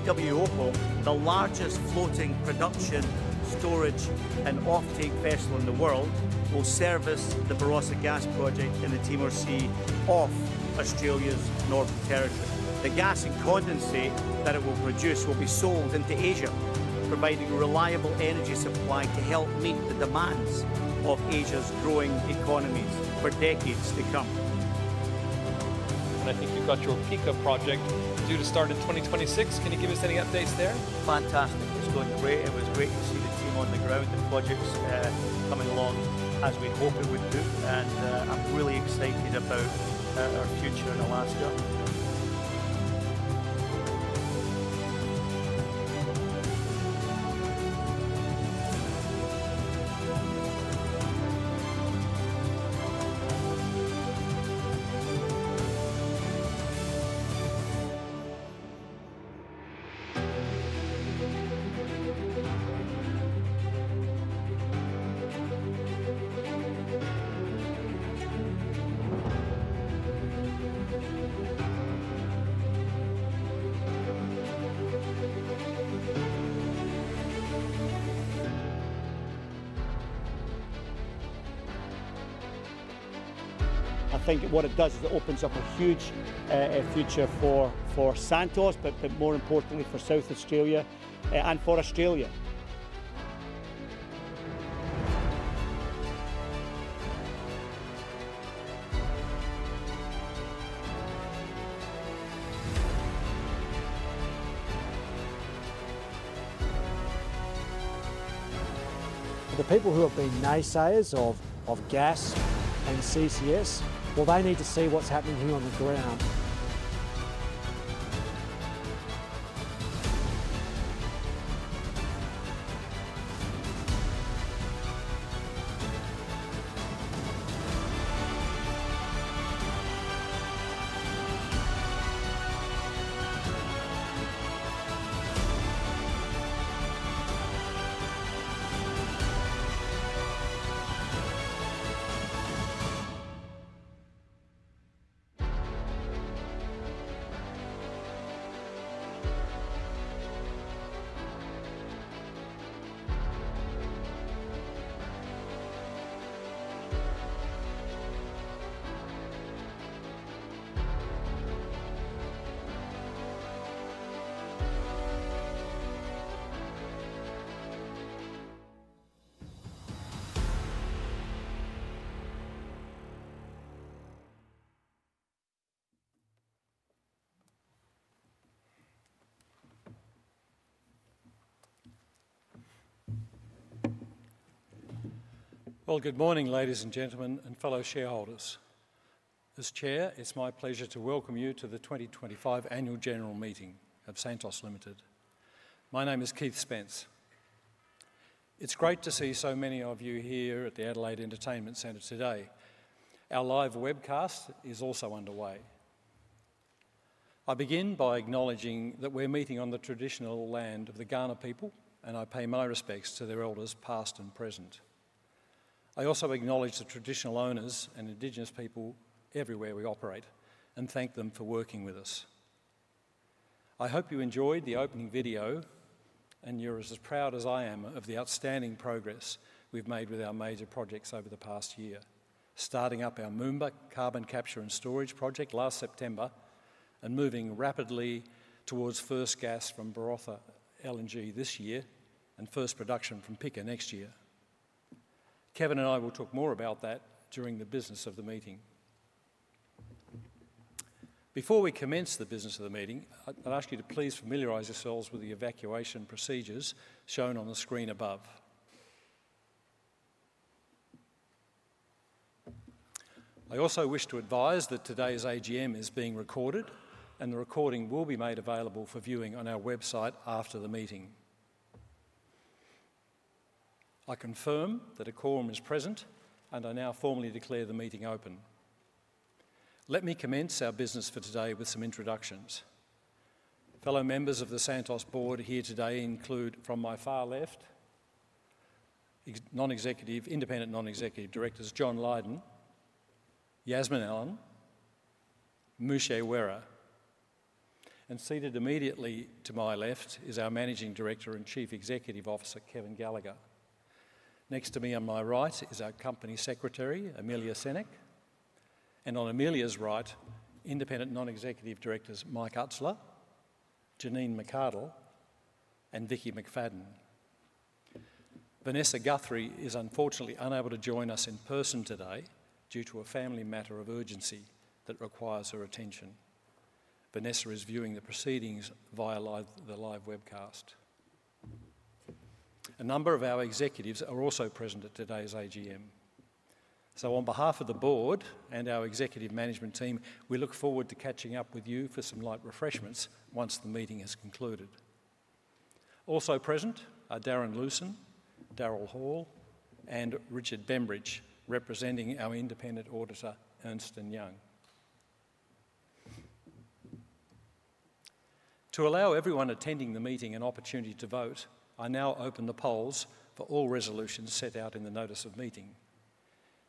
The BW Opal, the largest floating production, storage, and off-take vessel in the world, will service the Barossa Gas Project in the Timor Sea off Australia's Northern Territory. The gas and condensate that it will produce will be sold into Asia, providing a reliable energy supply to help meet the demands of Asia's growing economies for decades to come. I think you've got your Pikka project due to start in 2026. Can you give us any updates there? Fantastic. It's going great. It was great to see the team on the ground and projects coming along as we hoped they would do. I'm really excited about our future in Alaska. I think what it does is it opens up a huge future for Santos, more importantly for South Australia and for Australia. The people who have been naïve of gas and CCS, they need to see what's happening here on the ground Good morning, ladies and gentlemen, and fellow shareholders. As Chair, it's my pleasure to welcome you to the 2025 Annual General Meeting of Santos Ltd. My name is Keith Spence. It's great to see so many of you here at the Adelaide Entertainment Centre today. Our live webcast is also underway. I begin by acknowledging that we're meeting on the traditional land of the Kaurna people, and I pay my respects to their elders past and present. I also acknowledge the traditional owners and Indigenous people everywhere we operate and thank them for working with us. I hope you enjoyed the opening video, and you're as proud as I am of the outstanding progress we've made with our major projects over the past year, starting up our Moomba carbon capture and storage project last September and moving rapidly towards first gas from Barossa LNG this year and first production from Pikka next year. Kevin and I will talk more about that during the business of the meeting. Before we commence the business of the meeting, I'd ask you to please familiarize yourselves with the evacuation procedures shown on the screen above. I also wish to advise that today's AGM is being recorded, and the recording will be made available for viewing on our website after the meeting. I confirm that a quorum is present, and I now formally declare the meeting open. Let me commence our business for today with some introductions. Fellow members of the Santos board here today include, from my far left, independent non-executive directors John Lydon, Yasmin Allen, Musje Werror, and seated immediately to my left is our Managing Director and Chief Executive Officer, Kevin Gallagher. Next to me on my right is our Company Secretary, Amelia Senneck, and on Amelia's right, independent non-executive directors, Mike Utsler, Janine McArdle, and Vickki McFadden. Vanessa Guthrie is unfortunately unable to join us in person today due to a family matter of urgency that requires her attention. Vanessa is viewing the proceedings via the live webcast. A number of our executives are also present at today's AGM. On behalf of the board and our executive management team, we look forward to catching up with you for some light refreshments once the meeting has concluded. Also present are Darren Lewsen, Darren Hall, and Richard Bembridge, representing our independent auditor, Ernst & Young. To allow everyone attending the meeting an opportunity to vote, I now open the polls for all resolutions set out in the notice of meeting.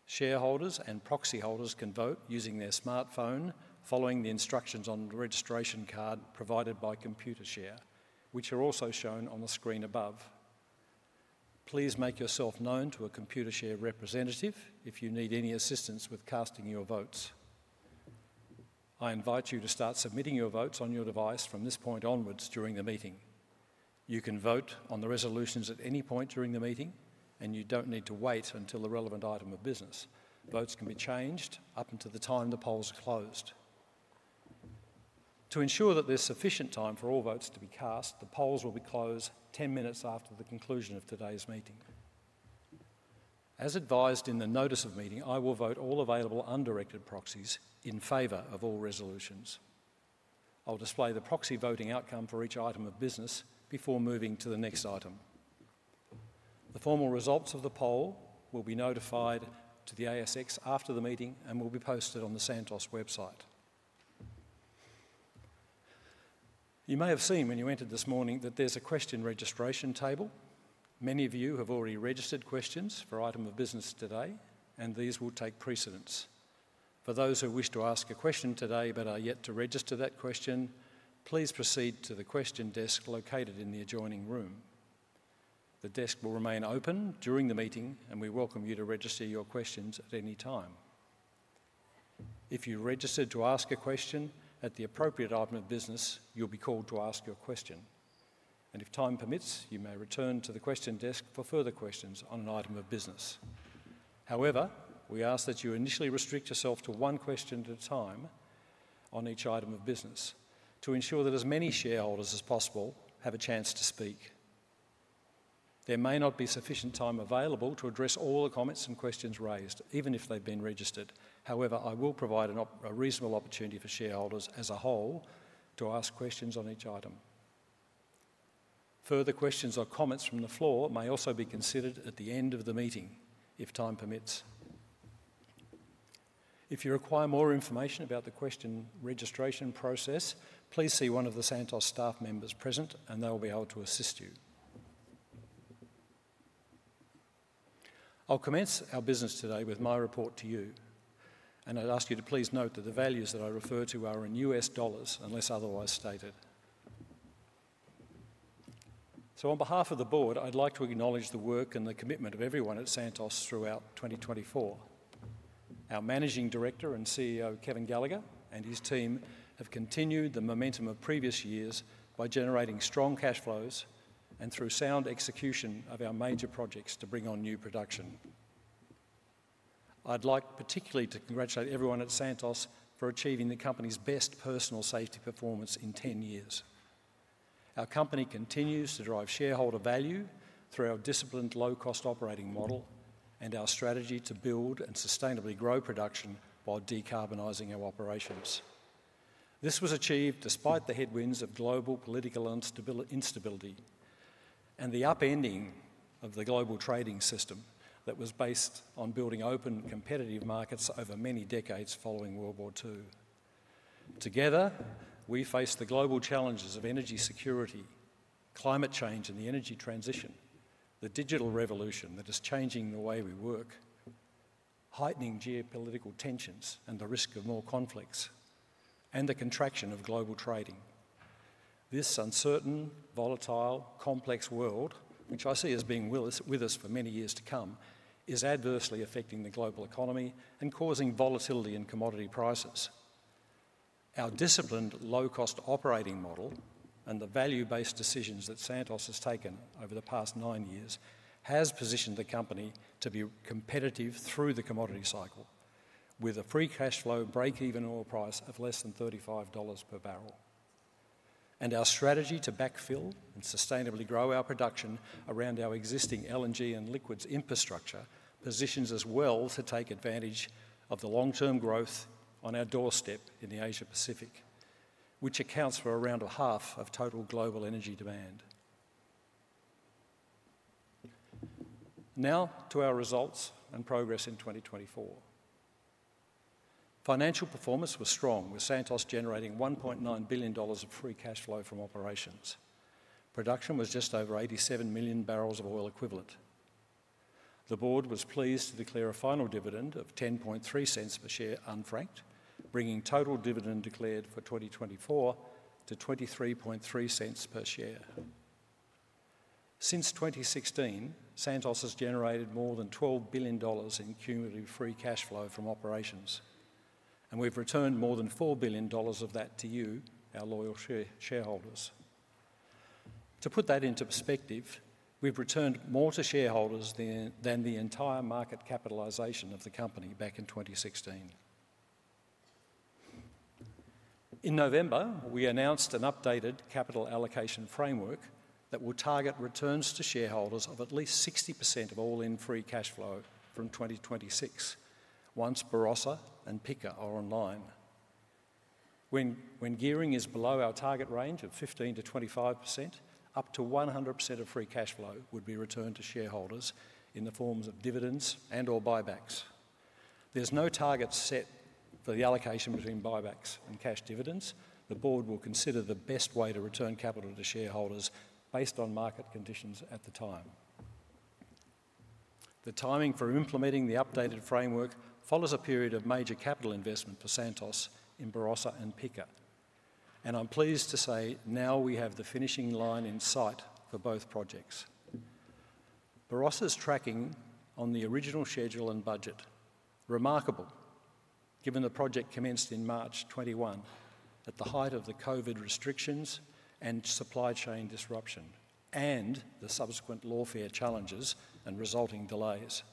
Shareholders and proxy holders can vote using their smartphone following the instructions on the registration card provided by Computershare, which are also shown on the screen above. Please make yourself known to a Computershare representative if you need any assistance with casting your votes. I invite you to start submitting your votes on your device from this point onwards during the meeting. You can vote on the resolutions at any point during the meeting, and you don't need to wait until the relevant item of business. Votes can be changed up until the time the polls are closed. To ensure that there's sufficient time for all votes to be cast, the polls will be closed 10 minutes after the conclusion of today's meeting. As advised in the notice of meeting, I will vote all available undirected proxies in favor of all resolutions. I'll display the proxy voting outcome for each item of business before moving to the next item. The formal results of the poll will be notified to the ASX after the meeting and will be posted on the Santos website. You may have seen when you entered this morning that there's a question registration table. Many of you have already registered questions for item of business today, and these will take precedence. For those who wish to ask a question today but are yet to register that question, please proceed to the question desk located in the adjoining room. The desk will remain open during the meeting, and we welcome you to register your questions at any time. If you registered to ask a question at the appropriate item of business, you'll be called to ask your question. If time permits, you may return to the question desk for further questions on an item of business. However, we ask that you initially restrict yourself to one question at a time on each item of business to ensure that as many shareholders as possible have a chance to speak. There may not be sufficient time available to address all the comments and questions raised, even if they've been registered. However, I will provide a reasonable opportunity for shareholders as a whole to ask questions on each item. Further questions or comments from the floor may also be considered at the end of the meeting if time permits. If you require more information about the question registration process, please see one of the Santos staff members present, and they'll be able to assist you. I'll commence our business today with my report to you, and I'd ask you to please note that the values that I refer to are in dollars unless otherwise stated. On behalf of the board, I'd like to acknowledge the work and the commitment of everyone at Santos throughout 2024. Our Managing Director and CEO, Kevin Gallagher, and his team have continued the momentum of previous years by generating strong cash flows and through sound execution of our major projects to bring on new production. I'd like particularly to congratulate everyone at Santos for achieving the company's best personal safety performance in 10 years. Our company continues to drive shareholder value through our disciplined, low-cost operating model and our strategy to build and sustainably grow production while decarbonizing our operations. This was achieved despite the headwinds of global political instability and the upending of the global trading system that was based on building open competitive markets over many decades following World War II. Together, we face the global challenges of energy security, climate change and the energy transition, the digital revolution that is changing the way we work, heightening geopolitical tensions and the risk of more conflicts, and the contraction of global trading. This uncertain, volatile, complex world, which I see as being with us for many years to come, is adversely affecting the global economy and causing volatility in commodity prices. Our disciplined, low-cost operating model and the value-based decisions that Santos has taken over the past nine years have positioned the company to be competitive through the commodity cycle with a free cash flow break-even oil price of less than 35 dollars per barrel. Our strategy to backfill and sustainably grow our production around our existing LNG and liquids infrastructure positions us well to take advantage of the long-term growth on our doorstep in the Asia-Pacific, which accounts for around half of total global energy demand. Now to our results and progress in 2024. Financial performance was strong, with Santos generating 1.9 billion dollars of free cash flow from operations. Production was just over 87 million barrels of oil equivalent. The board was pleased to declare a final dividend of 0.103 per share unfranked, bringing total dividend declared for 2024 to 0.233 per share. Since 2016, Santos has generated more than 12 billion dollars in cumulative free cash flow from operations, and we've returned more than 4 billion dollars of that to you, our loyal shareholders. To put that into perspective, we've returned more to shareholders than the entire market capitalization of the company back in 2016. In November, we announced an updated capital allocation framework that will target returns to shareholders of at least 60% of all in free cash flow from 2026 once Barossa and Pikka are online. When gearing is below our target range of 15%-25%, up to 100% of free cash flow would be returned to shareholders in the forms of dividends and/or buybacks. There's no target set for the allocation between buybacks and cash dividends. The board will consider the best way to return capital to shareholders based on market conditions at the time. The timing for implementing the updated framework follows a period of major capital investment for Santos in Barossa and Pikka, and I'm pleased to say now we have the finishing line in sight for both projects. Barossa's tracking on the original schedule and budget is remarkable, given the project commenced in March 2021 at the height of the COVID restrictions and supply chain disruption and the subsequent lawfare challenges and resulting delays.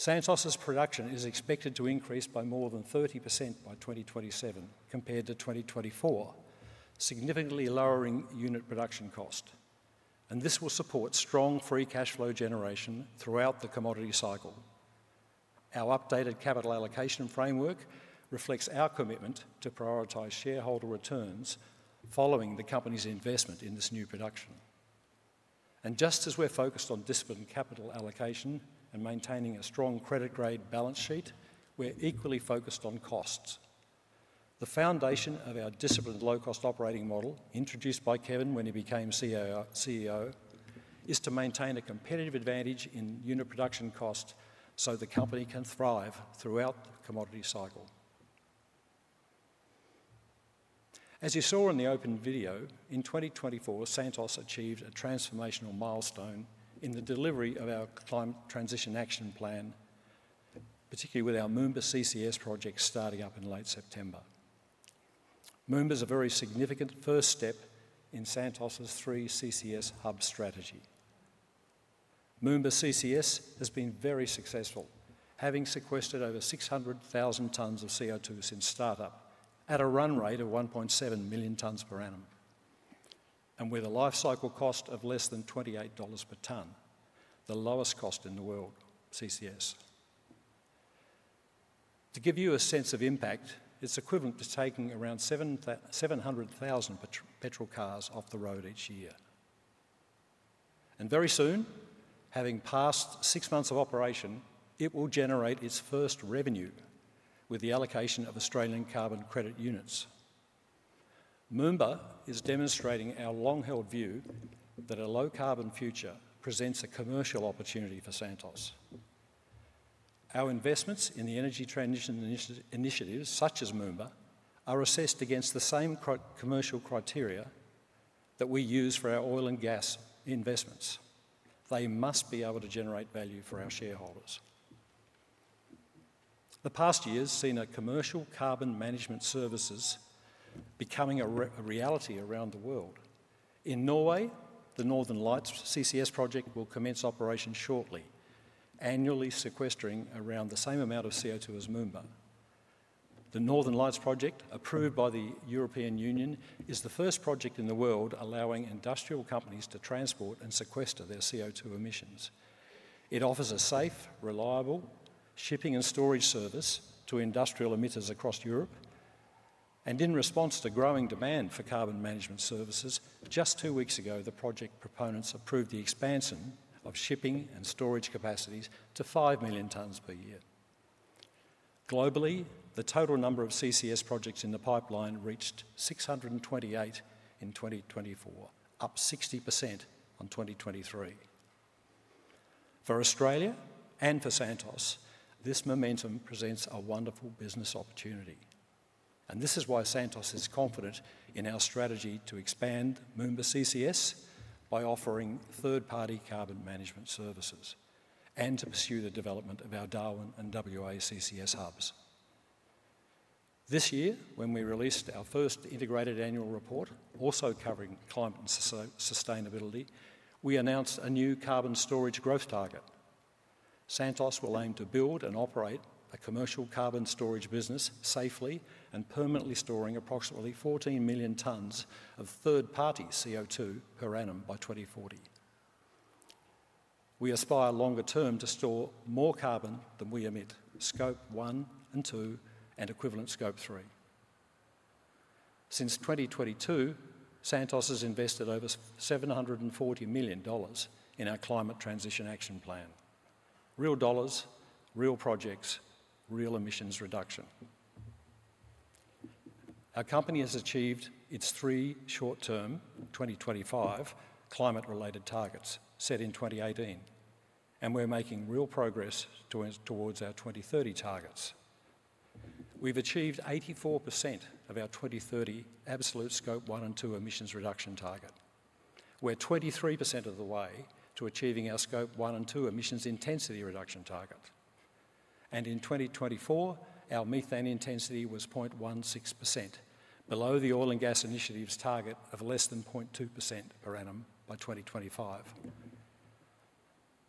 Santos's production is expected to increase by more than 30% by 2027 compared to 2024, significantly lowering unit production cost, and this will support strong free cash flow generation throughout the commodity cycle. Our updated capital allocation framework reflects our commitment to prioritize shareholder returns following the company's investment in this new production. Just as we're focused on disciplined capital allocation and maintaining a strong credit-grade balance sheet, we're equally focused on costs. The foundation of our disciplined low-cost operating model introduced by Kevin when he became CEO is to maintain a competitive advantage in unit production cost so the company can thrive throughout the commodity cycle. As you saw in the open video, in 2024, Santos achieved a transformational milestone in the delivery of our Climate Transition Action Plan, particularly with our Moomba CCS project starting up in late September. Moomba is a very significant first step in Santos's three CCS hub strategy. Moomba CCS has been very successful, having sequestered over 600,000 tons of CO2 since startup at a run rate of 1.7 million tons per annum, and with a life cycle cost of less than 28 dollars per ton, the lowest cost in the world CCS. To give you a sense of impact, it's equivalent to taking around 700,000 petrol cars off the road each year. Very soon, having passed six months of operation, it will generate its first revenue with the allocation of Australian Carbon Credit Units. Moomba is demonstrating our long-held view that a low-carbon future presents a commercial opportunity for Santos. Our investments in the energy transition initiatives, such as Moomba, are assessed against the same commercial criteria that we use for our oil and gas investments. They must be able to generate value for our shareholders. The past year has seen commercial carbon management services becoming a reality around the world. In Norway, the Northern Lights CCS project will commence operation shortly, annually sequestering around the same amount of CO2 as Moomba. The Northern Lights project, approved by the European Union, is the first project in the world allowing industrial companies to transport and sequester their CO2 emissions. It offers a safe, reliable shipping and storage service to industrial emitters across Europe. In response to growing demand for carbon management services, just two weeks ago, the project proponents approved the expansion of shipping and storage capacities to 5 million tons per year. Globally, the total number of CCS projects in the pipeline reached 628 in 2024, up 60% on 2023. For Australia and for Santos, this momentum presents a wonderful business opportunity. This is why Santos is confident in our strategy to expand Moomba CCS by offering third-party carbon management services and to pursue the development of our Darwin and WA CCS hubs. This year, when we released our first integrated Annual Report also covering climate and sustainability, we announced a new carbon storage growth target. Santos will aim to build and operate a commercial carbon storage business safely and permanently storing approximately 14 million tons of third-party CO2 per annum by 2040. We aspire longer term to store more carbon than we emit, Scope 1 and 2, and equivalent Scope 3. Since 2022, Santos has invested over 740 million dollars in our Climate Transition Action Plan. Real dollars, real projects, real emissions reduction. Our company has achieved its three short-term 2025 climate-related targets set in 2018, and we're making real progress towards our 2030 targets. We've achieved 84% of our 2030 absolute Scope 1 and 2 emissions reduction target. We're 23% of the way to achieving our Scope 1 and 2 emissions intensity reduction target. In 2024, our methane intensity was 0.16%, below the oil and gas initiative's target of less than 0.2% per annum by 2025.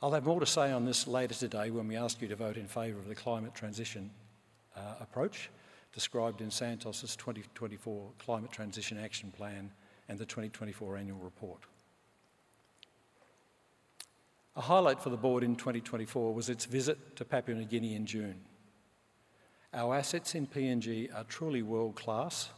I'll have more to say on this later today when we ask you to vote in favor of the climate transition approach described in Santos's 2024 Climate Transition Action Plan and the 2024 Annual Report. A highlight for the board in 2024 was its visit to Papua New Guinea in June. Our assets in PNG are truly world-class.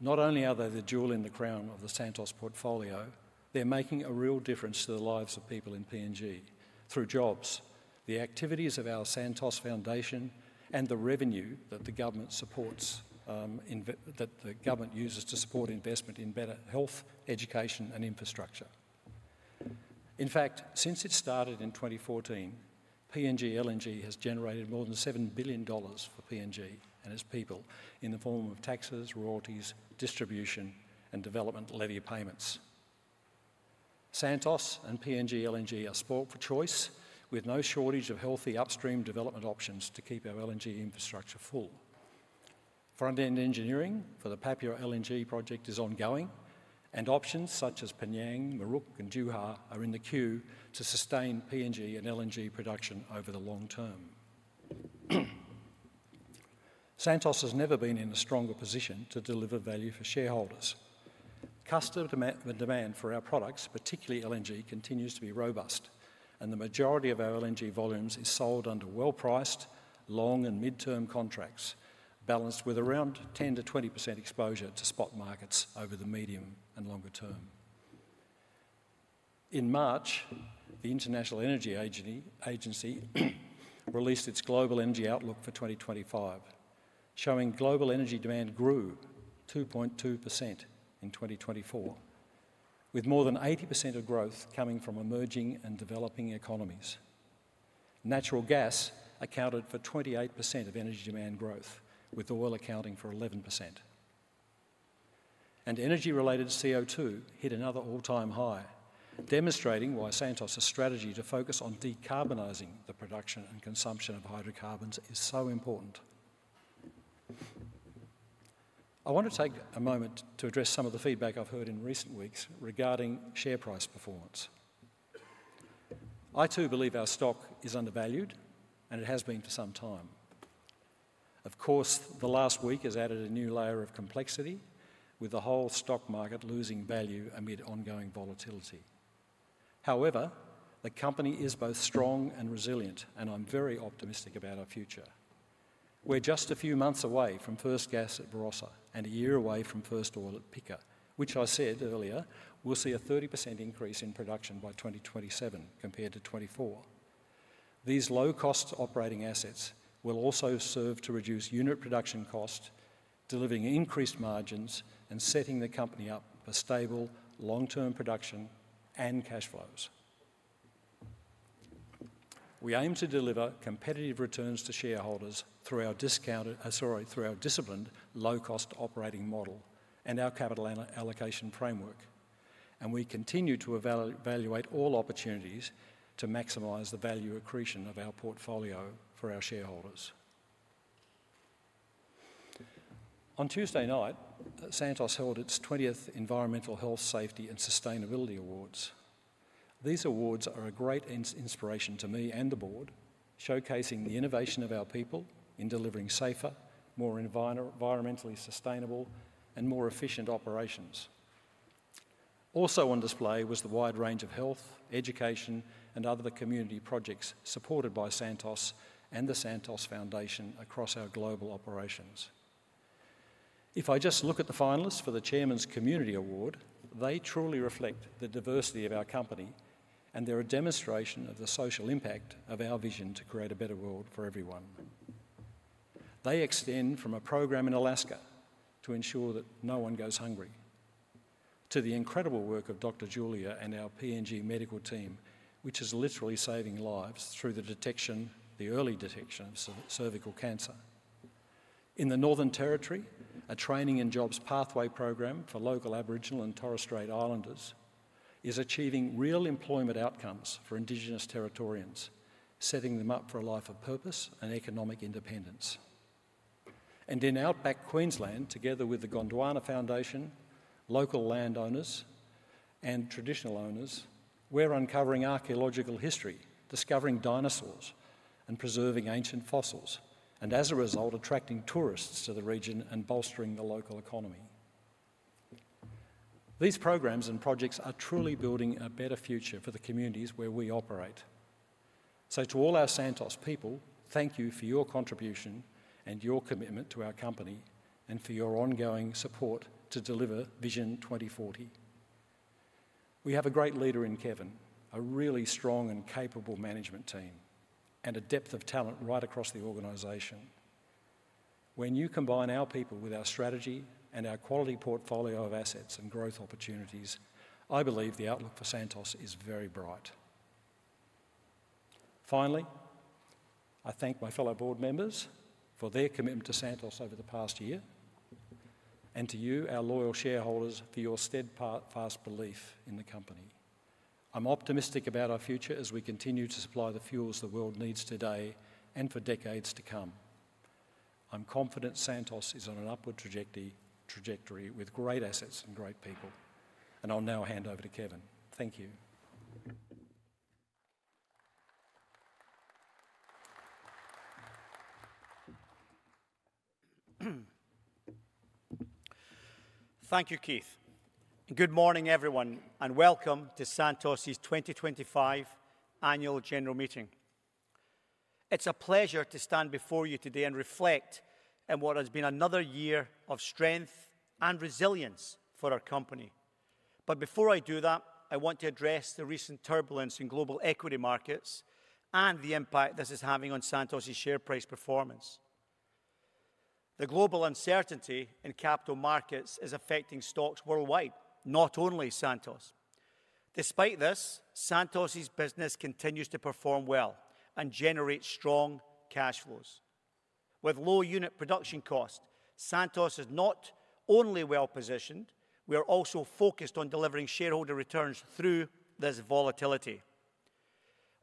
Not only are they the jewel in the crown of the Santos portfolio, they're making a real difference to the lives of people in PNG through jobs, the activities of our Santos Foundation, and the revenue that the government uses to support investment in better health, education, and infrastructure. In fact, since it started in 2014, PNG LNG has generated more than 7 billion dollars for PNG and its people in the form of taxes, royalties, distribution, and development levy payments. Santos and PNG LNG are spoilt for choice with no shortage of healthy upstream development options to keep our LNG infrastructure full. Front-end engineering for the Papua LNG project is ongoing, and options such as P'nyang, Muruk, and Juha are in the queue to sustain PNG and LNG production over the long term. Santos has never been in a stronger position to deliver value for shareholders. Customer demand for our products, particularly LNG, continues to be robust, and the majority of our LNG volumes is sold under well-priced, long and mid-term contracts balanced with around 10% to 20% exposure to spot markets over the medium and longer term. In March, the International Energy Agency released its global energy outlook for 2025, showing global energy demand grew 2.2% in 2024, with more than 80% of growth coming from emerging and developing economies. Natural gas accounted for 28% of energy demand growth, with oil accounting for 11%. Energy-related CO2 hit another all-time high, demonstrating why Santos's strategy to focus on decarbonizing the production and consumption of hydrocarbons is so important. I want to take a moment to address some of the feedback I've heard in recent weeks regarding share price performance. I too believe our stock is undervalued, and it has been for some time. Of course, the last week has added a new layer of complexity, with the whole stock market losing value amid ongoing volatility. However, the company is both strong and resilient, and I'm very optimistic about our future. We're just a few months away from first gas at Barossa and a year away from first oil at Pikka, which I said earlier will see a 30% increase in production by 2027 compared to 2024. These low-cost operating assets will also serve to reduce unit production cost, delivering increased margins and setting the company up for stable long-term production and cash flows. We aim to deliver competitive returns to shareholders through our disciplined low-cost operating model and our capital allocation framework, and we continue to evaluate all opportunities to maximize the value accretion of our portfolio for our shareholders. On Tuesday night, Santos held its 20th Environmental Health, Safety, and Sustainability Awards. These awards are a great inspiration to me and the board, showcasing the innovation of our people in delivering safer, more environmentally sustainable, and more efficient operations. Also on display was the wide range of health, education, and other community projects supported by Santos and the Santos Foundation across our global operations. If I just look at the finalists for the Chairman's Community Award, they truly reflect the diversity of our company, and they're a demonstration of the social impact of our vision to create a better world for everyone. They extend from a program in Alaska to ensure that no one goes hungry to the incredible work of Dr. Julia and our PNG medical team, which is literally saving lives through the detection, the early detection of cervical cancer. In the Northern Territory, a training and jobs pathway program for local Aboriginal and Torres Strait Islanders is achieving real employment outcomes for Indigenous Territorians, setting them up for a life of purpose and economic independence. In outback Queensland, together with the Gondwana Foundation, local landowners, and traditional owners, we're uncovering archaeological history, discovering dinosaurs, and preserving ancient fossils, and as a result, attracting tourists to the region and bolstering the local economy. These programs and projects are truly building a better future for the communities where we operate. To all our Santos people, thank you for your contribution and your commitment to our company, and for your ongoing support to deliver Vision 2040. We have a great leader in Kevin, a really strong and capable management team, and a depth of talent right across the organization. When you combine our people with our strategy and our quality portfolio of assets and growth opportunities, I believe the outlook for Santos is very bright. Finally, I thank my fellow board members for their commitment to Santos over the past year and to you, our loyal shareholders, for your steadfast belief in the company. I'm optimistic about our future as we continue to supply the fuels the world needs today and for decades to come. I'm confident Santos is on an upward trajectory with great assets and great people. I'll now hand over to Kevin. Thank you. Thank you, Keith. Good morning, everyone, and welcome to Santos's 2025 annual general meeting. It's a pleasure to stand before you today and reflect on what has been another year of strength and resilience for our company. Before I do that, I want to address the recent turbulence in global equity markets and the impact this is having on Santos's share price performance. The global uncertainty in capital markets is affecting stocks worldwide, not only Santos. Despite this, Santos's business continues to perform well and generate strong cash flows. With low unit production cost, Santos is not only well positioned; we are also focused on delivering shareholder returns through this volatility.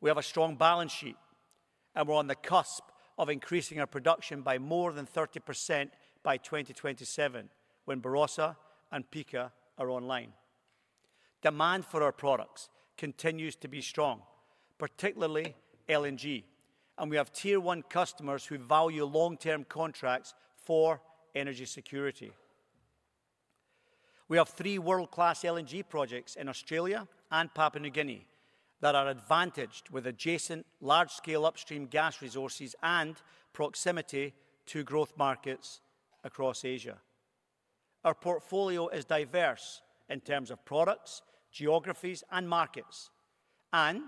We have a strong balance sheet, and we're on the cusp of increasing our production by more than 30% by 2027 when Barossa and Pikka are online. Demand for our products continues to be strong, particularly LNG, and we have tier-one customers who value long-term contracts for energy security. We have three world-class LNG projects in Australia and Papua New Guinea that are advantaged with adjacent large-scale upstream gas resources and proximity to growth markets across Asia. Our portfolio is diverse in terms of products, geographies, and markets, and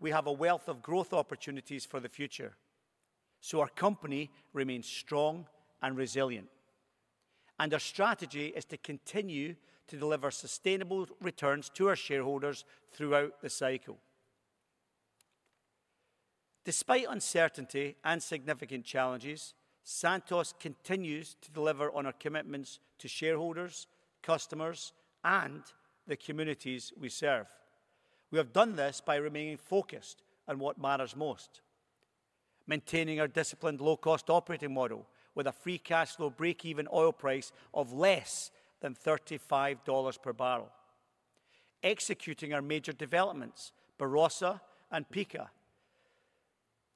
we have a wealth of growth opportunities for the future. Our company remains strong and resilient, and our strategy is to continue to deliver sustainable returns to our shareholders throughout the cycle. Despite uncertainty and significant challenges, Santos continues to deliver on our commitments to shareholders, customers, and the communities we serve. We have done this by remaining focused on what matters most: maintaining our disciplined low-cost operating model with a free cash flow break-even oil price of less than 35 dollars per barrel, executing our major developments, Barossa and Pikka,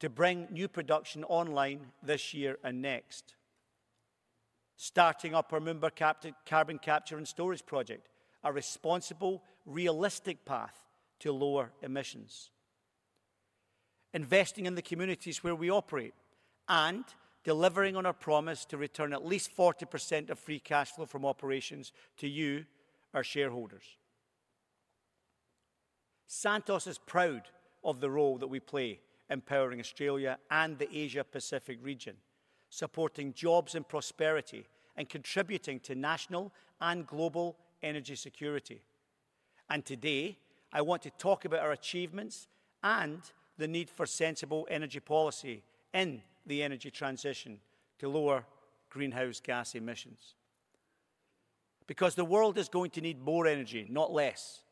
to bring new production online this year and next, starting up our Moomba carbon capture and storage project, a responsible, realistic path to lower emissions, investing in the communities where we operate, and delivering on our promise to return at least 40% of free cash flow from operations to you, our shareholders. Santos is proud of the role that we play, empowering Australia and the Asia-Pacific region, supporting jobs and prosperity, and contributing to national and global energy security. Today, I want to talk about our achievements and the need for sensible energy policy in the energy transition to lower greenhouse gas emissions. Because the world is going to need more energy, not less,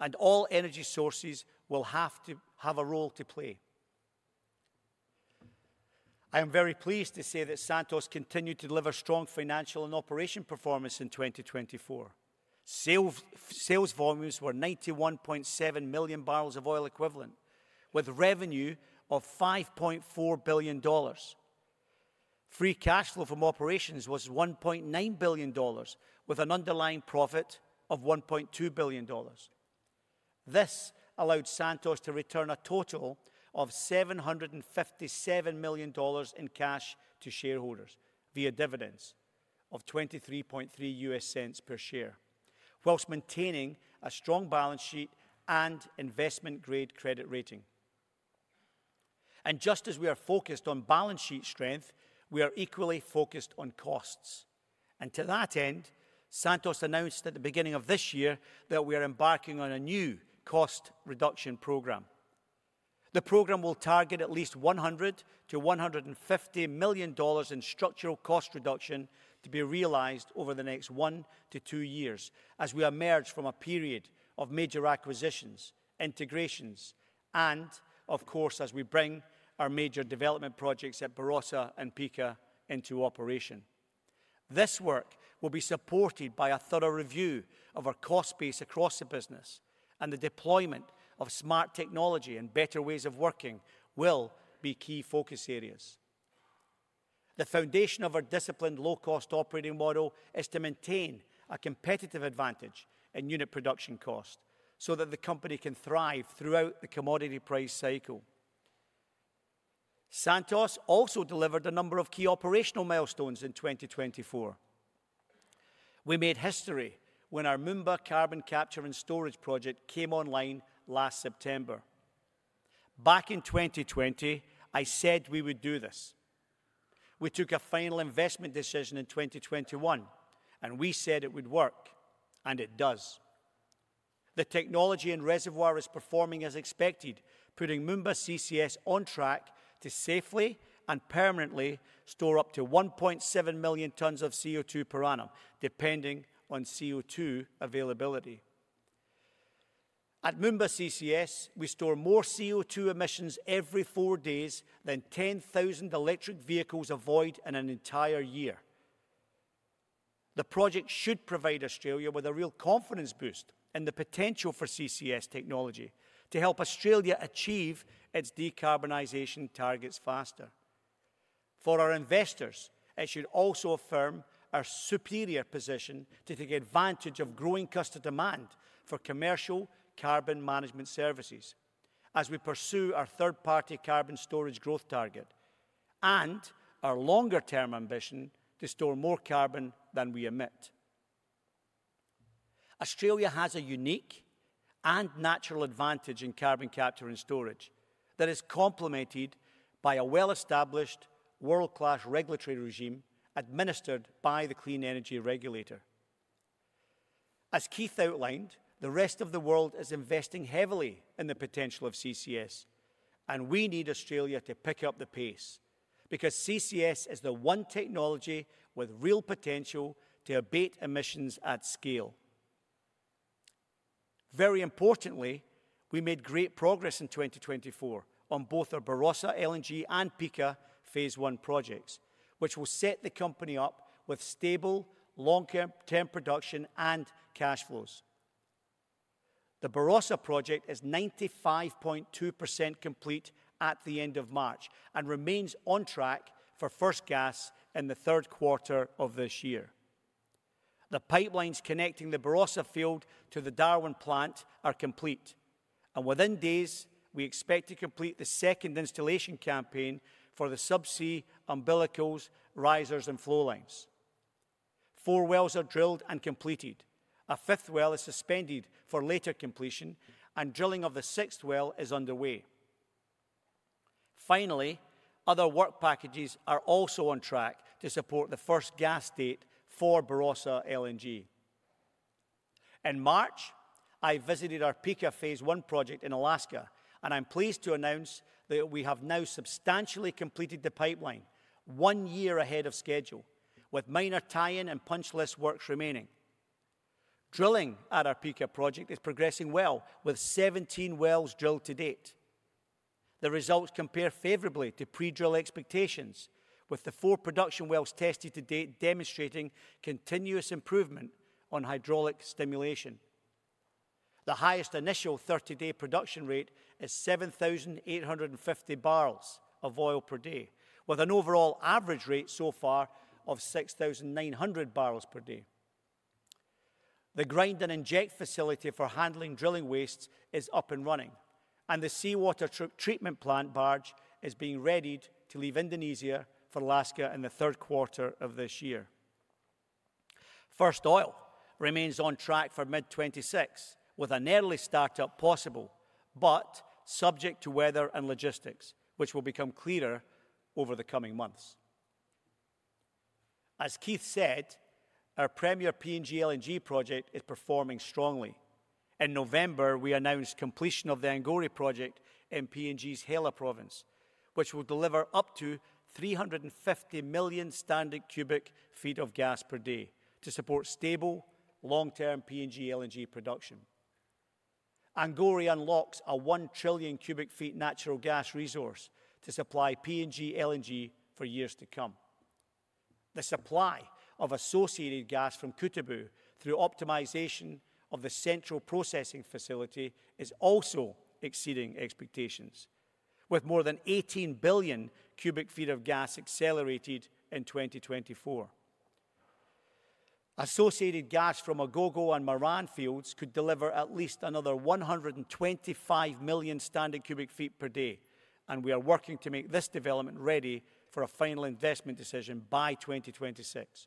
and all energy sources will have to have a role to play. I am very pleased to say that Santos continued to deliver strong financial and operation performance in 2024. Sales volumes were 91.7 million barrels of oil equivalent, with revenue of 5.4 billion dollars. Free cash flow from operations was 1.9 billion dollars, with an underlying profit of 1.2 billion dollars. This allowed Santos to return a total of 757 million dollars in cash to shareholders via dividends of 0.233 per share, whilst maintaining a strong balance sheet and investment-grade credit rating. Just as we are focused on balance sheet strength, we are equally focused on costs. To that end, Santos announced at the beginning of this year that we are embarking on a new cost reduction program. The program will target at least 100 million to 150 million dollars in structural cost reduction to be realized over the next one to two years as we emerge from a period of major acquisitions, integrations, and, of course, as we bring our major development projects at Barossa and Pikka into operation. This work will be supported by a thorough review of our cost base across the business, and the deployment of smart technology and better ways of working will be key focus areas. The foundation of our disciplined low-cost operating model is to maintain a competitive advantage in unit production cost so that the company can thrive throughout the commodity price cycle. Santos also delivered a number of key operational milestones in 2024. We made history when our Moomba carbon capture and storage project came online last September. Back in 2020, I said we would do this. We took a final investment decision in 2021, and we said it would work, and it does. The technology and reservoir is performing as expected, putting Moomba CCS on track to safely and permanently store up to 1.7 million tons of CO2 per annum, depending on CO2 availability. At Moomba CCS, we store more CO2 emissions every four days than 10,000 electric vehicles avoid in an entire year. The project should provide Australia with a real confidence boost in the potential for CCS technology to help Australia achieve its decarbonization targets faster. For our investors, it should also affirm our superior position to take advantage of growing customer demand for commercial carbon management services as we pursue our third-party carbon storage growth target and our longer-term ambition to store more carbon than we emit. Australia has a unique and natural advantage in carbon capture and storage that is complemented by a well-established world-class regulatory regime administered by the Clean Energy Regulator. As Keith outlined, the rest of the world is investing heavily in the potential of CCS, and we need Australia to pick up the pace because CCS is the one technology with real potential to abate emissions at scale. Very importantly, we made great progress in 2024 on both our Barossa LNG and Pikka phase one projects, which will set the company up with stable long-term production and cash flows. The Barossa project is 95.2% complete at the end of March and remains on track for first gas in the third quarter of this year. The pipelines connecting the Barossa field to the Darwin plant are complete, and within days, we expect to complete the second installation campaign for the subsea umbilicals, risers, and flow lines. Four wells are drilled and completed. A fifth well is suspended for later completion, and drilling of the sixth well is underway. Finally, other work packages are also on track to support the first gas date for Barossa LNG. In March, I visited our Pikka phase one project in Alaska, and I'm pleased to announce that we have now substantially completed the pipeline, one year ahead of schedule, with minor tie-in and punch list works remaining. Drilling at our Pikka project is progressing well, with 17 wells drilled to date. The results compare favorably to pre-drill expectations, with the four production wells tested to date demonstrating continuous improvement on hydraulic stimulation. The highest initial 30-day production rate is 7,850 barrels of oil per day, with an overall average rate so far of 6,900 barrels per day. The grind and inject facility for handling drilling wastes is up and running, and the seawater treatment plant barge is being readied to leave Indonesia for Alaska in the third quarter of this year. First oil remains on track for mid-2026, with an early startup possible, but subject to weather and logistics, which will become clearer over the coming months. As Keith said, our premier PNG LNG project is performing strongly. In November, we announced completion of the Angore project in PNG's Hela Province, which will deliver up to 350 million standard cubic feet of gas per day to support stable, long-term PNG LNG production. Angore unlocks a 1 trillion cubic feet natural gas resource to supply PNG LNG for years to come. The supply of associated gas from Kutubu through optimization of the central processing facility is also exceeding expectations, with more than 18 billion cubic feet of gas accelerated in 2024. Associated gas from Agogo and Moran fields could deliver at least another 125 million standard cubic feet per day, and we are working to make this development ready for a final investment decision by 2026.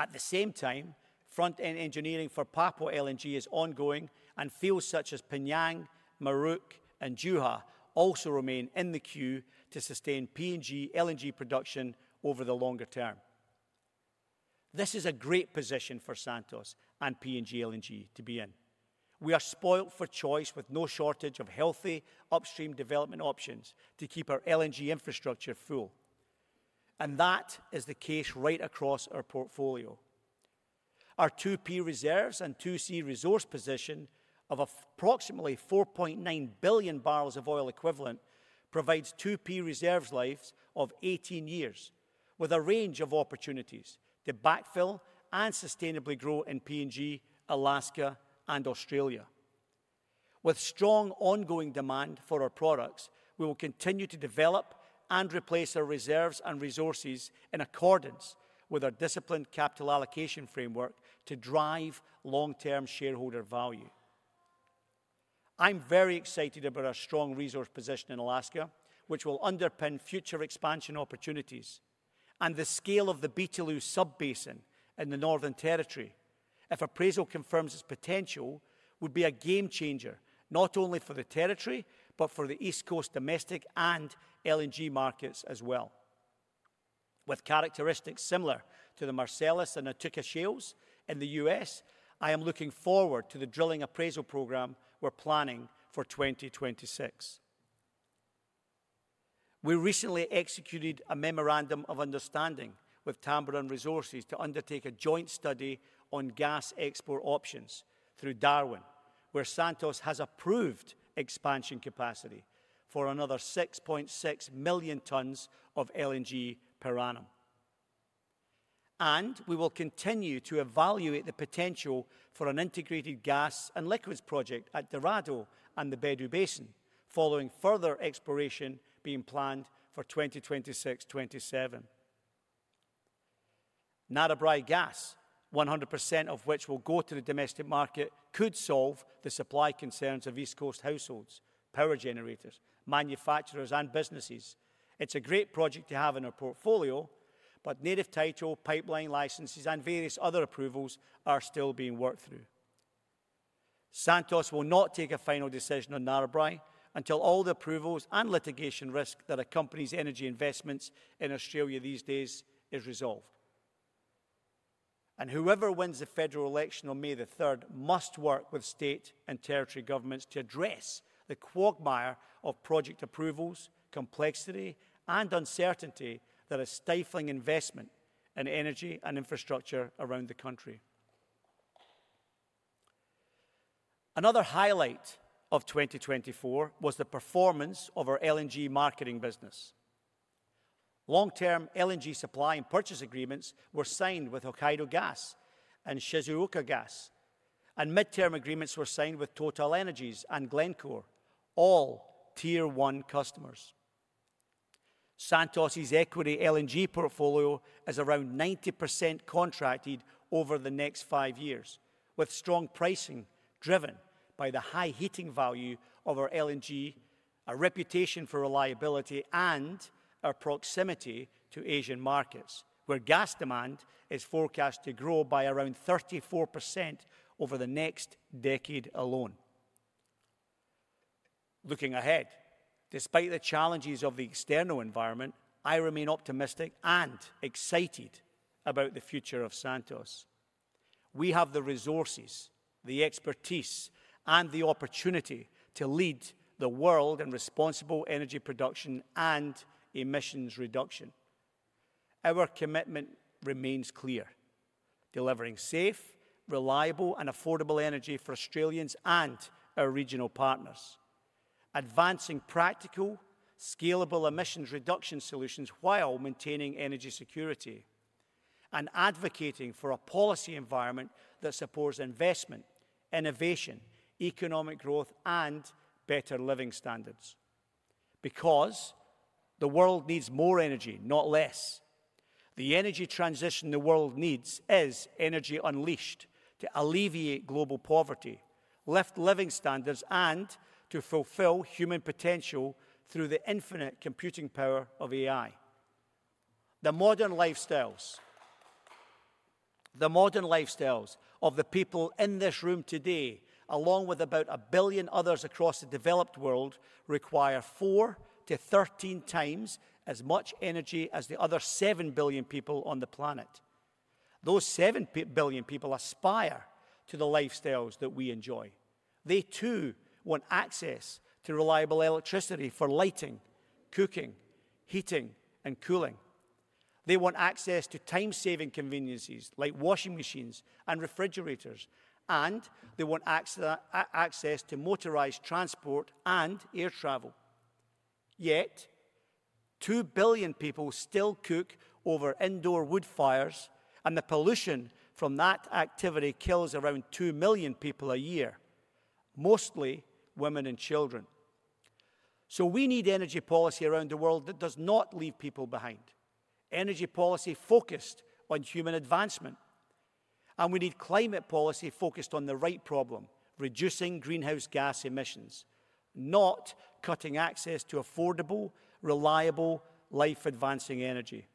At the same time, front-end engineering for Papua LNG is ongoing, and fields such as P'nyang, Muruk, and Juha also remain in the queue to sustain PNG LNG production over the longer term. This is a great position for Santos and PNG LNG to be in. We are spoilt for choice with no shortage of healthy upstream development options to keep our LNG infrastructure full, and that is the case right across our portfolio. Our 2P reserves and 2C resource position of approximately 4.9 billion barrels of oil equivalent provides 2P reserves lives of 18 years, with a range of opportunities to backfill and sustainably grow in PNG, Alaska, and Australia. With strong ongoing demand for our products, we will continue to develop and replace our reserves and resources in accordance with our disciplined capital allocation framework to drive long-term shareholder value. I'm very excited about our strong resource position in Alaska, which will underpin future expansion opportunities, and the scale of the Beetaloo sub-basin in the Northern Territory. If appraisal confirms its potential, it would be a game changer not only for the territory, but for the East Coast domestic and LNG markets as well. With characteristics similar to the Marcellus and Utica shales in the U.S., I am looking forward to the drilling appraisal program we're planning for 2026. We recently executed a memorandum of understanding with Tamboran Resources to undertake a joint study on gas export options through Darwin, where Santos has approved expansion capacity for another 6.6 million tons of LNG per annum. We will continue to evaluate the potential for an integrated gas and liquids project at Dorado and the Beetaloo Basin, following further exploration being planned for 2026-2027. Narrabri Gas, 100% of which will go to the domestic market, could solve the supply concerns of East Coast households, power generators, manufacturers, and businesses. It's a great project to have in our portfolio, but native title, pipeline licenses, and various other approvals are still being worked through. Santos will not take a final decision on Narrabri until all the approvals and litigation risk that accompanies energy investments in Australia these days is resolved. Whoever wins the federal election on May the 3rd must work with state and territory governments to address the quagmire of project approvals, complexity, and uncertainty that are stifling investment in energy and infrastructure around the country. Another highlight of 2024 was the performance of our LNG marketing business. Long-term LNG supply and purchase agreements were signed with Hokkaido Gas and Shizuoka Gas, and mid-term agreements were signed with TotalEnergies and Glencore, all tier one customers. Santos' equity LNG portfolio is around 90% contracted over the next five years, with strong pricing driven by the high heating value of our LNG, our reputation for reliability, and our proximity to Asian markets, where gas demand is forecast to grow by around 34% over the next decade alone. Looking ahead, despite the challenges of the external environment, I remain optimistic and excited about the future of Santos. We have the resources, the expertise, and the opportunity to lead the world in responsible energy production and emissions reduction. Our commitment remains clear: delivering safe, reliable, and affordable energy for Australians and our regional partners, advancing practical, scalable emissions reduction solutions while maintaining energy security, and advocating for a policy environment that supports investment, innovation, economic growth, and better living standards. Because the world needs more energy, not less. The energy transition the world needs is energy unleashed to alleviate global poverty, lift living standards, and to fulfill human potential through the infinite computing power of AI. The modern lifestyles of the people in this room today, along with about a billion others across the developed world, require 4 to 13 times as much energy as the other 7 billion people on the planet. Those 7 billion people aspire to the lifestyles that we enjoy. They, too, want access to reliable electricity for lighting, cooking, heating, and cooling. They want access to time-saving conveniences like washing machines and refrigerators, and they want access to motorized transport and air travel. Yet, 2 billion people still cook over indoor wood fires, and the pollution from that activity kills around 2 million people a year, mostly women and children. We need energy policy around the world that does not leave people behind, energy policy focused on human advancement. We need climate policy focused on the right problem: reducing greenhouse gas emissions, not cutting access to affordable, reliable, life-advancing energy.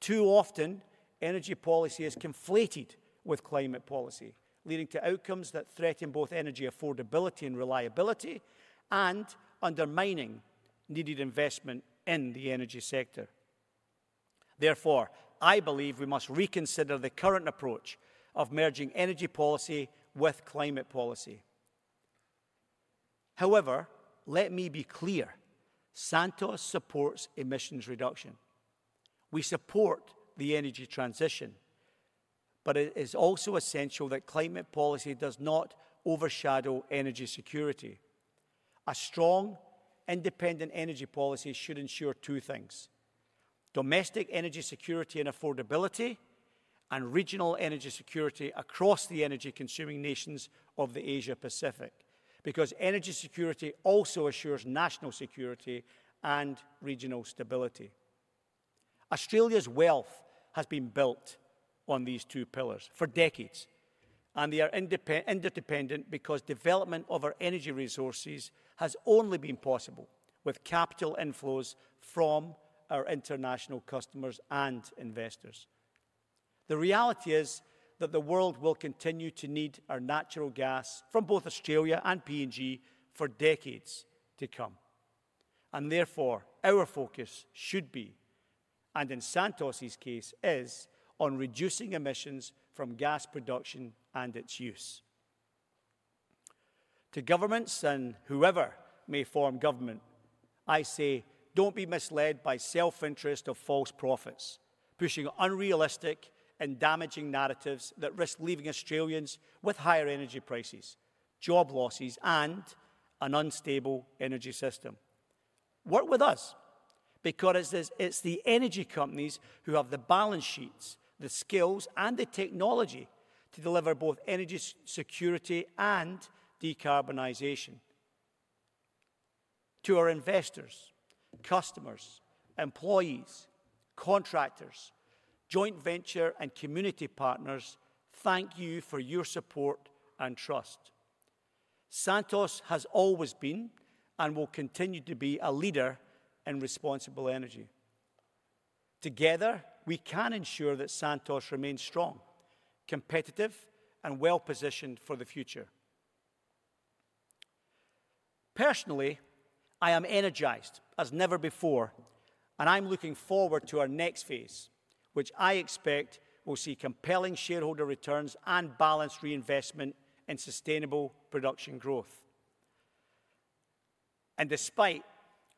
Too often, energy policy is conflated with climate policy, leading to outcomes that threaten both energy affordability and reliability and undermining needed investment in the energy sector. Therefore, I believe we must reconsider the current approach of merging energy policy with climate policy. However, let me be clear: Santos supports emissions reduction. We support the energy transition, but it is also essential that climate policy does not overshadow energy security. A strong, independent energy policy should ensure two things: domestic energy security and affordability, and regional energy security across the energy-consuming nations of the Asia-Pacific, because energy security also assures national security and regional stability. Australia's wealth has been built on these two pillars for decades, and they are interdependent because development of our energy resources has only been possible with capital inflows from our international customers and investors. The reality is that the world will continue to need our natural gas from both Australia and PNG for decades to come. Therefore, our focus should be, and in Santos' case, is on reducing emissions from gas production and its use. To governments and whoever may form government, I say, don't be misled by self-interest of false profits, pushing unrealistic and damaging narratives that risk leaving Australians with higher energy prices, job losses, and an unstable energy system. Work with us, because it's the energy companies who have the balance sheets, the skills, and the technology to deliver both energy security and decarbonization. To our investors, customers, employees, contractors, joint venture, and community partners, thank you for your support and trust. Santos has always been and will continue to be a leader in responsible energy. Together, we can ensure that Santos remains strong, competitive, and well-positioned for the future. Personally, I am energized as never before, and I'm looking forward to our next phase, which I expect will see compelling shareholder returns and balanced reinvestment in sustainable production growth. Despite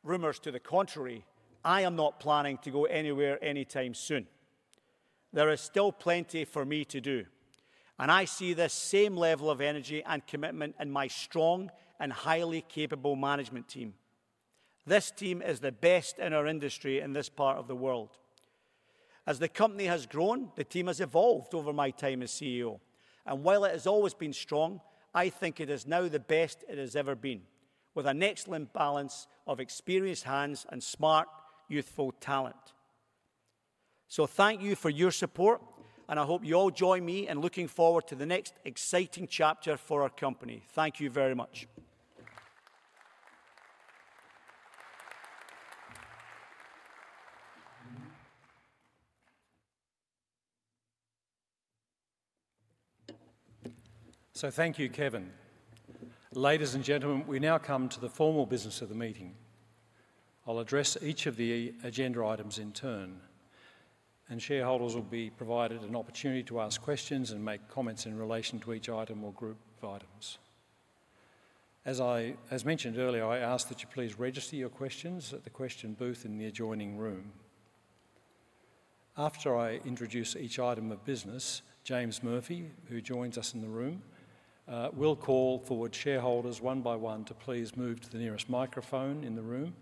rumors to the contrary, I am not planning to go anywhere anytime soon. There is still plenty for me to do, and I see the same level of energy and commitment in my strong and highly capable management team. This team is the best in our industry in this part of the world. As the company has grown, the team has evolved over my time as CEO, and while it has always been strong, I think it is now the best it has ever been, with an excellent balance of experienced hands and smart, youthful talent. Thank you for your support, and I hope you all join me in looking forward to the next exciting chapter for our company. Thank you very much. Thank you, Kevin. Ladies and gentlemen, we now come to the formal business of the meeting. I'll address each of the agenda items in turn, and shareholders will be provided an opportunity to ask questions and make comments in relation to each item or group of items. As I mentioned earlier, I ask that you please register your questions at the question booth in the adjoining room. After I introduce each item of business, James Murphy, who joins us in the room, will call forward shareholders one by one to please move to the nearest microphone in the room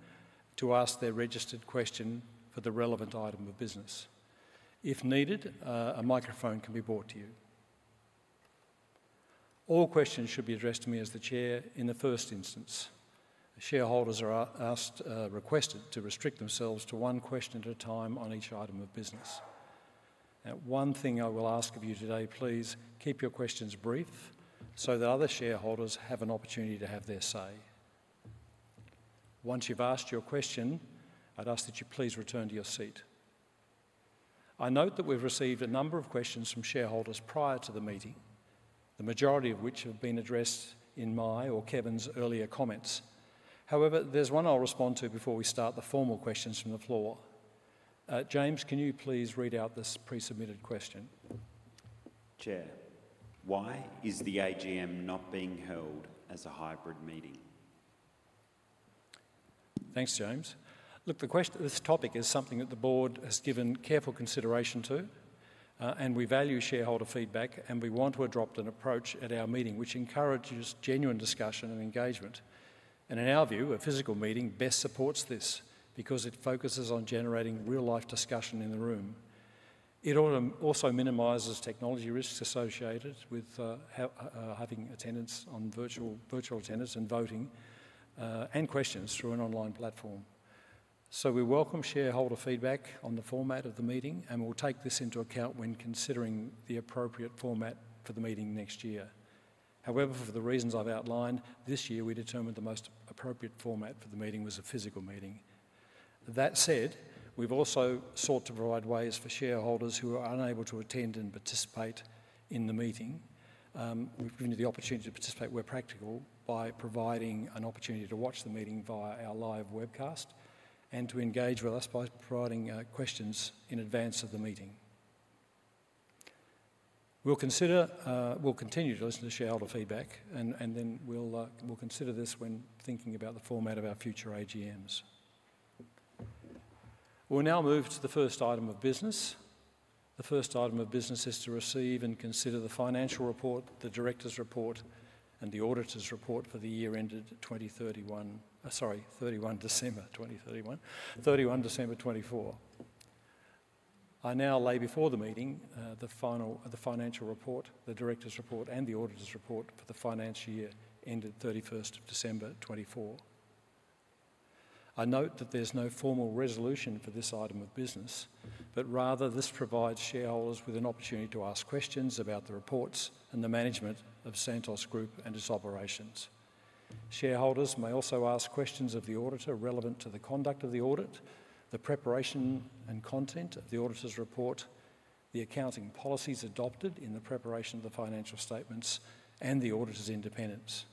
to ask their registered question for the relevant item of business. If needed, a microphone can be brought to you. All questions should be addressed to me as the Chair in the first instance. Shareholders are asked, requested to restrict themselves to one question at a time on each item of business. Now, one thing I will ask of you today, please keep your questions brief so that other shareholders have an opportunity to have their say. Once you've asked your question, I'd ask that you please return to your seat. I note that we've received a number of questions from shareholders prior to the meeting, the majority of which have been addressed in my or Kevin's earlier comments. However, there's one I'll respond to before we start the formal questions from the floor. James, can you please read out this pre-submitted question? Chair, why is the AGM not being held as a hybrid meeting? Thanks, James. Look, this topic is something that the board has given careful consideration to, and we value shareholder feedback, and we want to adopt an approach at our meeting which encourages genuine discussion and engagement. In our view, a physical meeting best supports this because it focuses on generating real-life discussion in the room. It also minimizes technology risks associated with having attendance on virtual attendance and voting and questions through an online platform. We welcome shareholder feedback on the format of the meeting, and we'll take this into account when considering the appropriate format for the meeting next year. However, for the reasons I've outlined, this year we determined the most appropriate format for the meeting was a physical meeting. That said, we've also sought to provide ways for shareholders who are unable to attend and participate in the meeting. We've given you the opportunity to participate where practical by providing an opportunity to watch the meeting via our live webcast and to engage with us by providing questions in advance of the meeting. We'll continue to listen to shareholder feedback, and then we'll consider this when thinking about the format of our future AGMs. We'll now move to the first item of business. The first item of business is to receive and consider the financial report, the Directors' Report, and the auditor's report for the year ended 2031, sorry, December 2031, 31st December 2024. I now lay before the meeting the financial report, the Directors' Report, and the auditor's report for the financial year ended 31st December 2024. I note that there's no formal resolution for this item of business, but rather this provides shareholders with an opportunity to ask questions about the reports and the management of Santos Group and its operations. Shareholders may also ask questions of the auditor relevant to the conduct of the audit, the preparation and content of the auditor's report, the accounting policies adopted in the preparation of the financial statements, and the auditor's independence.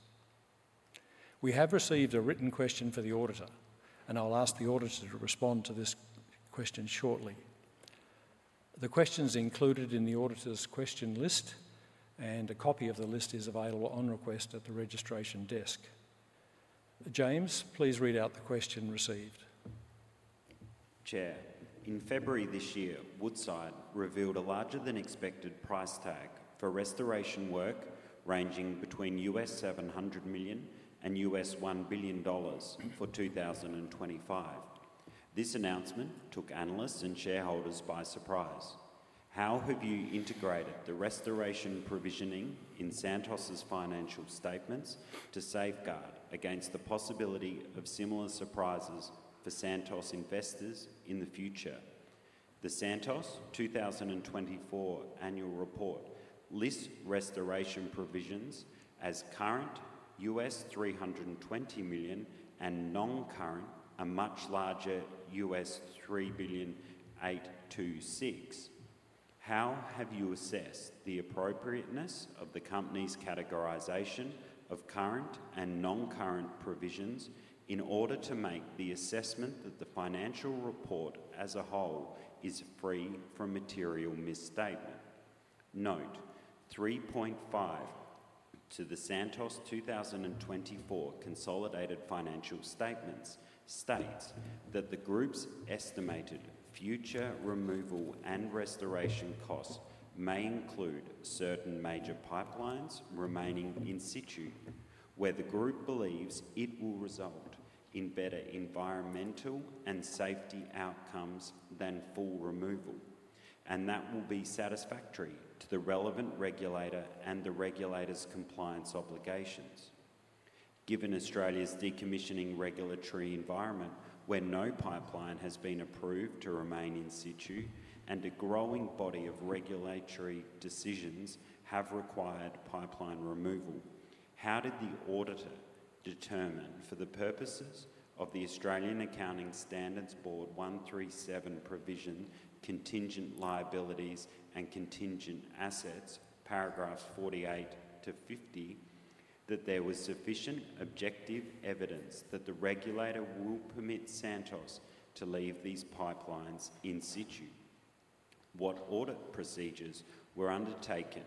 We have received a written question for the auditor, and I'll ask the auditor to respond to this question shortly. The questions are included in the auditor's question list, and a copy of the list is available on request at the registration desk. James, please read out the question received. Chair, in February this year, Woodside revealed a larger than expected price tag for restoration work ranging between AUD 700 million and 1 billion dollars for 2025. This announcement took analysts and shareholders by surprise. How have you integrated the restoration provisioning in Santos's financial statements to safeguard against the possibility of similar surprises for Santos investors in the future? The Santos 2024 Annual Report lists restoration provisions as current 320 million and non-current a much larger 3.826 billion. How have you assessed the appropriateness of the company's categorization of current and non-current provisions in order to make the assessment that the financial report as a whole is free from material misstatement? Note 3.5 to the Santos 2024 consolidated financial statements states that the group's estimated future removal and restoration costs may include certain major pipelines remaining in situ where the group believes it will result in better environmental and safety outcomes than full removal, and that will be satisfactory to the relevant regulator and the regulator's compliance obligations. Given Australia's decommissioning regulatory environment where no pipeline has been approved to remain in situ and a growing body of regulatory decisions have required pipeline removal, how did the auditor determine for the purposes of the Australian Accounting Standards Board 137 provision, contingent liabilities and contingent assets, paragraphs 48 to 50, that there was sufficient objective evidence that the regulator will permit Santos to leave these pipelines in situ? What audit procedures were undertaken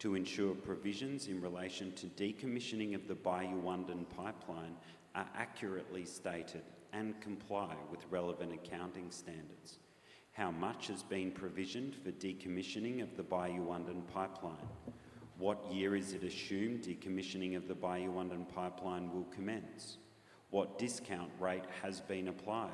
to ensure provisions in relation to decommissioning of the Bayu-Undan pipeline are accurately stated and comply with relevant accounting standards? How much has been provisioned for decommissioning of the Bayu-Undan pipeline? What year is it assumed decommissioning of the Bayu-Undan pipeline will commence? What discount rate has been applied?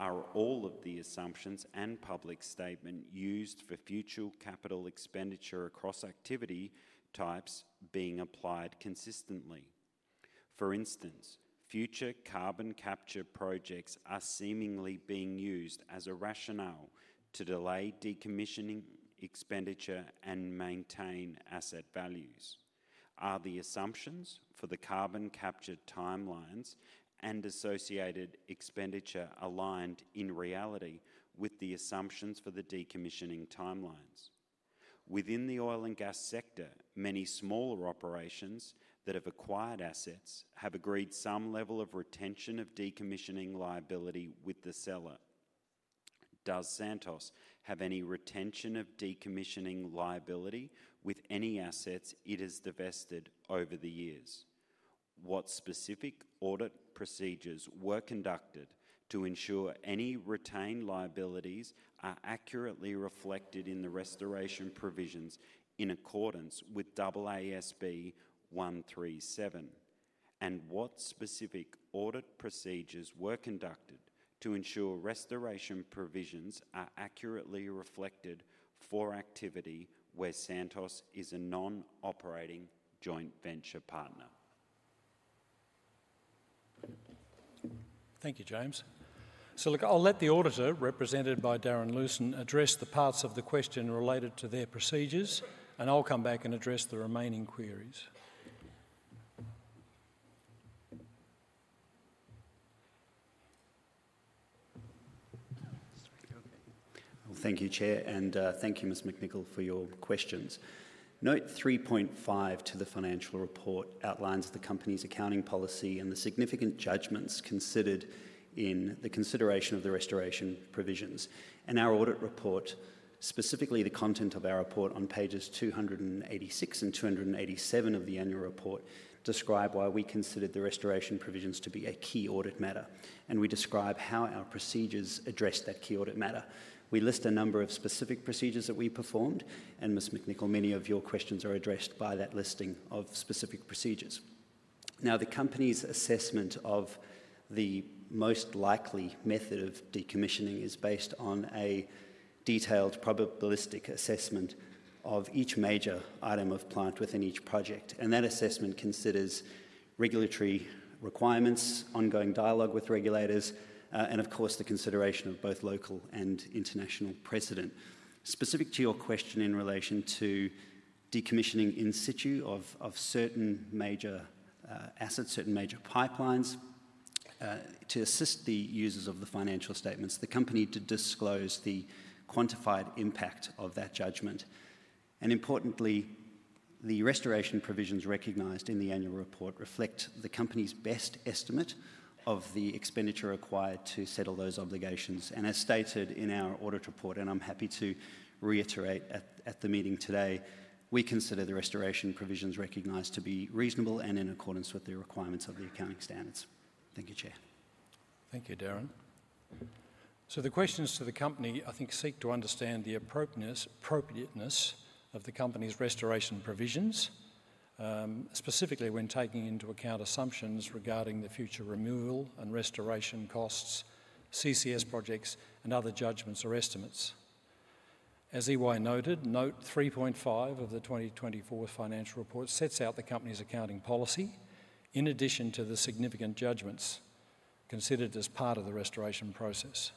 Are all of the assumptions and public statement used for future capital expenditure across activity types being applied consistently? For instance, future carbon capture projects are seemingly being used as a rationale to delay decommissioning expenditure and maintain asset values. Are the assumptions for the carbon capture timelines and associated expenditure aligned in reality with the assumptions for the decommissioning timelines? Within the oil and gas sector, many smaller operations that have acquired assets have agreed some level of retention of decommissioning liability with the seller. Does Santos have any retention of decommissioning liability with any assets it has divested over the years? What specific audit procedures were conducted to ensure any retained liabilities are accurately reflected in the restoration provisions in accordance with AASB 137? What specific audit procedures were conducted to ensure restoration provisions are accurately reflected for activity where Santos is a non-operating joint venture partner? Thank you, James. Look, I'll let the auditor represented by Darren Lewsen address the parts of the question related to their procedures, and I'll come back and address the remaining queries. Thank you, Chair, and thank you, Ms. McNicol, for your questions. Note 3.5 to the financial report outlines the company's accounting policy and the significant judgments considered in the consideration of the restoration provisions. Our audit report, specifically the content of our report on pages 286 and 287 of the Annual Report, describe why we considered the restoration provisions to be a key audit matter, and we describe how our procedures address that key audit matter. We list a number of specific procedures that we performed, and Ms. McNicol, many of your questions are addressed by that listing of specific procedures. Now, the company's assessment of the most likely method of decommissioning is based on a detailed probabilistic assessment of each major item of plant within each project, and that assessment considers regulatory requirements, ongoing dialogue with regulators, and of course, the consideration of both local and international precedent. Specific to your question in relation to decommissioning in situ of certain major assets, certain major pipelines, to assist the users of the financial statements, the company did disclose the quantified impact of that judgment. Importantly, the restoration provisions recognized in the Annual Report reflect the company's best estimate of the expenditure required to settle those obligations. As stated in our audit report, and I'm happy to reiterate at the meeting today, we consider the restoration provisions recognized to be reasonable and in accordance with the requirements of the accounting standards. Thank you, Chair. Thank you, Darren. The questions to the company I think seek to understand the appropriateness of the company's restoration provisions, specifically when taking into account assumptions regarding the future removal and restoration costs, CCS projects, and other judgments or estimates. As EY noted, note 3.5 of the 2024 financial report sets out the company's accounting policy in addition to the significant judgments considered as part of the restoration process.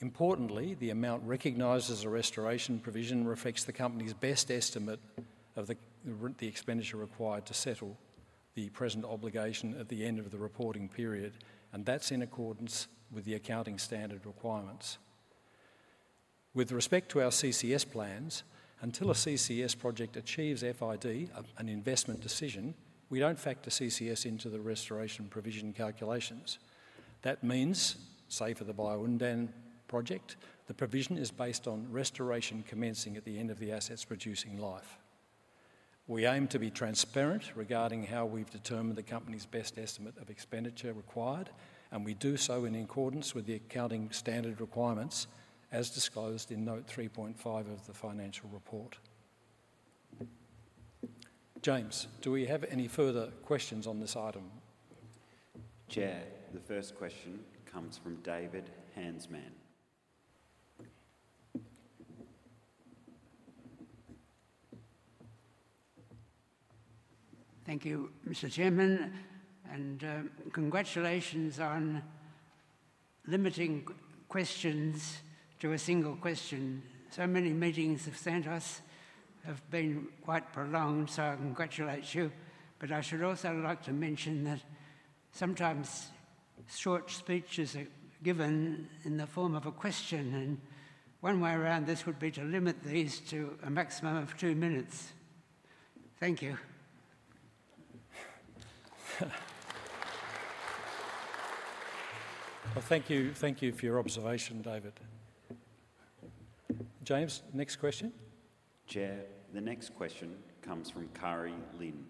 Importantly, the amount recognized as a restoration provision reflects the company's best estimate of the expenditure required to settle the present obligation at the end of the reporting period, and that's in accordance with the accounting standard requirements. With respect to our CCS plans, until a CCS project achieves FID, an investment decision, we don't factor CCS into the restoration provision calculations. That means, say for the Bayu-Undan project, the provision is based on restoration commencing at the end of the asset's producing life. We aim to be transparent regarding how we've determined the company's best estimate of expenditure required, and we do so in accordance with the accounting standard requirements as disclosed in note 3.5 of the financial report. James, do we have any further questions on this item? Chair, the first question comes from David Heasman. Thank you, Mr. Chairman, and congratulations on limiting questions to a single question. So many meetings of Santos have been quite prolonged, I congratulate you. I should also like to mention that sometimes short speeches are given in the form of a question, and one way around this would be to limit these to a maximum of two minutes. Thank you. Thank you for your observation, David. James, next question. Chair, the next question comes from Kari Lynn.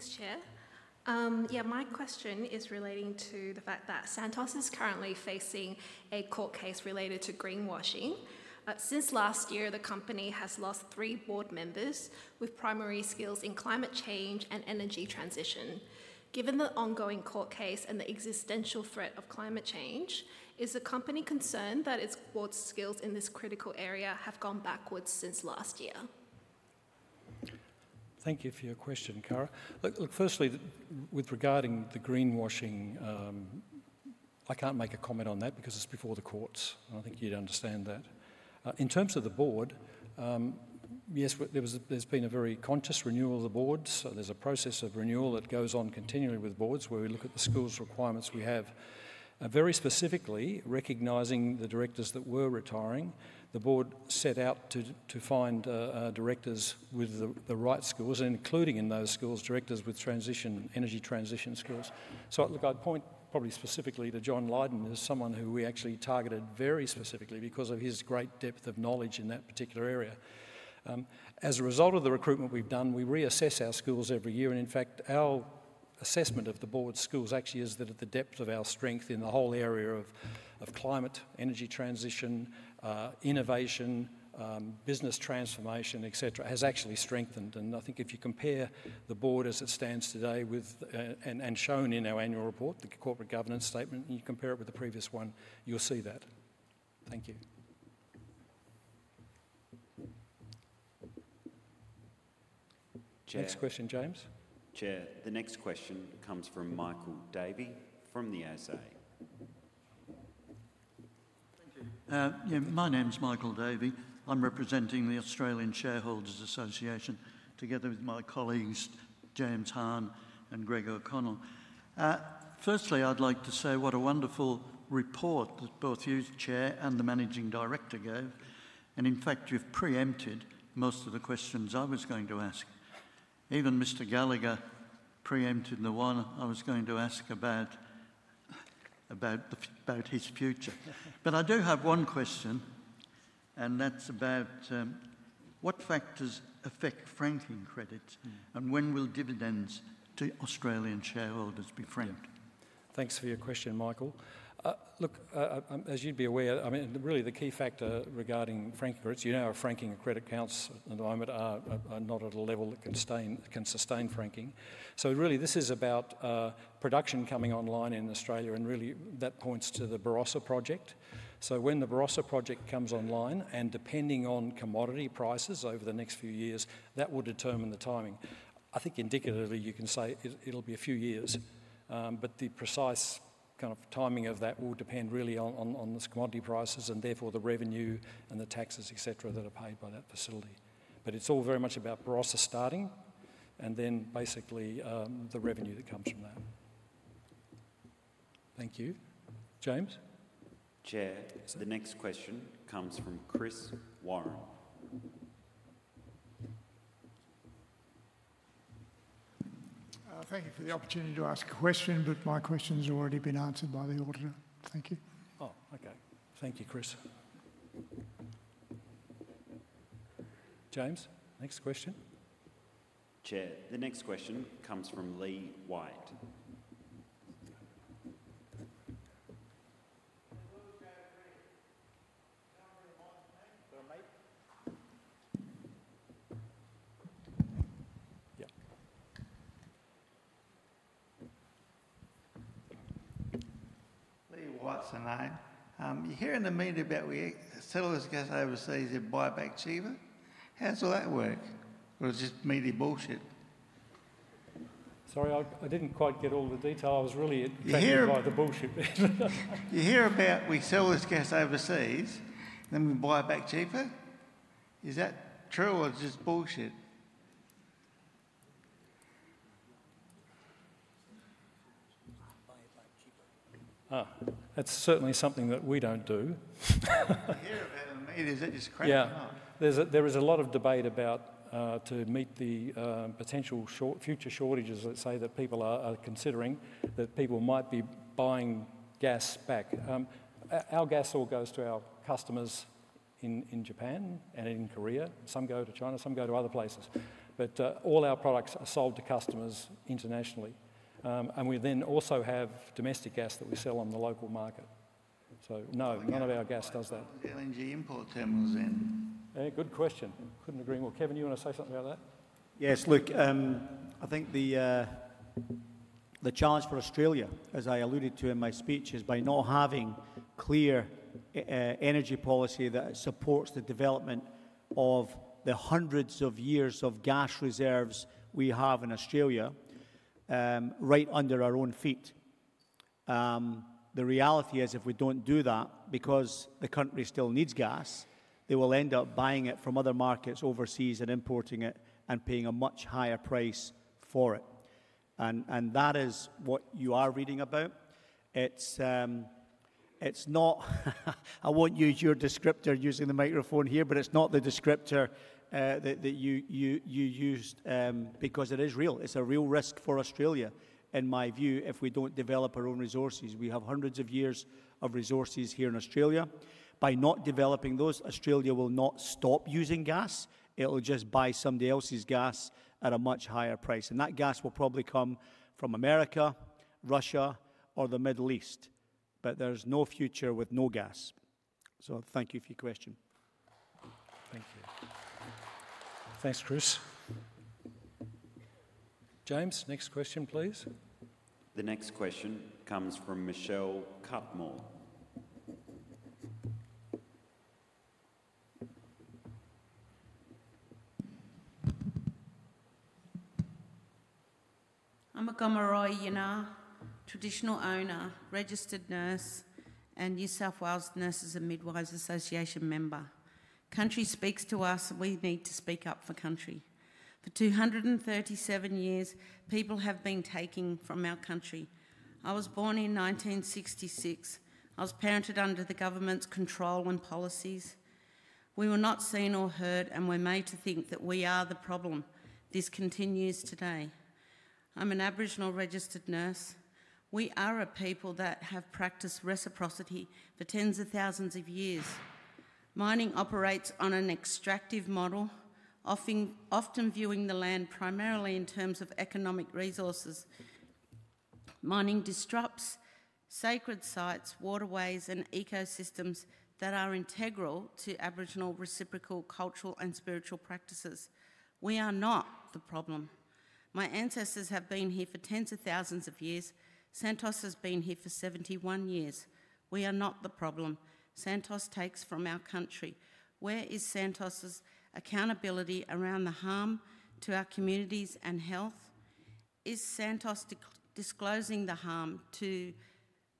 Thanks, Chair. Yeah, my question is relating to the fact that Santos is currently facing a court case related to greenwashing. Since last year, the company has lost three board members with primary skills in climate change and energy transition. Given the ongoing court case and the existential threat of climate change, is the company concerned that its board's skills in this critical area have gone backwards since last year? Thank you for your question, Kari. Look, firstly, with regarding the greenwashing, I can't make a comment on that because it's before the courts, and I think you'd understand that. In terms of the board, yes, there's been a very conscious renewal of the board, so there's a process of renewal that goes on continually with boards where we look at the skills requirements we have. Very specifically, recognizing the directors that were retiring, the board set out to find directors with the right skills, including in those skills, directors with energy transition skills. Look, I'd point probably specifically to John Lydon as someone who we actually targeted very specifically because of his great depth of knowledge in that particular area. As a result of the recruitment we've done, we reassess our skills every year, and in fact, our assessment of the board's skills actually is that the depth of our strength in the whole area of climate, energy transition, innovation, business transformation, etc., has actually strengthened. I think if you compare the board as it stands today and shown in our Annual Report, the corporate governance statement, and you compare it with the previous one, you'll see that. Thank you. Next question, James. Chair, the next question comes from Michael Davey from the ASA. Thank you. Yeah, my name's Michael Davey. I'm representing the Australian Shareholders' Association together with my colleagues, James Hahn and Greg O'Connell. Firstly, I'd like to say what a wonderful report that both you, Chair, and the Managing Director gave, and in fact, you've preempted most of the questions I was going to ask. Even Mr. Gallagher preempted the one I was going to ask about his future. I do have one question, and that's about what factors affect franking credit, and when will dividends to Australian shareholders be franked? Thanks for your question, Michael. Look, as you'd be aware, I mean, really the key factor regarding franking credits, you know our franking credit counts at the moment are not at a level that can sustain franking. This is about production coming online in Australia, and really that points to the Barossa project. When the Barossa project comes online, and depending on commodity prices over the next few years, that will determine the timing. I think indicatively you can say it will be a few years, but the precise kind of timing of that will depend really on those commodity prices and therefore the revenue and the taxes, etc., that are paid by that facility. It is all very much about Barossa starting and then basically the revenue that comes from that. Thank you. James? Chair, the next question comes from Chris Warren. Thank you for the opportunity to ask a question, but my question has already been answered by the auditor. Thank you. Okay. Thank you, Chris. James, next question. Chair, the next question comes from Lee White. Yeah. Lee White, so name. You hear in the media about we sell those guys overseas at buyback cheaper? How's all that work? Or is it just media bullshit? Sorry, I didn't quite get all the detail. I was really taken by the bullshit. You hear about we sell those guys overseas, then we buy back cheaper? Is that true or is it just bullshit? Buy it back cheaper. That's certainly something that we don't do. You hear about it in the media, is that just crap? Yeah, there is a lot of debate about to meet the potential future shortages that say that people are considering that people might be buying gas back. Our gas all goes to our customers in Japan and in Korea. Some go to China, some go to other places. All our products are sold to customers internationally, and we then also have domestic gas that we sell on the local market. No, none of our gas does that. LNG imports handles then? Good question. Could not agree more. Kevin, you want to say something about that? Yes, look, I think the charge for Australia, as I alluded to in my speech, is by not having clear energy policy that supports the development of the hundreds of years of gas reserves we have in Australia right under our own feet. The reality is if we do not do that because the country still needs gas, they will end up buying it from other markets overseas and importing it and paying a much higher price for it. That is what you are reading about. It's not, I won't use your descriptor using the microphone here, but it's not the descriptor that you used because it is real. It's a real risk for Australia, in my view, if we don't develop our own resources. We have hundreds of years of resources here in Australia. By not developing those, Australia will not stop using gas. It'll just buy somebody else's gas at a much higher price. That gas will probably come from America, Russia, or the Middle East. There is no future with no gas. Thank you for your question. Thank you. Thanks, Chris. James, next question, please. The next question comes from Michelle Cutmore. I'm a Gomeroi Yinarr, traditional owner, registered nurse, and New South Wales Nurses and Midwives Association member. Country speaks to us, and we need to speak up for country. For 237 years, people have been taking from our country. I was born in 1966. I was parented under the government's control and policies. We were not seen or heard and were made to think that we are the problem. This continues today. I'm an Aboriginal registered nurse. We are a people that have practiced reciprocity for tens of thousands of years. Mining operates on an extractive model, often viewing the land primarily in terms of economic resources. Mining disrupts sacred sites, waterways, and ecosystems that are integral to Aboriginal reciprocal cultural and spiritual practices. We are not the problem. My ancestors have been here for tens of thousands of years. Santos has been here for 71 years. We are not the problem. Santos takes from our country. Where is Santos's accountability around the harm to our communities and health? Is Santos disclosing the harm to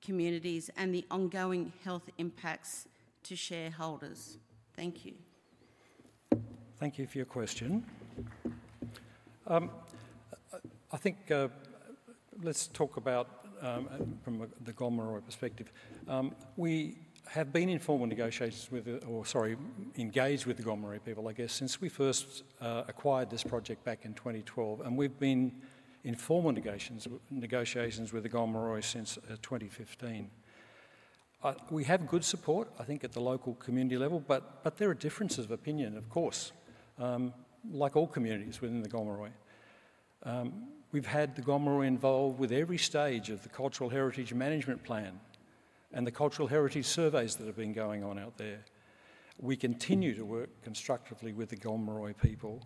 communities and the ongoing health impacts to shareholders? Thank you. Thank you for your question. I think let's talk about from the Gomeroi perspective. We have been in formal negotiations with, or sorry, engaged with the Gomeroi people, I guess, since we first acquired this project back in 2012, and we've been in formal negotiations with the Gomeroi since 2015. We have good support, I think, at the local community level, but there are differences of opinion, of course, like all communities within the Gomeroi community. We've had the Gomeroi involved with every stage of the cultural heritage management plan and the cultural heritage surveys that have been going on out there. We continue to work constructively with the Gomeroi people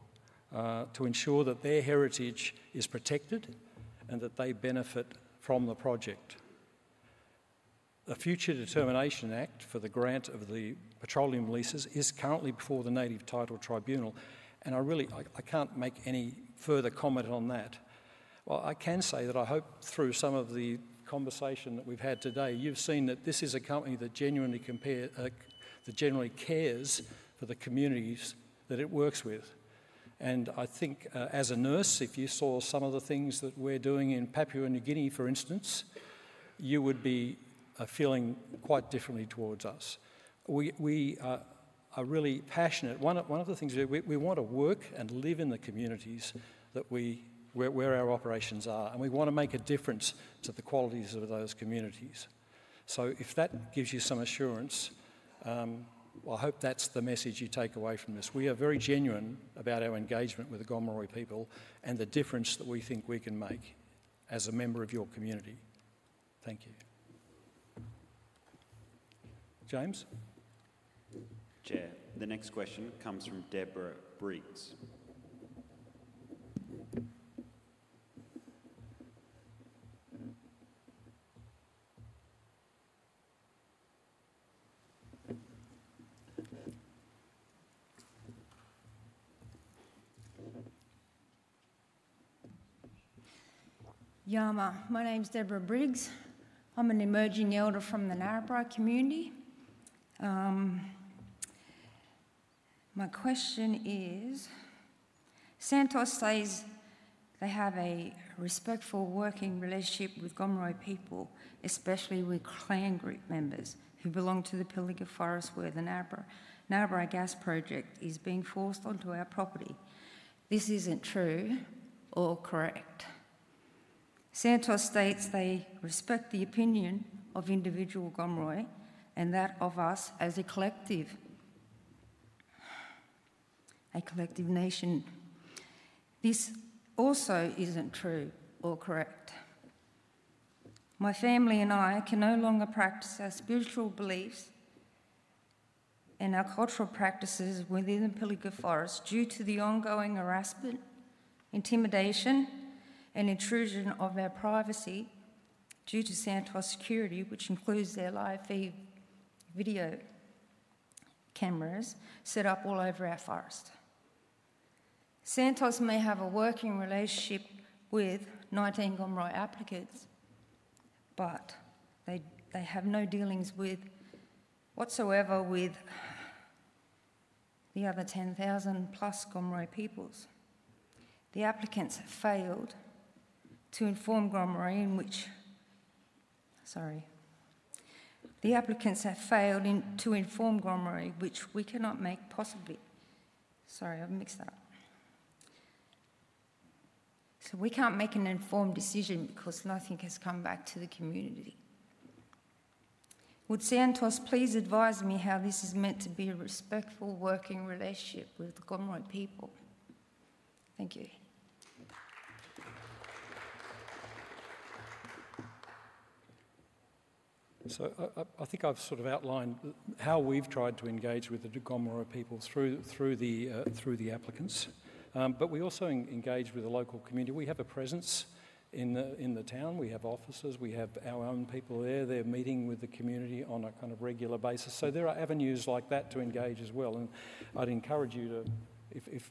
to ensure that their heritage is protected and that they benefit from the project. The Future Determination Act for the grant of the petroleum leases is currently before the Native Title Tribunal, and I really, I can't make any further comment on that. I can say that I hope through some of the conversation that we've had today, you've seen that this is a company that genuinely cares for the communities that it works with. I think as a nurse, if you saw some of the things that we're doing in Papua New Guinea, for instance, you would be feeling quite differently towards us. We are really passionate. One of the things we want to work and live in the communities where our operations are, and we want to make a difference to the qualities of those communities. If that gives you some assurance, I hope that's the message you take away from this. We are very genuine about our engagement with the Gomeroi people and the difference that we think we can make as a member of your community. Thank you. James? Chair, the next question comes from Deborah Briggs. My name's Deborah Briggs. I'm an emerging elder from the Narrabri community. My question is, Santos says they have a respectful working relationship with Gomeroi people, especially with clan group members who belong to the Pilliga Forest with the Narrabri. Narrabri Gas Project is being forced onto our property. This isn't true or correct. Santos states they respect the opinion of individual Gomeroi and that of us as a collective nation. This also isn't true or correct. My family and I can no longer practice our spiritual beliefs and our cultural practices within the Pilliga Forest due to the ongoing harassment, intimidation, and intrusion of our privacy due to Santos' security, which includes their live feed video cameras set up all over our forest. Santos may have a working relationship with 19 Gomeroi applicants, but they have no dealings whatsoever with the other 10,000 plus Gomeroi peoples. The applicants have failed to inform Gomeroi which we cannot make possibly. Sorry, I've mixed that up. We can't make an informed decision because nothing has come back to the community. Would Santos please advise me how this is meant to be a respectful working relationship with the Gomeroi people? Thank you. I think I've sort of outlined how we've tried to engage with the Gomeroi people through the applicants, but we also engage with the local community. We have a presence in the town. We have offices. We have our own people there. They're meeting with the community on a kind of regular basis. There are avenues like that to engage as well. I'd encourage you to,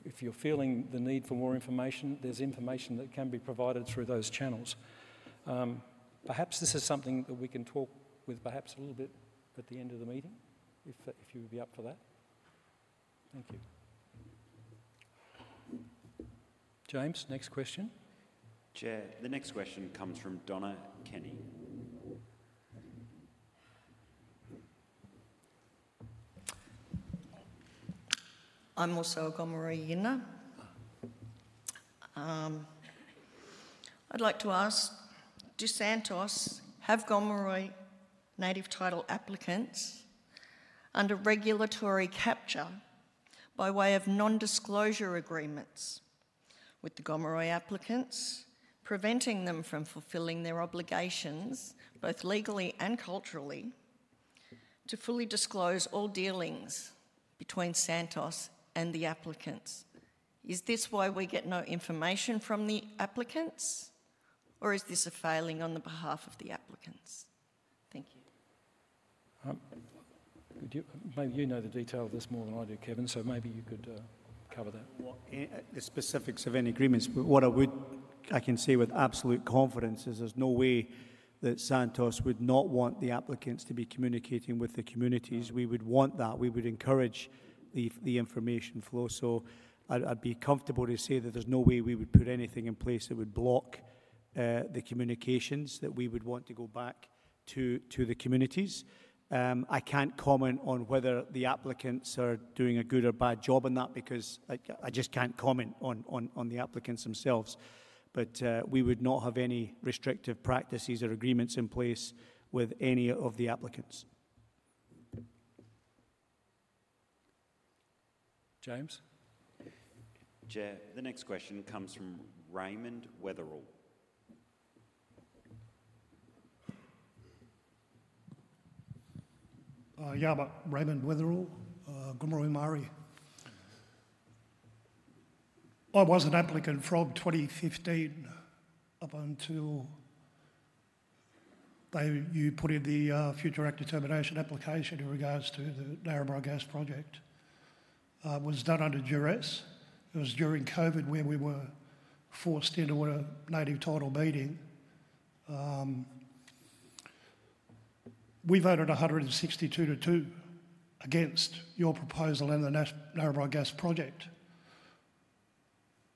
if you're feeling the need for more information, there's information that can be provided through those channels. Perhaps this is something that we can talk with perhaps a little bit at the end of the meeting if you would be up for that. Thank you. James, next question. Chair, the next question comes from Donna Kearney. I'm also a Gomeroi Yinarr. I'd like to ask, do Santos have Gomeroi Native Title applicants under regulatory capture by way of non-disclosure agreements with the Gomeroi applicants, preventing them from fulfilling their obligations both legally and culturally to fully disclose all dealings between Santos and the applicants? Is this why we get no information from the applicants, or is this a failing on the behalf of the applicants? Thank you. Maybe you know the detail of this more than I do, Kevin, so maybe you could cover that. The specifics of any agreements, what I can see with absolute confidence is there's no way that Santos would not want the applicants to be communicating with the communities. We would want that. We would encourage the information flow. I'd be comfortable to say that there's no way we would put anything in place that would block the communications that we would want to go back to the communities. I can't comment on whether the applicants are doing a good or bad job on that because I just can't comment on the applicants themselves. We would not have any restrictive practices or agreements in place with any of the applicants. James. Chair, the next question comes from Raymond Weatherall. I'm Raymond Weatherall, Gomeroi Mari. I was an applicant from 2015 up until you put in the Future Determination application in regards to the Narrabri gas project. It was done under duress. It was during COVID when we were forced into a Native Title meeting. We voted 162 to 2 against your proposal and the Narrabri gas project.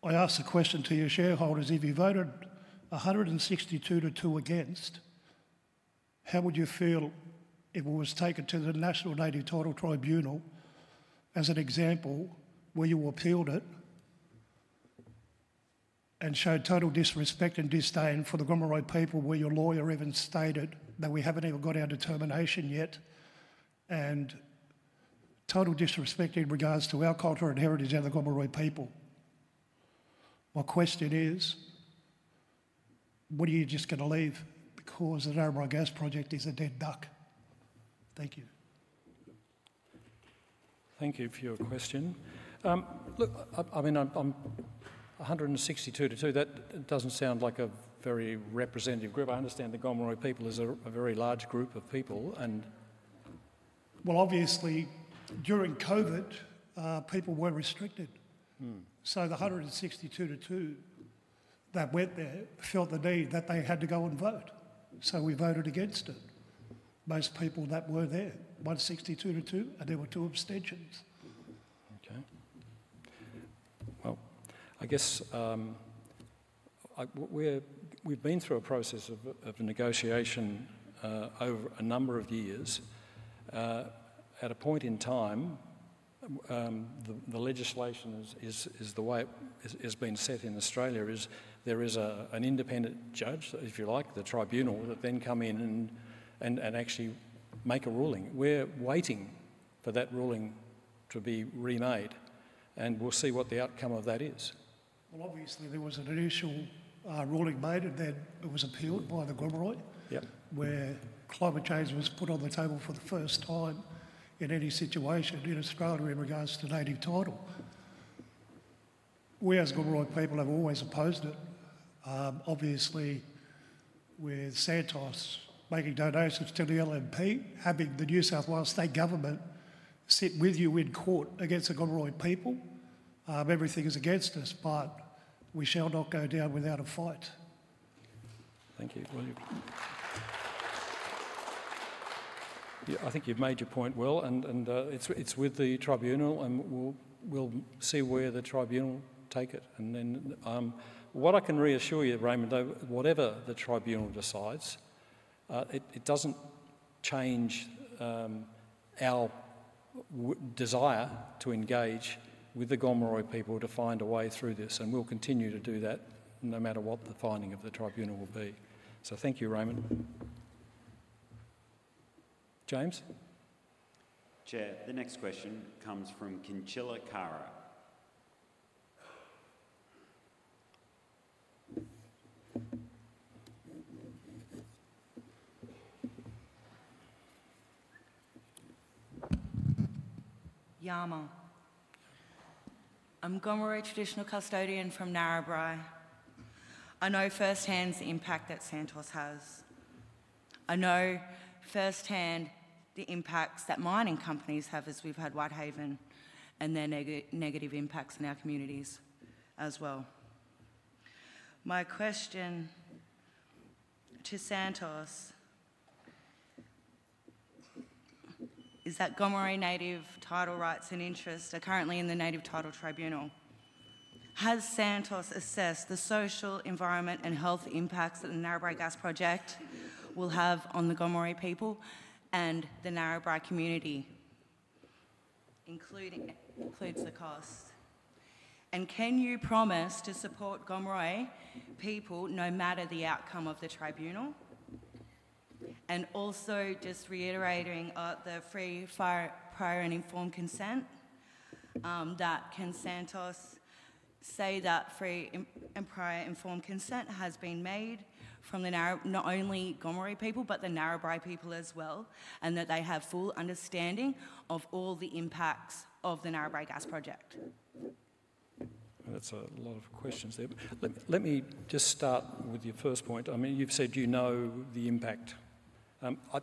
I asked the question to your shareholders, if you voted 162 to 2 against, how would you feel if it was taken to the National Native Title Tribunal as an example where you appealed it and showed total disrespect and disdain for the Gomeroi people, where your lawyer even stated that we have not even got our determination yet and total disrespect in regards to our culture and heritage and the Gomeroi people? My question is, what are you just going to leave because the Narrabri gas project is a dead duck? Thank you. Thank you for your question. Look, I mean, 162 to 2. That does not sound like a very representative group. I understand the Gomeroi people is a very large group of people. Obviously, during COVID, people were restricted. The 162 to 2 that went there felt the need that they had to go and vote. We voted against it. Most people that were there voted 62 to 2, and there were two abstentions. I guess we've been through a process of negotiation over a number of years. At a point in time, the legislation is the way it has been set in Australia, is there is an independent judge, if you like, the tribunal, that then come in and actually make a ruling. We're waiting for that ruling to be remade, and we'll see what the outcome of that is. Obviously, there was an initial ruling made and then it was appealed by the Gomeroi where climate change was put on the table for the first time in any situation in Australia in regards to Native Title. We as Gomeroi people have always opposed it. Obviously, with Santos making donations to the LNP, having the New South Wales State Government sit with you in court against the Gomeroi people, everything is against us, but we shall not go down without a fight. Thank you. I think you've made your point well, and it's with the tribunal, and we'll see where the tribunal takes it. What I can reassure you, Raymond, whatever the tribunal decides, it doesn't change our desire to engage with the Gomeroi people to find a way through this, and we'll continue to do that no matter what the finding of the tribunal will be. Thank you, Raymond. James. Chair, the next question comes from Kinchela Karra. I'm Gomeroi traditional custodian from Narrabri. I know firsthand the impact that Santos has. I know firsthand the impacts that mining companies have as we've had Whitehaven and their negative impacts in our communities as well. My question to Santos is that Gomeroi Native Title rights and interests are currently in the Native Title Tribunal. Has Santos assessed the social, environment, and health impacts that the Narrabri gas project will have on the Gomeroi people and the Narrabri community, including the cost? Can you promise to support Gomeroi people no matter the outcome of the tribunal? Also, just reiterating the free, prior, and informed consent, can Santos say that free and prior informed consent has been made from not only Gomeroi people, but the Narrabri people as well, and that they have full understanding of all the impacts of the Narrabri gas project? That's a lot of questions there. Let me just start with your first point. I mean, you've said you know the impact. I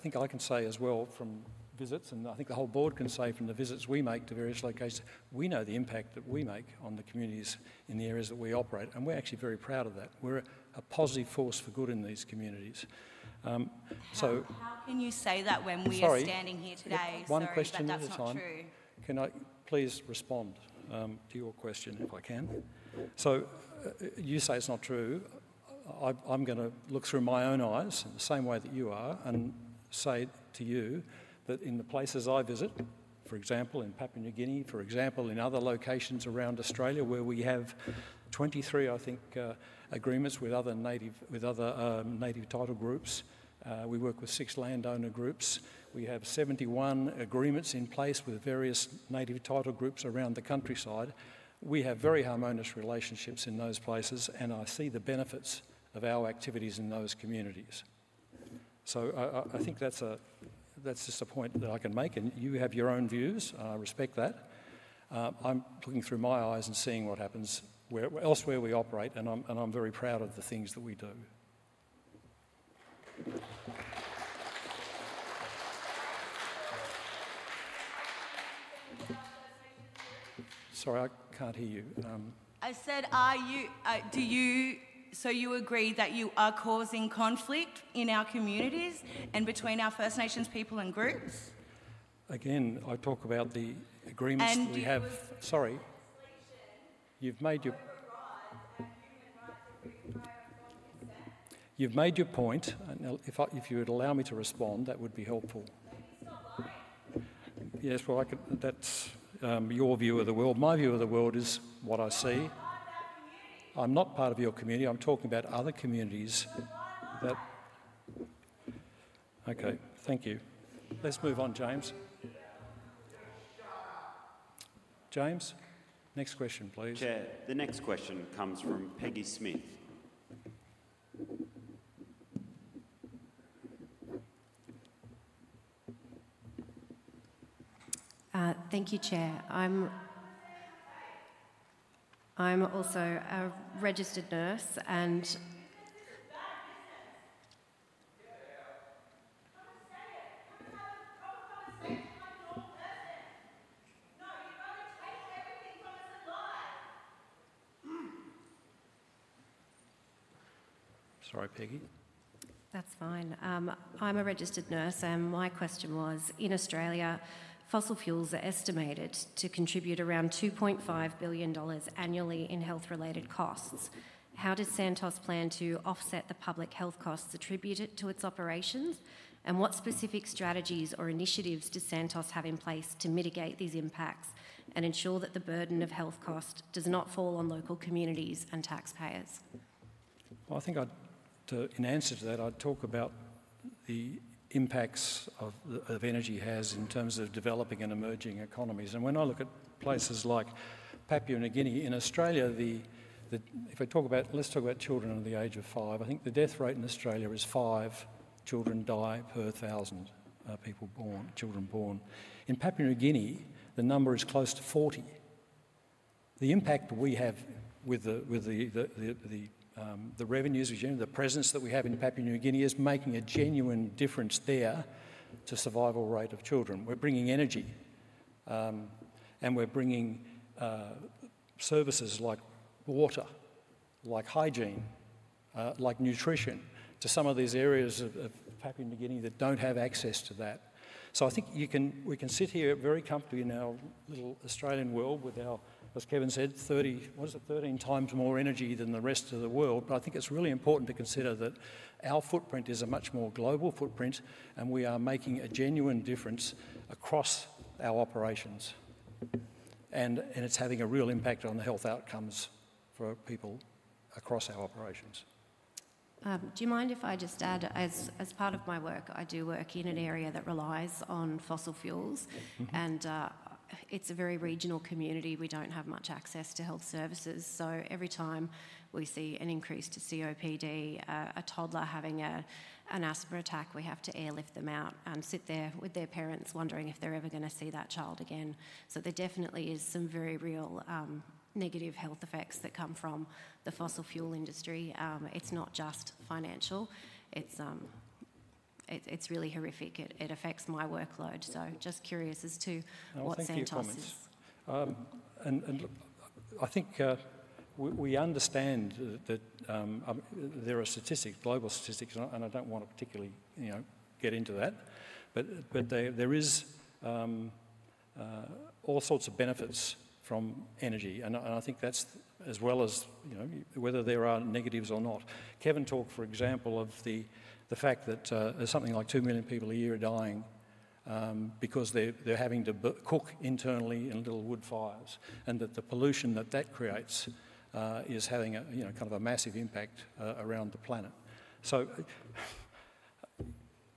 think I can say as well from visits, and I think the whole board can say from the visits we make to various locations, we know the impact that we make on the communities in the areas that we operate, and we're actually very proud of that. We're a positive force for good in these communities. How can you say that when we are standing here today? Sorry, one question at a time. Can I please respond to your question if I can? You say it's not true. I'm going to look through my own eyes in the same way that you are and say to you that in the places I visit, for example, in Papua New Guinea, for example, in other locations around Australia where we have 23, I think, agreements with other Native Title groups. We work with six landowner groups. We have 71 agreements in place with various Native Title groups around the countryside. We have very harmonious relationships in those places, and I see the benefits of our activities in those communities. I think that's just a point that I can make, and you have your own views. I respect that. I'm looking through my eyes and seeing what happens elsewhere we operate, and I'm very proud of the things that we do. Sorry, I can't hear you. I said, do you agree that you are causing conflict in our communities and between our First Nations people and groups? Again, I talk about the agreements we have. Sorry. You've made. You've made your point. Now, if you would allow me to respond, that would be helpful. Yes, that's your view of the world. My view of the world is what I see. I'm not part of your community. I'm talking about other communities. Okay, thank you. Let's move on, James. James, next question, please. Chair, the next question comes from Peggy Smith. Thank you, Chair. I'm also a registered nurse and. Come and say it. Come and have a conversation like a normal person. No, you're going to take everything from us and lie. Sorry, Peggy. That's fine. I'm a registered nurse, and my question was, in Australia, fossil fuels are estimated to contribute around 2.5 billion dollars annually in health-related costs. How does Santos plan to offset the public health costs attributed to its operations, and what specific strategies or initiatives does Santos have in place to mitigate these impacts and ensure that the burden of health costs does not fall on local communities and taxpayers? I think in answer to that, I'd talk about the impacts that energy has in terms of developing and emerging economies. When I look at places like Papua New Guinea, in Australia, if I talk about, let's talk about children under the age of five, I think the death rate in Australia is five children die per 1,000 children born. In Papua New Guinea, the number is close to 40. The impact we have with the revenues, the presence that we have in Papua New Guinea is making a genuine difference there to the survival rate of children. We're bringing energy, and we're bringing services like water, like hygiene, like nutrition to some of these areas of Papua New Guinea that don't have access to that. I think we can sit here very comfortably in our little Australian world with our, as Kevin said, 30, what is it, 13 times more energy than the rest of the world. I think it's really important to consider that our footprint is a much more global footprint, and we are making a genuine difference across our operations, and it's having a real impact on the health outcomes for people across our operations. Do you mind if I just add, as part of my work, I do work in an area that relies on fossil fuels, and it's a very regional community. We don't have much access to health services. Every time we see an increase to COPD, a toddler having an asthma attack, we have to airlift them out and sit there with their parents wondering if they're ever going to see that child again. There definitely are some very real negative health effects that come from the fossil fuel industry. It's not just financial. It's really horrific. It affects my workload. Just curious as to what Santos is. I think we understand that there are statistics, global statistics, and I don't want to particularly get into that, but there are all sorts of benefits from energy, and I think that's as well as whether there are negatives or not. Kevin talked, for example, of the fact that something like 2 million people a year are dying because they're having to cook internally in little wood fires, and that the pollution that that creates is having kind of a massive impact around the planet.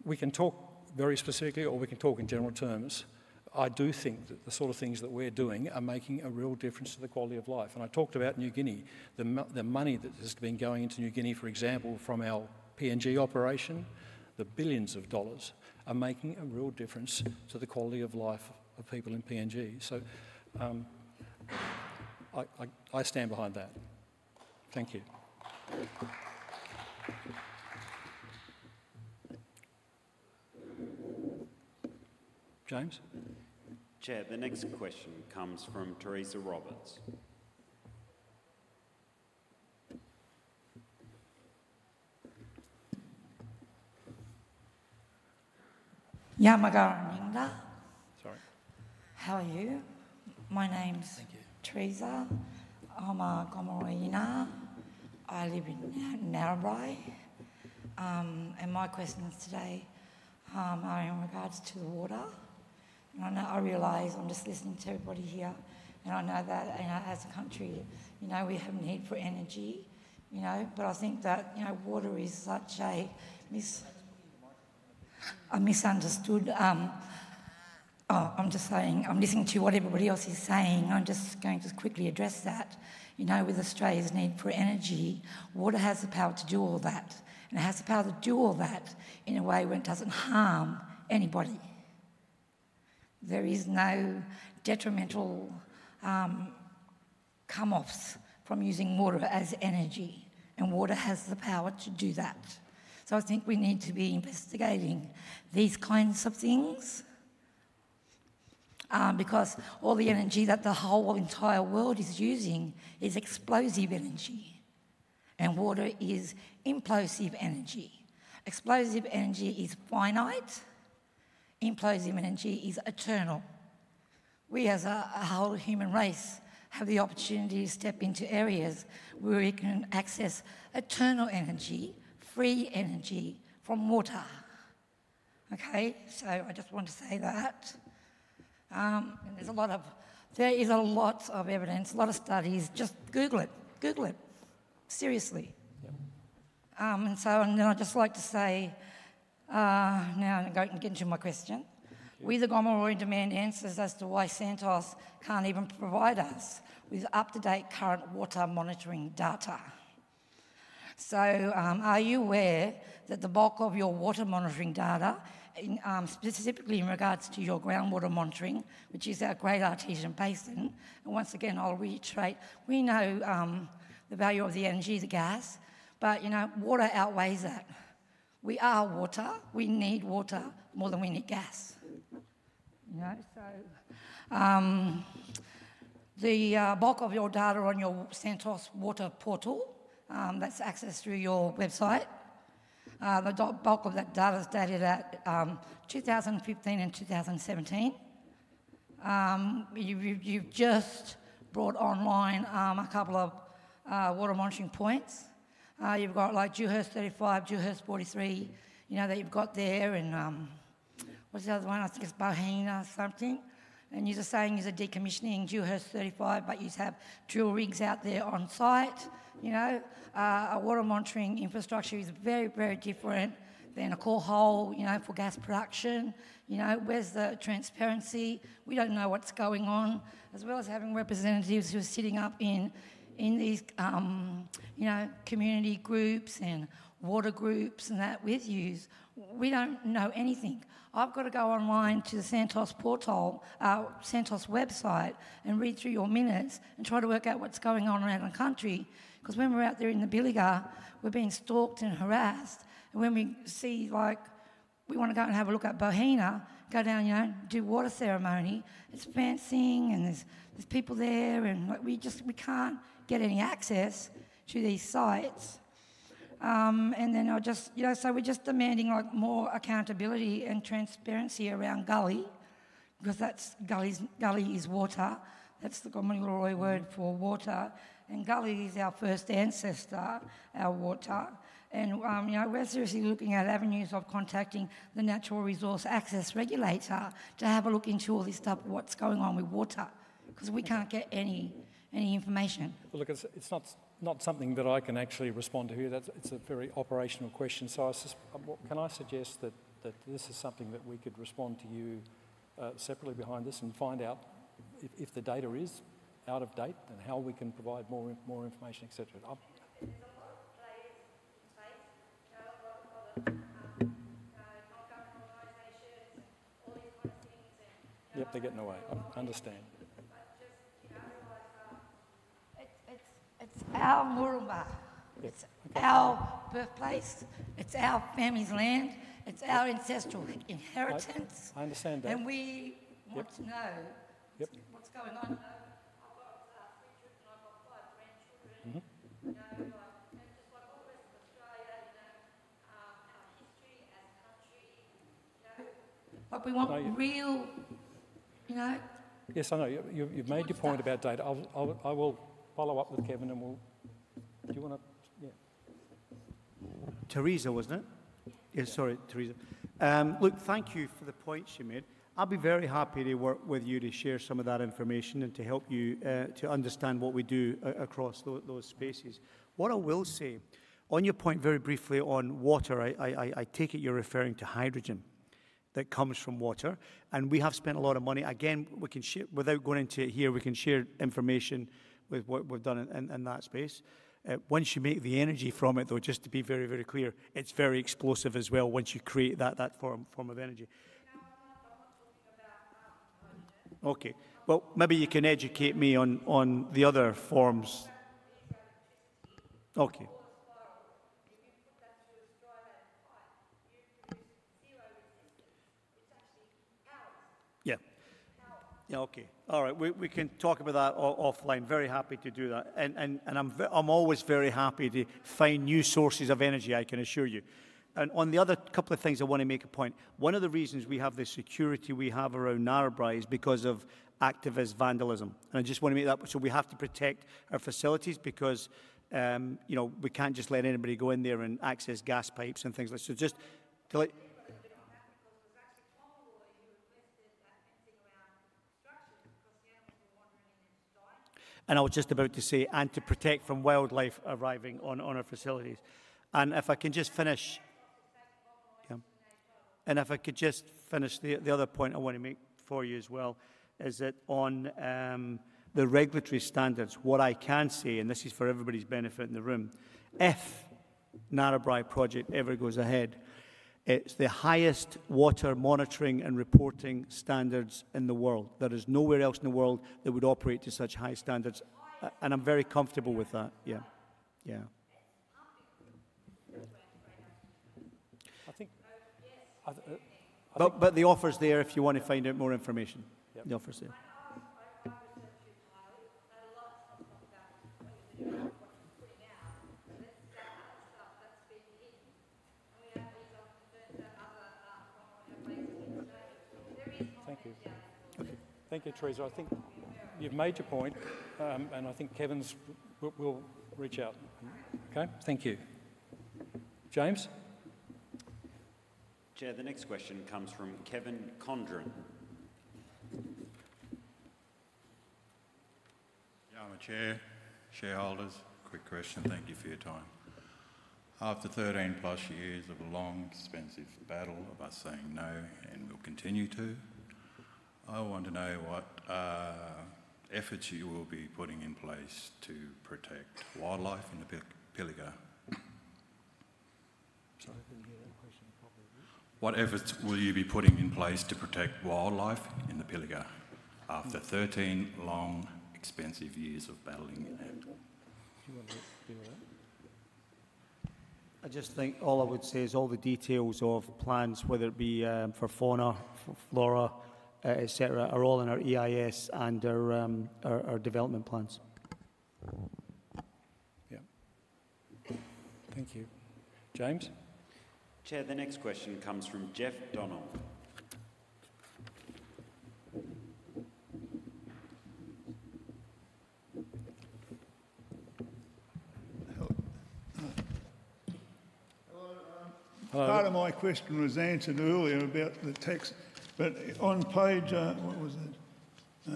We can talk very specifically, or we can talk in general terms. I do think that the sort of things that we're doing are making a real difference to the quality of life. I talked about New Guinea. The money that has been going into New Guinea, for example, from our PNG operation, the billions of dollars, are making a real difference to the quality of life of people in PNG. I stand behind that. Thank you. James. Chair, the next question comes from Teresa Roberts. How are you? My name's Teresa. I'm a Gomeroi Yinarr. I live in Narrabri, and my questions today are in regards to water. I realize I'm just listening to everybody here, and I know that as a country, we have a need for energy. I think that water is such a misunderstood. I'm just saying I'm listening to what everybody else is saying. I'm just going to quickly address that. With Australia's need for energy, water has the power to do all that, and it has the power to do all that in a way where it doesn't harm anybody. There are no detrimental come-offs from using water as energy, and water has the power to do that. I think we need to be investigating these kinds of things because all the energy that the whole entire world is using is explosive energy, and water is implosive energy. Explosive energy is finite. Implosive energy is eternal. We, as a whole human race, have the opportunity to step into areas where we can access eternal energy, free energy from water. Okay? I just want to say that. There is a lot of evidence, a lot of studies. Just Google it. Google it. Seriously. I'd just like to say now, and I'm going to get into my question. We the Gomeroi demand answers as to why Santos can't even provide us with up-to-date current water monitoring data. Are you aware that the bulk of your water monitoring data, specifically in regards to your groundwater monitoring, which is our Great Artesian Basin? Once again, I'll reiterate, we know the value of the energy as a gas, but water outweighs that. We are water. We need water more than we need gas. The bulk of your data on your Santos water portal that's accessed through your website, the bulk of that data is dated at 2015 and 2017. You've just brought online a couple of water monitoring points. You've got like Dewhurst 35, Dewhurst 43 that you've got there, and what's the other one? I think it's Bohena something. You're just saying you're decommissioning Dewhurst 35, but you have drill rigs out there on site. Water monitoring infrastructure is very, very different than a core hole for gas production. Where's the transparency? We don't know what's going on. As well as having representatives who are sitting up in these community groups and water groups and that with you, we don't know anything. I've got to go online to the Santos portal, Santos website, and read through your minutes and try to work out what's going on around the country because when we're out there in the Pilliga, we're being stalked and harassed. When we see we want to go and have a look at Bohena, go down, do water ceremony. It's fencing, and there's people there, and we can't get any access to these sites. I just—so we're just demanding more accountability and transparency around Gali because Gali is water. That's the Gomeroi word for water. And Gali is our first ancestor, our water. We're seriously looking at avenues of contacting the Natural Resource Access Regulator to have a look into all this stuff, what's going on with water because we can't get any information. Look, it's not something that I can actually respond to here. It's a very operational question. I suggest that this is something that we could respond to you separately behind this and find out if the data is out of date and how we can provide more information, etc. There's a lot of players in this place. It's not government organizations, all these kind of things. Yep, they're getting away. I understand. Otherwise, it's our Ngurrambaa. It's our birthplace. It's our family's land. It's our ancestral inheritance. I understand that. And we want to know what's going on. I've got three children. I've got five grandchildren. Just like all the rest of Australia, our history as a country. We want real. Yes, I know. You've made your point about data. I will follow up with Kevin, and we'll—do you want to? Yeah. Teresa, wasn't it? Yeah. Sorry, Teresa. Look, thank you for the points you made. I'll be very happy to work with you to share some of that information and to help you to understand what we do across those spaces. What I will say, on your point very briefly on water, I take it you're referring to hydrogen that comes from water. We have spent a lot of money. Again, without going into it here, we can share information with what we've done in that space. Once you make the energy from it, though, just to be very, very clear, it's very explosive as well once you create that form of energy. Okay. Maybe you can educate me on the other forms. Okay. If you put that to a straw that's hot, you produce zero resistance, which actually helps. Yeah. Yeah, okay. All right. We can talk about that offline. Very happy to do that. I'm always very happy to find new sources of energy, I can assure you. On the other couple of things, I want to make a point. One of the reasons we have the security we have around Narrabri is because of activist vandalism. I just want to make that so we have to protect our facilities because we can't just let anybody go in there and access gas pipes and things like that. Just to let. I think it was actually Gomeroi who had listed that fencing around structures because the animals were wandering in there to die. I was just about to say, and to protect from wildlife arriving on our facilities. If I can just finish—the other point I want to make for you as well is that on the regulatory standards, what I can say, and this is for everybody's benefit in the room, if Narrabri project ever goes ahead, it is the highest water monitoring and reporting standards in the world. There is nowhere else in the world that would operate to such high standards. I am very comfortable with that. Yeah. Yeah. I think—Yes. The offer is there if you want to find out more information. The offer is there. I asked my private circuit pilot a lot of stuff like that. What you're putting out, that's been hidden. And we have these unconfirmed. Other Gomeroi have basically changed. There is more to be done in the water. Thank you. Thank you, Teresa. I think you've made your point, and I think Kevin will reach out. Okay? Thank you. James? Chair, the next question comes from Kevin Condon. Yeah, I'm a shareholders. Quick question. Thank you for your time. After 13 plus years of a long, expensive battle of us saying no, and we'll continue to, I want to know what efforts you will be putting in place to protect wildlife in the Pilliga. Sorry, I didn't hear that question properly. What efforts will you be putting in place to protect wildlife in the Pilliga after 13 long, expensive years of battling? Do you want to do that? I just think all I would say is all the details of plans, whether it be for fauna, flora, etc., are all in our EIS and our development plans. Yeah. Thank you. James? Chair, the next question comes from Geoff Donald. Hello. Part of my question was answered earlier about the tax, but on page, what was it,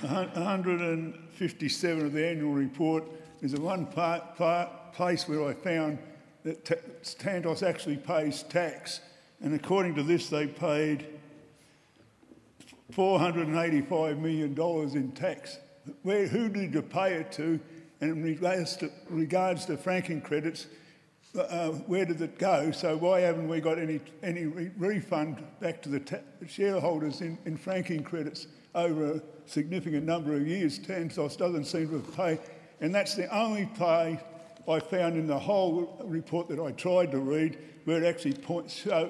157 of the Annual Report is the one place where I found that Santos actually pays tax. And according to this, they paid 485 million dollars in tax. Who did you pay it to? In regards to franking credits, where did it go? Why haven't we got any refund back to the shareholders in franking credits over a significant number of years? Santos doesn't seem to have paid. That's the only place I found in the whole report that I tried to read where it actually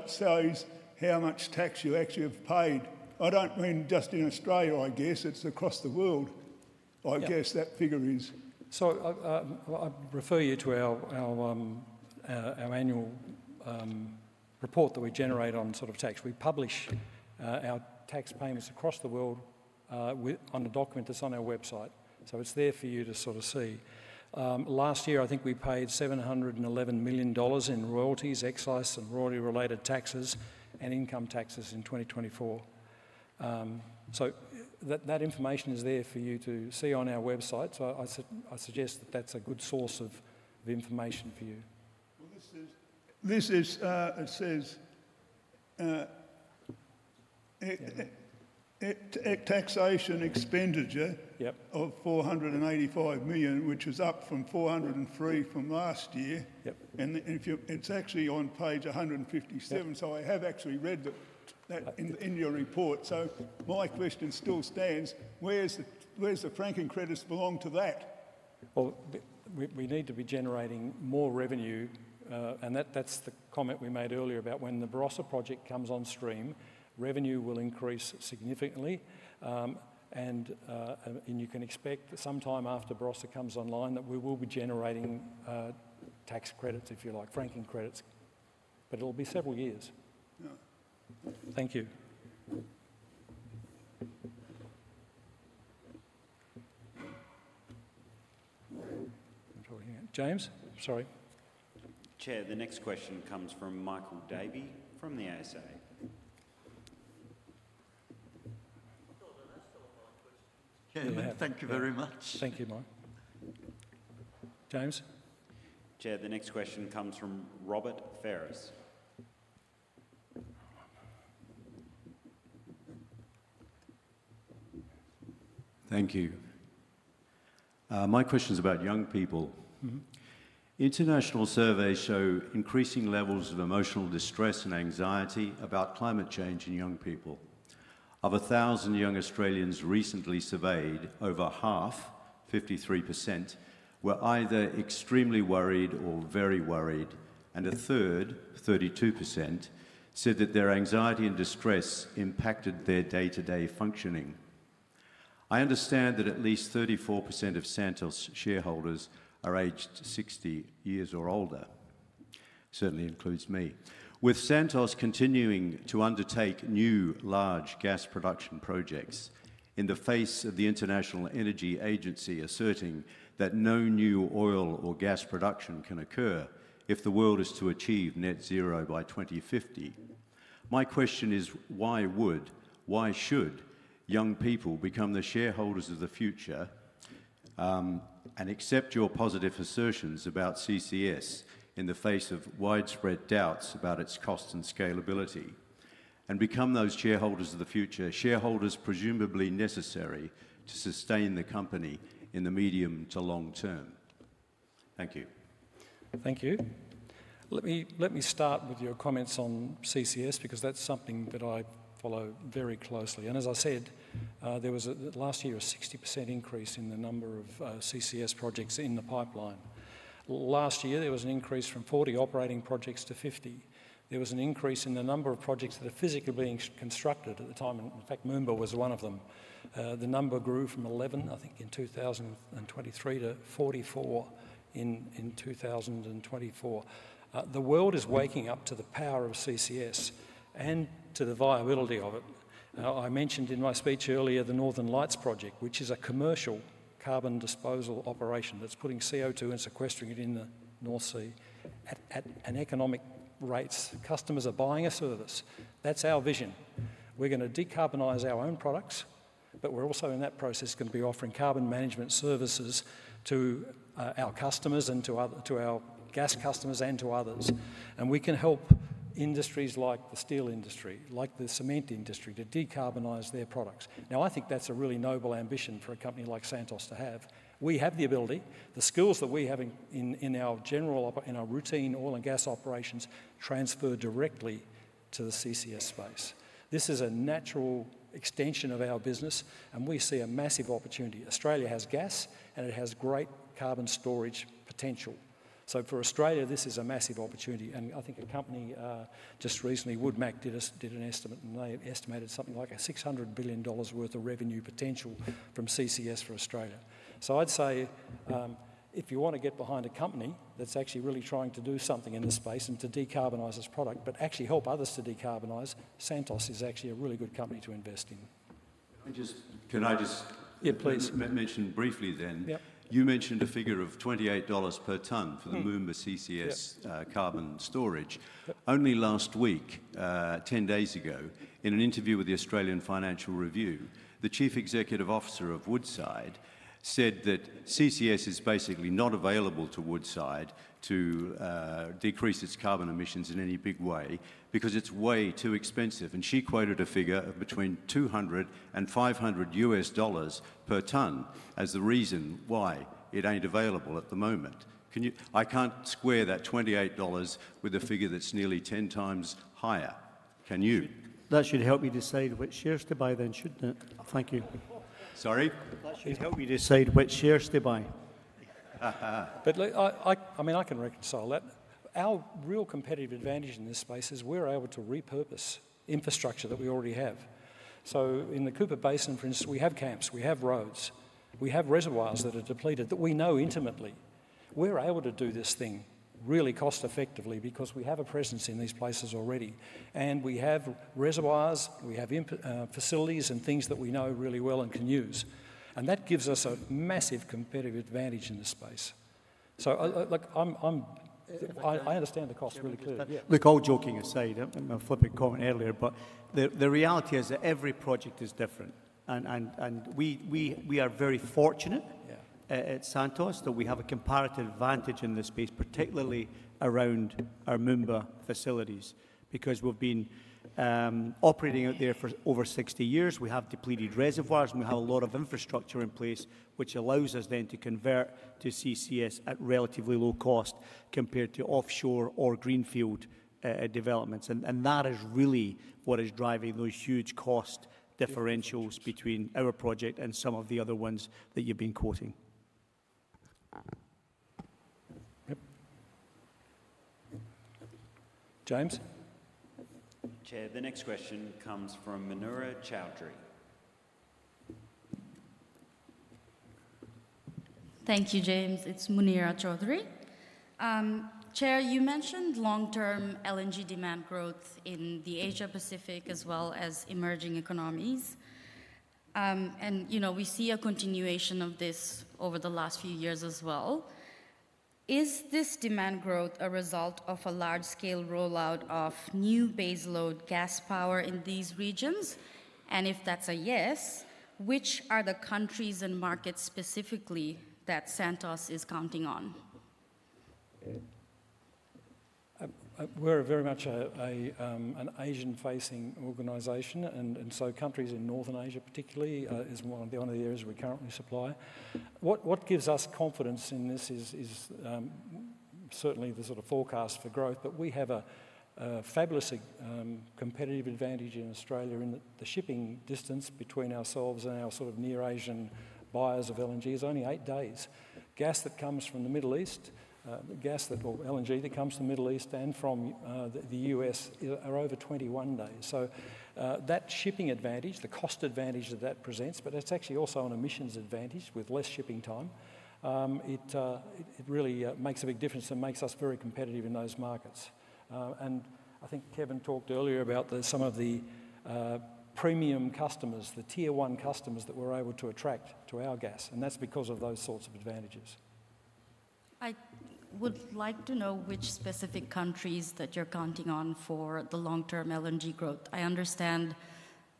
shows how much tax you actually have paid. I don't mean just in Australia, I guess. It's across the world, I guess that figure is. I refer you to our Annual Report that we generate on sort of tax. We publish our tax payments across the world on the document that's on our website. It's there for you to sort of see. Last year, I think we paid 711 million dollars in royalties, excise, and royalty-related taxes and income taxes in 2024. That information is there for you to see on our website. I suggest that that's a good source of information for you. This is taxation expenditure of 485 million, which is up from 403 million from last year. It's actually on page 157. I have actually read that in your report. My question still stands. Where's the franking credits belong to that? We need to be generating more revenue. That's the comment we made earlier about when the Barossa project comes on stream, revenue will increase significantly. You can expect that sometime after Barossa comes online that we will be generating tax credits, if you like, franking credits. It will be several years. Thank you. James? Sorry. Chair, the next question comes from Michael Davey from the ASA. Thank you very much. Thank you, Mike. James? Chair, the next question comes from Robert Faris. Thank you. My question's about young people. International surveys show increasing levels of emotional distress and anxiety about climate change in young people. Of 1,000 young Australians recently surveyed, over half, 53%, were either extremely worried or very worried, and a third, 32%, said that their anxiety and distress impacted their day-to-day functioning. I understand that at least 34% of Santos shareholders are aged 60 years or older. Certainly includes me. With Santos continuing to undertake new large gas production projects in the face of the International Energy Agency asserting that no new oil or gas production can occur if the world is to achieve net zero by 2050, my question is, why would, why should young people become the shareholders of the future and accept your positive assertions about CCS in the face of widespread doubts about its cost and scalability and become those shareholders of the future, shareholders presumably necessary to sustain the company in the medium to long term? Thank you. Thank you. Let me start with your comments on CCS because that's something that I follow very closely. As I said, there was last year a 60% increase in the number of CCS projects in the pipeline. Last year, there was an increase from 40 operating projects to 50. There was an increase in the number of projects that are physically being constructed at the time. In fact, Moomba was one of them. The number grew from 11, I think, in 2023 to 44 in 2024. The world is waking up to the power of CCS and to the viability of it. I mentioned in my speech earlier the Northern Lights project, which is a commercial carbon disposal operation that's putting CO2 and sequestering it in the North Sea at an economic rate. Customers are buying a service. That's our vision. We're going to decarbonize our own products, but we're also in that process going to be offering carbon management services to our customers and to our gas customers and to others. We can help industries like the steel industry, like the cement industry, to decarbonize their products. Now, I think that's a really noble ambition for a company like Santos to have. We have the ability. The skills that we have in our general routine oil and gas operations transfer directly to the CCS space. This is a natural extension of our business, and we see a massive opportunity. Australia has gas, and it has great carbon storage potential. For Australia, this is a massive opportunity. I think a company just recently, WoodMac, did an estimate, and they estimated something like 600 billion dollars worth of revenue potential from CCS for Australia. I'd say if you want to get behind a company that's actually really trying to do something in this space and to decarbonize its product, but actually help others to decarbonize, Santos is actually a really good company to invest in. Can I just mention briefly then? You mentioned a figure of 28 dollars per ton for the Moomba CCS carbon storage. Only last week, 10 days ago, in an interview with the Australian Financial Review, the Chief Executive Officer of Woodside said that CCS is basically not available to Woodside to decrease its carbon emissions in any big way because it's way too expensive. She quoted a figure of between $200 and $500 per ton as the reason why it ain't available at the moment. I can't square that 28 dollars with a figure that's nearly 10 times higher. Can you? That should help you decide which shares to buy then, shouldn't it? Thank you. Sorry? That should help you decide which shares to buy. I mean, I can reconcile that. Our real competitive advantage in this space is we're able to repurpose infrastructure that we already have. In the Cooper Basin, for instance, we have camps, we have roads, we have reservoirs that are depleted that we know intimately. We're able to do this thing really cost-effectively because we have a presence in these places already. We have reservoirs, we have facilities and things that we know really well and can use. That gives us a massive competitive advantage in this space. I understand the cost really clearly. Look, all joking aside, a flippant comment earlier, the reality is that every project is different. We are very fortunate at Santos that we have a comparative advantage in this space, particularly around our Moomba facilities, because we've been operating out there for over 60 years. We have depleted reservoirs, and we have a lot of infrastructure in place, which allows us then to convert to CCS at relatively low cost compared to offshore or greenfield developments. That is really what is driving those huge cost differentials between our project and some of the other ones that you've been quoting. James? Chair, the next question comes from Munira Chowdhury. Thank you, James. It's Munira Chowdhury. Chair, you mentioned long-term LNG demand growth in the Asia-Pacific as well as emerging economies. We see a continuation of this over the last few years as well. Is this demand growth a result of a large-scale rollout of new baseload gas power in these regions? If that's a yes, which are the countries and markets specifically that Santos is counting on? We're very much an Asian-facing organization, and so countries in Northern Asia particularly is one of the areas we currently supply. What gives us confidence in this is certainly the sort of forecast for growth, but we have a fabulous competitive advantage in Australia in that the shipping distance between ourselves and our sort of near-Asian buyers of LNG is only eight days. Gas that comes from the Middle East, gas or LNG that comes from the Middle East and from the U.S. are over 21 days. That shipping advantage, the cost advantage that that presents, but that's actually also an emissions advantage with less shipping time. It really makes a big difference and makes us very competitive in those markets. I think Kevin talked earlier about some of the premium customers, the tier-one customers that we're able to attract to our gas. That's because of those sorts of advantages. I would like to know which specific countries that you're counting on for the long-term LNG growth. I understand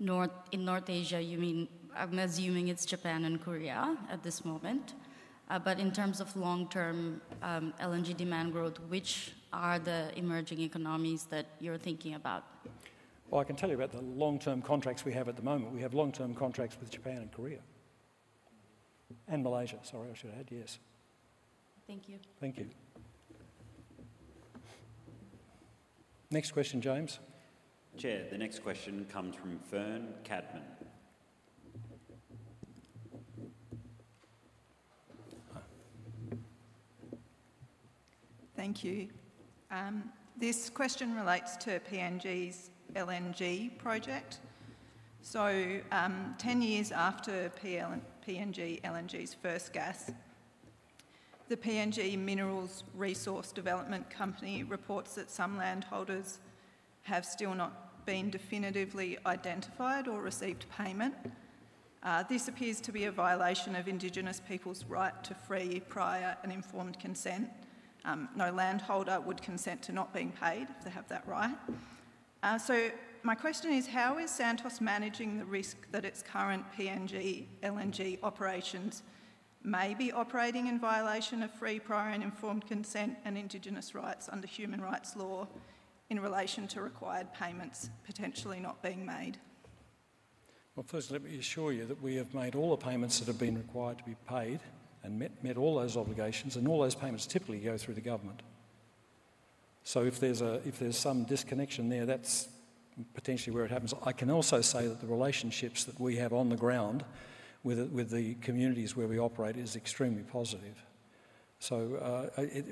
in North Asia, you mean, I'm assuming it's Japan and Korea at this moment. In terms of long-term LNG demand growth, which are the emerging economies that you're thinking about? I can tell you about the long-term contracts we have at the moment. We have long-term contracts with Japan and Korea. And Malaysia, sorry, I should add. Yes. Thank you. Thank you. Next question, James. Chair, the next question comes from Fern Cadman. Thank you. This question relates to PNG's LNG project. Ten years after PNG LNG's first gas, the PNG Minerals Resource Development Company reports that some landholders have still not been definitively identified or received payment. This appears to be a violation of Indigenous people's right to free prior and informed consent. No landholder would consent to not being paid if they have that right. My question is, how is Santos managing the risk that its current PNG LNG operations may be operating in violation of free prior and informed consent and Indigenous rights under human rights law in relation to required payments potentially not being made? First, let me assure you that we have made all the payments that have been required to be paid and met all those obligations. All those payments typically go through the government. If there's some disconnection there, that's potentially where it happens. I can also say that the relationships that we have on the ground with the communities where we operate is extremely positive. I do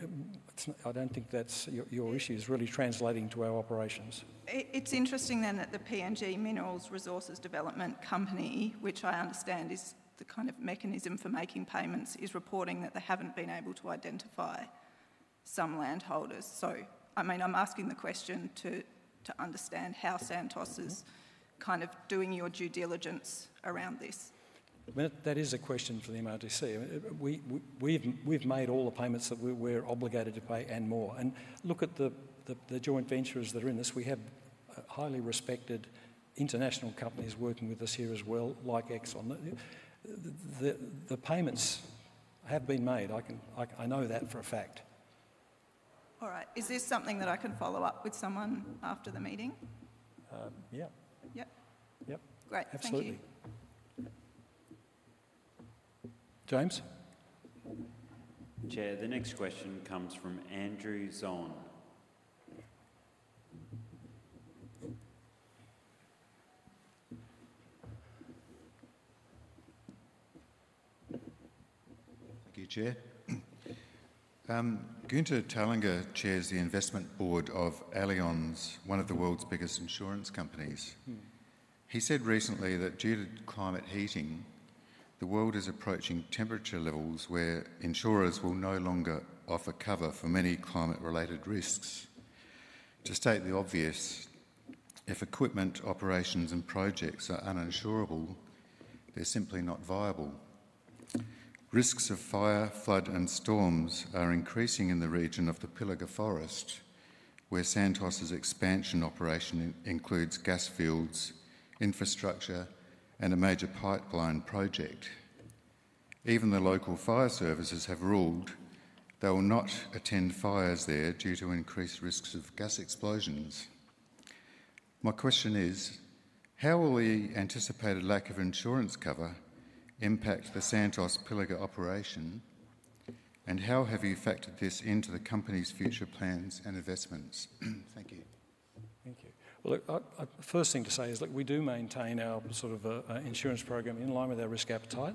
not think that your issue is really translating to our operations. It is interesting then that the PNG Minerals Resources Development Company, which I understand is the kind of mechanism for making payments, is reporting that they have not been able to identify some landholders. I mean, I am asking the question to understand how Santos is kind of doing your due diligence around this. That is a question for the MRDC. We have made all the payments that we are obligated to pay and more. Look at the joint ventures that are in this. We have highly respected international companies working with us here as well, like Exxon. The payments have been made. I know that for a fact. All right. Is this something that I can follow up with someone after the meeting? Yeah. Yep. Yep. Great. Thank you. Absolutely. James. Chair, the next question comes from Andrew Zorn. Thank you, Chair. Günther Thallinger chairs the investment board of Allianz, one of the world's biggest insurance companies. He said recently that due to climate heating, the world is approaching temperature levels where insurers will no longer offer cover for many climate-related risks. To state the obvious, if equipment, operations, and projects are uninsurable, they're simply not viable. Risks of fire, flood, and storms are increasing in the region of the Pilliga Forest, where Santos's expansion operation includes gas fields, infrastructure, and a major pipeline project. Even the local fire services have ruled they will not attend fires there due to increased risks of gas explosions. My question is, how will the anticipated lack of insurance cover impact the Santos Pilliga operation? How have you factored this into the company's future plans and investments? Thank you. Thank you. The first thing to say is we do maintain our sort of insurance program in line with our risk appetite.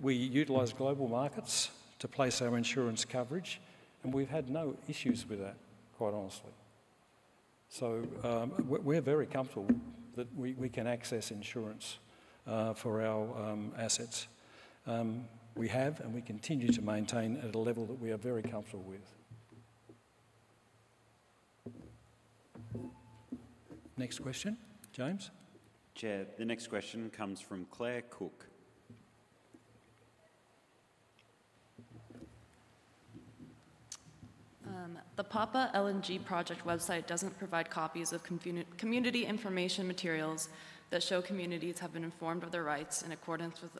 We utilize global markets to place our insurance coverage, and we've had no issues with that, quite honestly. We are very comfortable that we can access insurance for our assets. We have and we continue to maintain at a level that we are very comfortable with. Next question, James. Chair, the next question comes from Claire Cook. The Papua LNG project website does not provide copies of community information materials that show communities have been informed of their rights in accordance with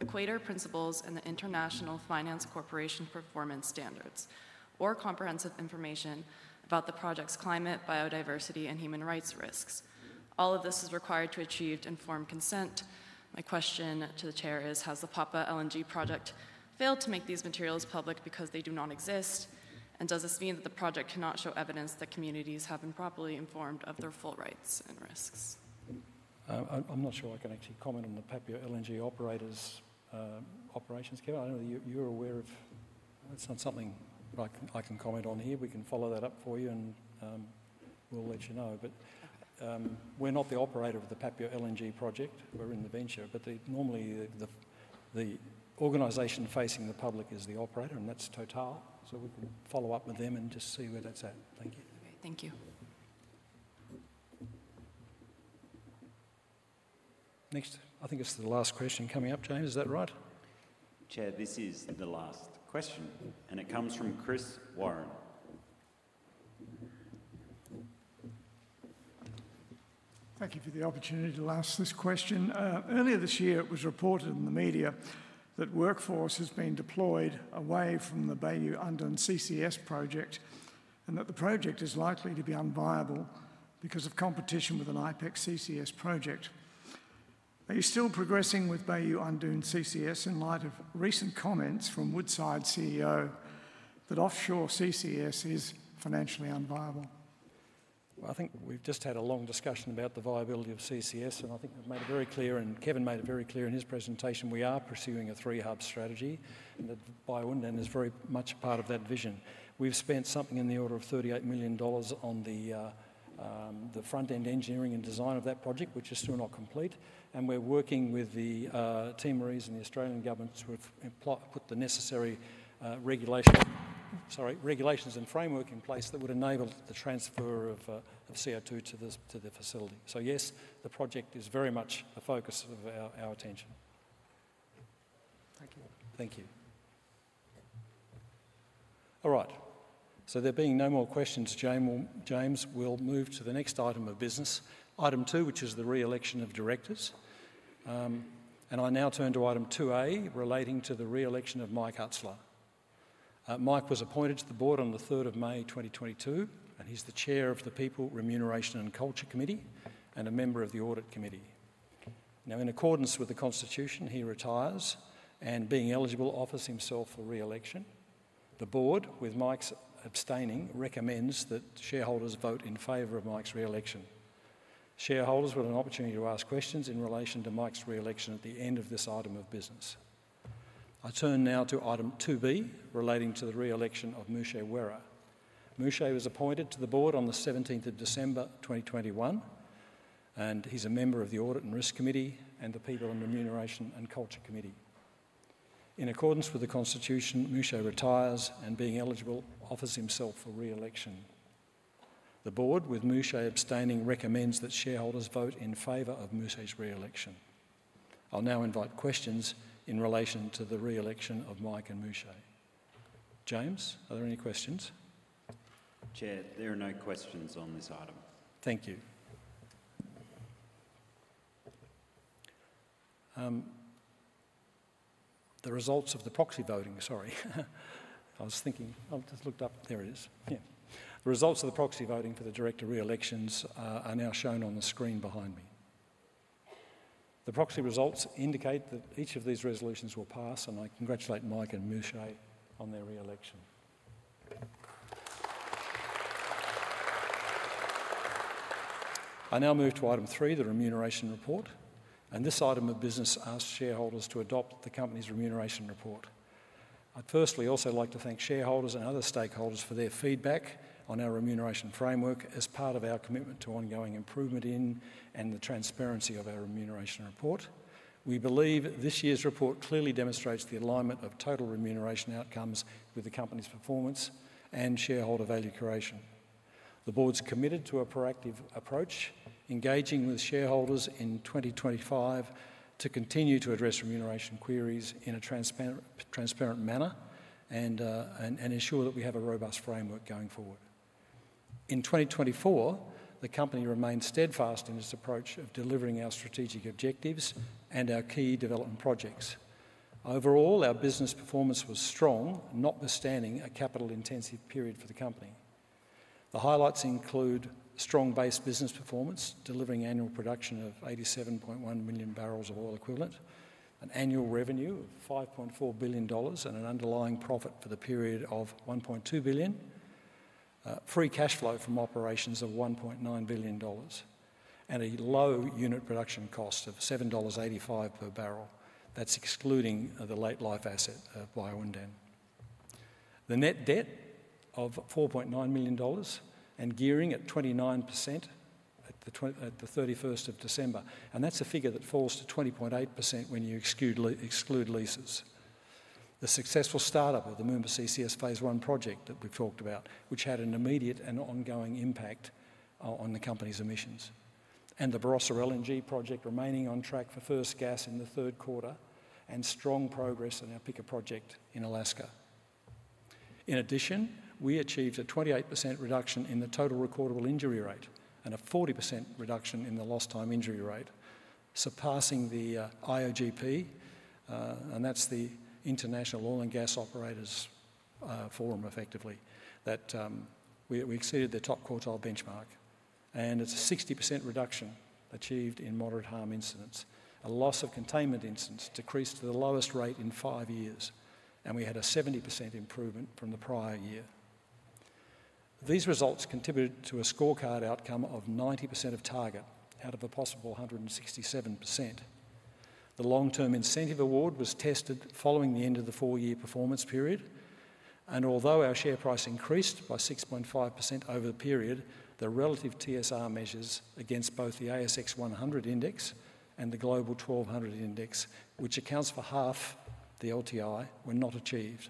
Equator Principles and the International Finance Corporation performance standards or comprehensive information about the project's climate, biodiversity, and human rights risks. All of this is required to achieve informed consent. My question to the Chair is, has the Papua LNG project failed to make these materials public because they do not exist? Does this mean that the project cannot show evidence that communities have been properly informed of their full rights and risks? I am not sure I can actually comment on the Papua LNG operator's operations. Kevin, I know that you are aware of it is not something I can comment on here. We can follow that up for you, and we will let you know. We are not the operator of the Papua LNG project. We're in the venture. Normally, the organization facing the public is the operator, and that's Total. We can follow up with them and just see where that's at. Thank you. Okay. Thank you. Next, I think it's the last question coming up, James. Is that right? Chair, this is the last question, and it comes from Chris Warren. Thank you for the opportunity to ask this question. Earlier this year, it was reported in the media that workforce has been deployed away from the Bayu-Undan CCS project and that the project is likely to be unviable because of competition with an INPEX CCS project. Are you still progressing with Bayu-Undan CCS in light of recent comments from Woodside's CEO that offshore CCS is financially unviable? I think we've just had a long discussion about the viability of CCS, and I think we've made it very clear, and Kevin made it very clear in his presentation, we are pursuing a three-hub strategy, and the Bayu-Undan is very much part of that vision. We've spent something in the order of 38 million dollars on the front-end engineering and design of that project, which is still not complete. We are working with the team and the Australian government to put the necessary regulations and framework in place that would enable the transfer of CO2 to the facility. Yes, the project is very much the focus of our attention. Thank you. Thank you. All right. There being no more questions, James, we'll move to the next item of business, item two, which is the re-election of directors. I now turn to item 2A relating to the re-election of Mike Utsler. Mike was appointed to the board on the 3rd of May, 2022, and he's the Chair of the People, Remuneration, and Culture Committee and a member of the Audit Committee. Now, in accordance with the Constitution, he retires and, being eligible, offers himself for re-election. The board, with Mike abstaining, recommends that shareholders vote in favor of Mike's re-election. Shareholders will have an opportunity to ask questions in relation to Mike's re-election at the end of this item of business. I turn now to item 2B relating to the re-election of Musje Werror. Musje was appointed to the board on the 17th of December, 2021, and he's a member of the Audit and Risk Committee and the People, Remuneration, and Culture Committee. In accordance with the Constitution, Musje Werror retires and being eligible, offers himself for re-election. The Board, with Musje abstaining, recommends that shareholders vote in favor of Musje's re-election. I'll now invite questions in relation to the re-election of Mike and Musje. James, are there any questions? Chair, there are no questions on this item. Thank you. The results of the proxy voting, sorry. I was thinking, I just looked up. There it is. Yeah. The results of the proxy voting for the director re-elections are now shown on the screen behind me. The proxy results indicate that each of these resolutions will pass, and I congratulate Mike and Musje on their re-election. I now move to item three, the remuneration report. This item of business asks shareholders to adopt the company's remuneration report. I'd firstly also like to thank shareholders and other stakeholders for their feedback on our remuneration framework as part of our commitment to ongoing improvement in and the transparency of our remuneration report. We believe this year's report clearly demonstrates the alignment of total remuneration outcomes with the company's performance and shareholder value creation. The board's committed to a proactive approach, engaging with shareholders in 2025 to continue to address remuneration queries in a transparent manner and ensure that we have a robust framework going forward. In 2024, the company remained steadfast in its approach of delivering our strategic objectives and our key development projects. Overall, our business performance was strong, notwithstanding a capital-intensive period for the company. The highlights include strong base business performance, delivering annual production of 87.1 million barrels of oil equivalent, an annual revenue of 5.4 billion dollars, and an underlying profit for the period of 1.2 billion, free cash flow from operations of 1.9 billion dollars, and a low unit production cost of 7.85 dollars per barrel. That is excluding the late-life asset of Bayu-Undan. The net debt of 4.9 million dollars and gearing at 29% at the 31st of December. That is a figure that falls to 20.8% when you exclude leases. The successful startup of the Moomba CCS Phase 1 project that we have talked about, which had an immediate and ongoing impact on the company's emissions. The Barossa LNG project remaining on track for first gas in the third quarter and strong progress in our Pikka project in Alaska. In addition, we achieved a 28% reduction in the total recordable injury rate and a 40% reduction in the lost-time injury rate, surpassing the IOGP, and that's the International Oil and Gas Operators Forum, effectively, that we exceeded the top quartile benchmark. It is a 60% reduction achieved in moderate harm incidents. A loss of containment incidents decreased to the lowest rate in five years, and we had a 70% improvement from the prior year. These results contributed to a scorecard outcome of 90% of target out of a possible 167%. The long-term incentive award was tested following the end of the four-year performance period. Although our share price increased by 6.5% over the period, the relative TSR measures against both the ASX 100 index and the Global 1200 index, which accounts for half the LTI, were not achieved.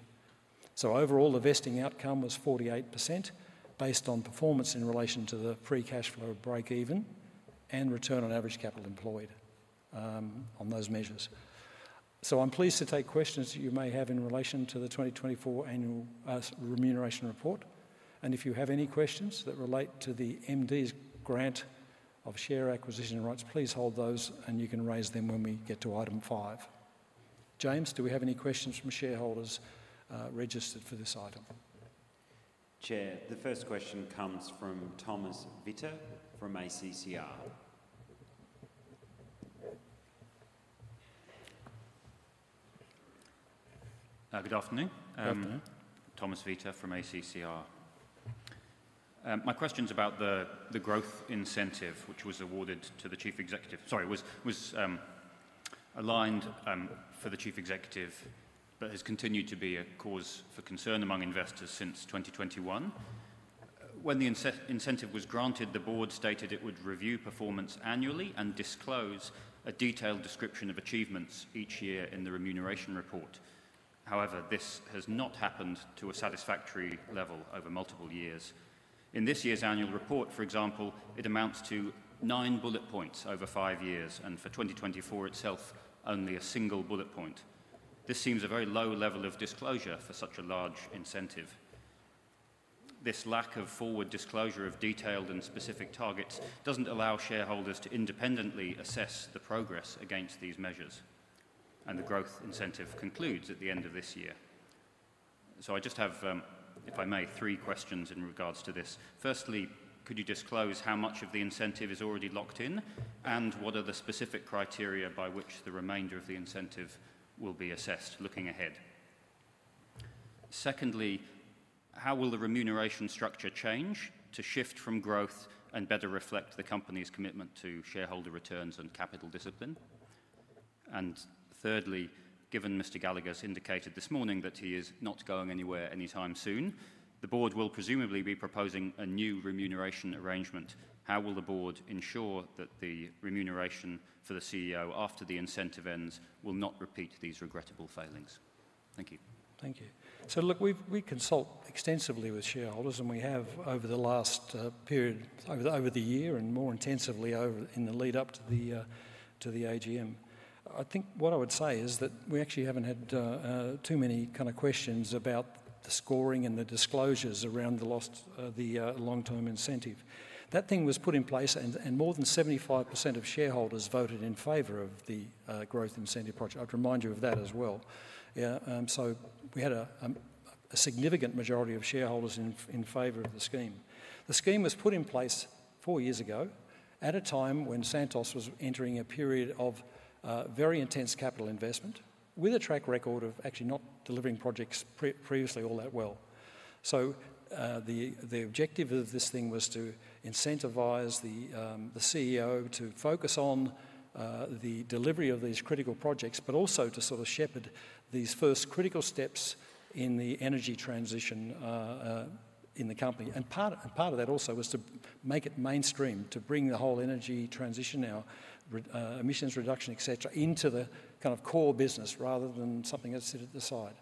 Overall, the vesting outcome was 48% based on performance in relation to the free cash flow break-even and return on average capital employed on those measures. I am pleased to take questions that you may have in relation to the 2024 Annual Remuneration Report. If you have any questions that relate to the MD's grant of Share Acquisition Rights, please hold those, and you can raise them when we get to item five. James, do we have any questions from shareholders registered for this item? Chair, the first question comes from Thomas Vitte from ACCR. Good afternoon. Thomas Vitte from ACCR. My question is about the Growth Incentive, which was awarded to the chief executive. Sorry, was aligned for the chief executive, but has continued to be a cause for concern among investors since 2021. When the incentive was granted, the board stated it would review performance annually and disclose a detailed description of achievements each year in the remuneration report. However, this has not happened to a satisfactory level over multiple years. In this year's Annual Report, for example, it amounts to nine bullet points over five years, and for 2024 itself, only a single bullet point. This seems a very low level of disclosure for such a large incentive. This lack of forward disclosure of detailed and specific targets doesn't allow shareholders to independently assess the progress against these measures. The Growth Incentive concludes at the end of this year. I just have, if I may, three questions in regards to this. Firstly, could you disclose how much of the incentive is already locked in, and what are the specific criteria by which the remainder of the incentive will be assessed looking ahead? Secondly, how will the remuneration structure change to shift from growth and better reflect the company's commitment to shareholder returns and capital discipline? Thirdly, given Mr. Gallagher indicated this morning that he is not going anywhere anytime soon, the board will presumably be proposing a new remuneration arrangement. How will the board ensure that the remuneration for the CEO after the incentive ends will not repeat these regrettable failings? Thank you. Thank you. We consult extensively with shareholders, and we have over the last period, over the year and more intensively in the lead-up to the AGM. I think what I would say is that we actually haven't had too many kind of questions about the scoring and the disclosures around the long-term incentive. That thing was put in place, and more than 75% of shareholders voted in favor of the Growth Incentive project. I'd remind you of that as well. Yeah. We had a significant majority of shareholders in favor of the scheme. The scheme was put in place four years ago at a time when Santos was entering a period of very intense capital investment with a track record of actually not delivering projects previously all that well. The objective of this thing was to incentivize the CEO to focus on the delivery of these critical projects, but also to sort of shepherd these first critical steps in the energy transition in the company. Part of that also was to make it mainstream, to bring the whole energy transition, emissions reduction, etc., into the kind of core business rather than something that's set at the side.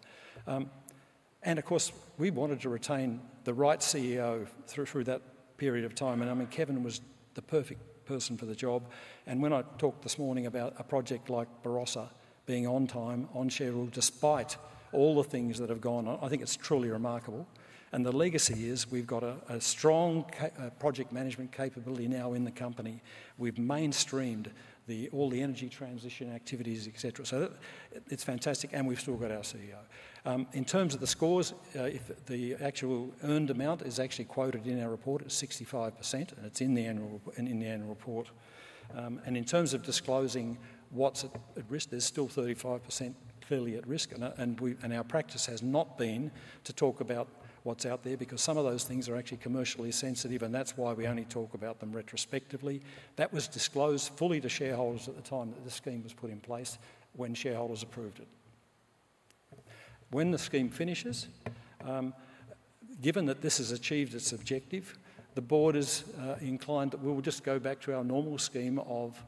Of course, we wanted to retain the right CEO through that period of time. I mean, Kevin was the perfect person for the job. When I talked this morning about a project like Barossa being on time, on schedule, despite all the things that have gone on, I think it's truly remarkable. The legacy is we've got a strong project management capability now in the company. We've mainstreamed all the energy transition activities, etc. It's fantastic, and we've still got our CEO. In terms of the scores, the actual earned amount is actually quoted in our report at 65%, and it's in the Annual Report. In terms of disclosing what's at risk, there's still 35% clearly at risk. Our practice has not been to talk about what's out there because some of those things are actually commercially sensitive, and that's why we only talk about them retrospectively. That was disclosed fully to shareholders at the time that the scheme was put in place when shareholders approved it. When the scheme finishes, given that this has achieved its objective, the board is inclined that we will just go back to our normal scheme of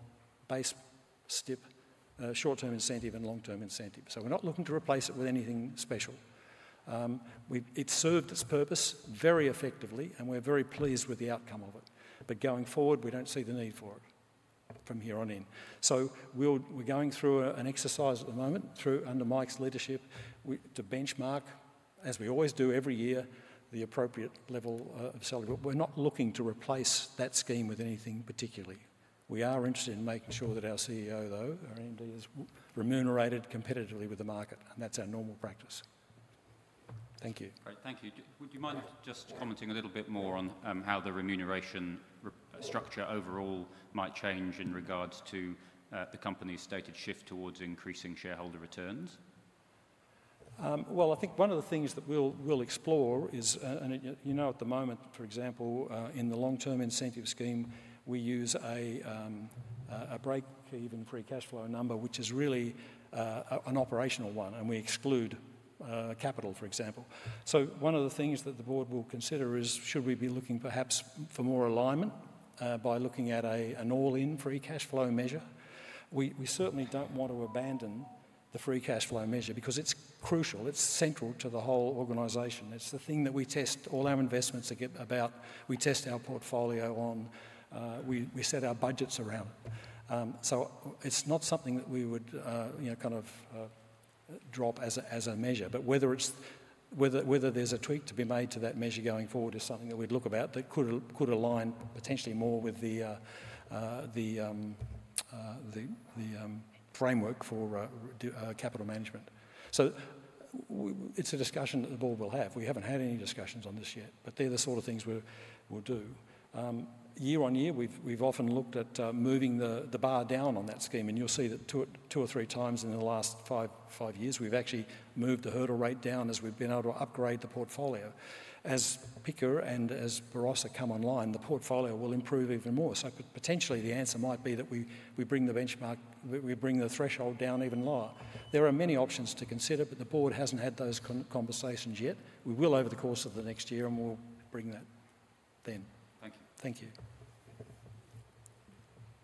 base STIP, Short-Term Incentive and long-term incentive. We're not looking to replace it with anything special. It served its purpose very effectively, and we're very pleased with the outcome of it. Going forward, we don't see the need for it from here on in. We're going through an exercise at the moment under Mike's leadership to benchmark, as we always do every year, the appropriate level of selling. We're not looking to replace that scheme with anything particularly. We are interested in making sure that our CEO, though, is remunerated competitively with the market, and that's our normal practice. Thank you. Great. Thank you. Would you mind just commenting a little bit more on how the remuneration structure overall might change in regards to the company's stated shift towards increasing shareholder returns? I think one of the things that we'll explore is, and you know at the moment, for example, in the long-term incentive scheme, we use a break-even free cash flow number, which is really an operational one, and we exclude capital, for example. One of the things that the board will consider is, should we be looking perhaps for more alignment by looking at an all-in free cash flow measure? We certainly do not want to abandon the free cash flow measure because it is crucial. It is central to the whole organization. It is the thing that we test all our investments about. We test our portfolio on. We set our budgets around. It is not something that we would kind of drop as a measure. Whether there is a tweak to be made to that measure going forward is something that we would look about that could align potentially more with the framework for capital management. It is a discussion that the board will have. We have not had any discussions on this yet, but they are the sort of things we will do. Year on year, we've often looked at moving the bar down on that scheme, and you'll see that two or three times in the last five years, we've actually moved the hurdle rate down as we've been able to upgrade the portfolio. As Pikka and as Barossa come online, the portfolio will improve even more. Potentially, the answer might be that we bring the threshold down even lower. There are many options to consider, but the board hasn't had those conversations yet. We will over the course of the next year, and we'll bring that then. Thank you. Thank you.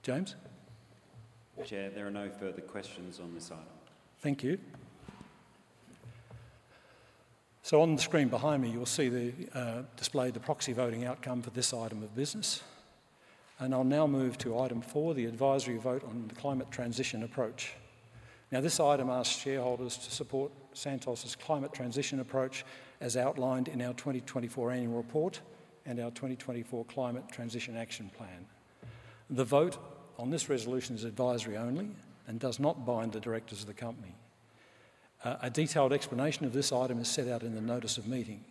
James? Chair, there are no further questions on this item. Thank you. On the screen behind me, you'll see displayed the proxy voting outcome for this item of business. I'll now move to item four, the advisory vote on the climate transition approach. Now, this item asks shareholders to support Santos's climate transition approach as outlined in our 2024 Annual Report and our 2024 Climate Transition Action Plan. The vote on this resolution is advisory only and does not bind the directors of the company. A detailed explanation of this item is set out in the notice of meeting.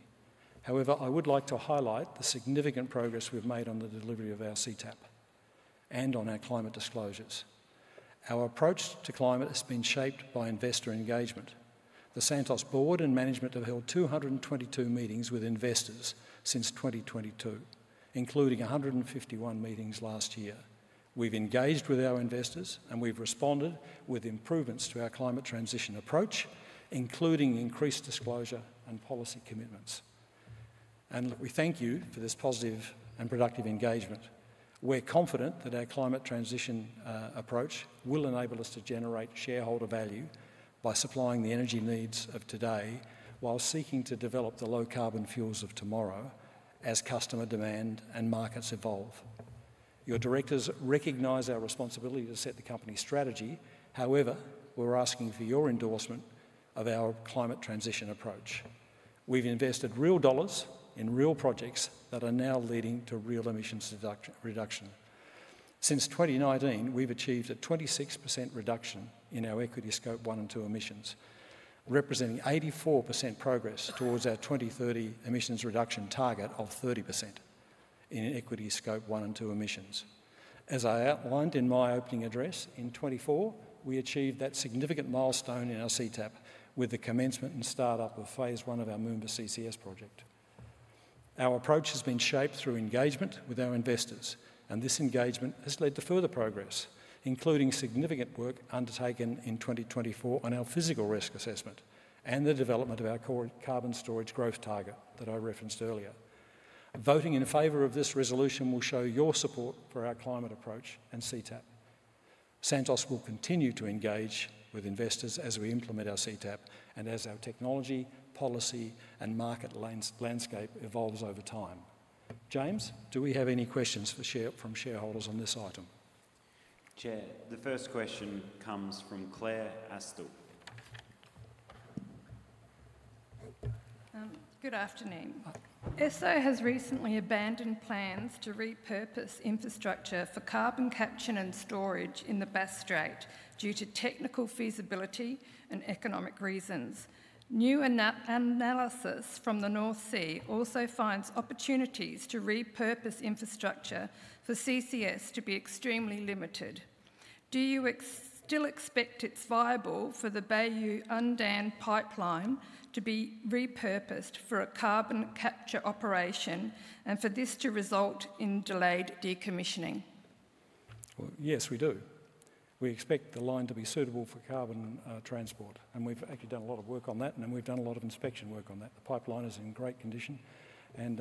However, I would like to highlight the significant progress we've made on the delivery of our CTAP and on our climate disclosures. Our approach to climate has been shaped by investor engagement. The Santos board and management have held 222 meetings with investors since 2022, including 151 meetings last year. We've engaged with our investors, and we've responded with improvements to our climate transition approach, including increased disclosure and policy commitments. We thank you for this positive and productive engagement. We're confident that our climate transition approach will enable us to generate shareholder value by supplying the energy needs of today while seeking to develop the low carbon fuels of tomorrow as customer demand and markets evolve. Your directors recognize our responsibility to set the company's strategy. However, we're asking for your endorsement of our climate transition approach. We've invested real dollars in real projects that are now leading to real emissions reduction. Since 2019, we've achieved a 26% reduction in our equity Scope 1 and 2 emissions, representing 84% progress towards our 2030 emissions reduction target of 30% in equity Scope 1 and 2 emissions. As I outlined in my opening address in 2024, we achieved that significant milestone in our CTAP with the commencement and startup of phase one of our Moomba CCS project. Our approach has been shaped through engagement with our investors, and this engagement has led to further progress, including significant work undertaken in 2024 on our physical risk assessment and the development of our core carbon storage growth target that I referenced earlier. Voting in favor of this resolution will show your support for our climate approach and CTAP. Santos will continue to engage with investors as we implement our CTAP and as our technology, policy, and market landscape evolves over time. James, do we have any questions from shareholders on this item? Chair, the first question comes from Claire Astell. Good afternoon. Esso has recently abandoned plans to repurpose infrastructure for carbon capture and storage in the Bass Strait due to technical feasibility and economic reasons. New analysis from the North Sea also finds opportunities to repurpose infrastructure for CCS to be extremely limited. Do you still expect it's viable for the Bayu-Undan pipeline to be repurposed for a carbon capture operation and for this to result in delayed decommissioning? Yes, we do. We expect the line to be suitable for carbon transport, and we've actually done a lot of work on that, and we've done a lot of inspection work on that. The pipeline is in great condition, and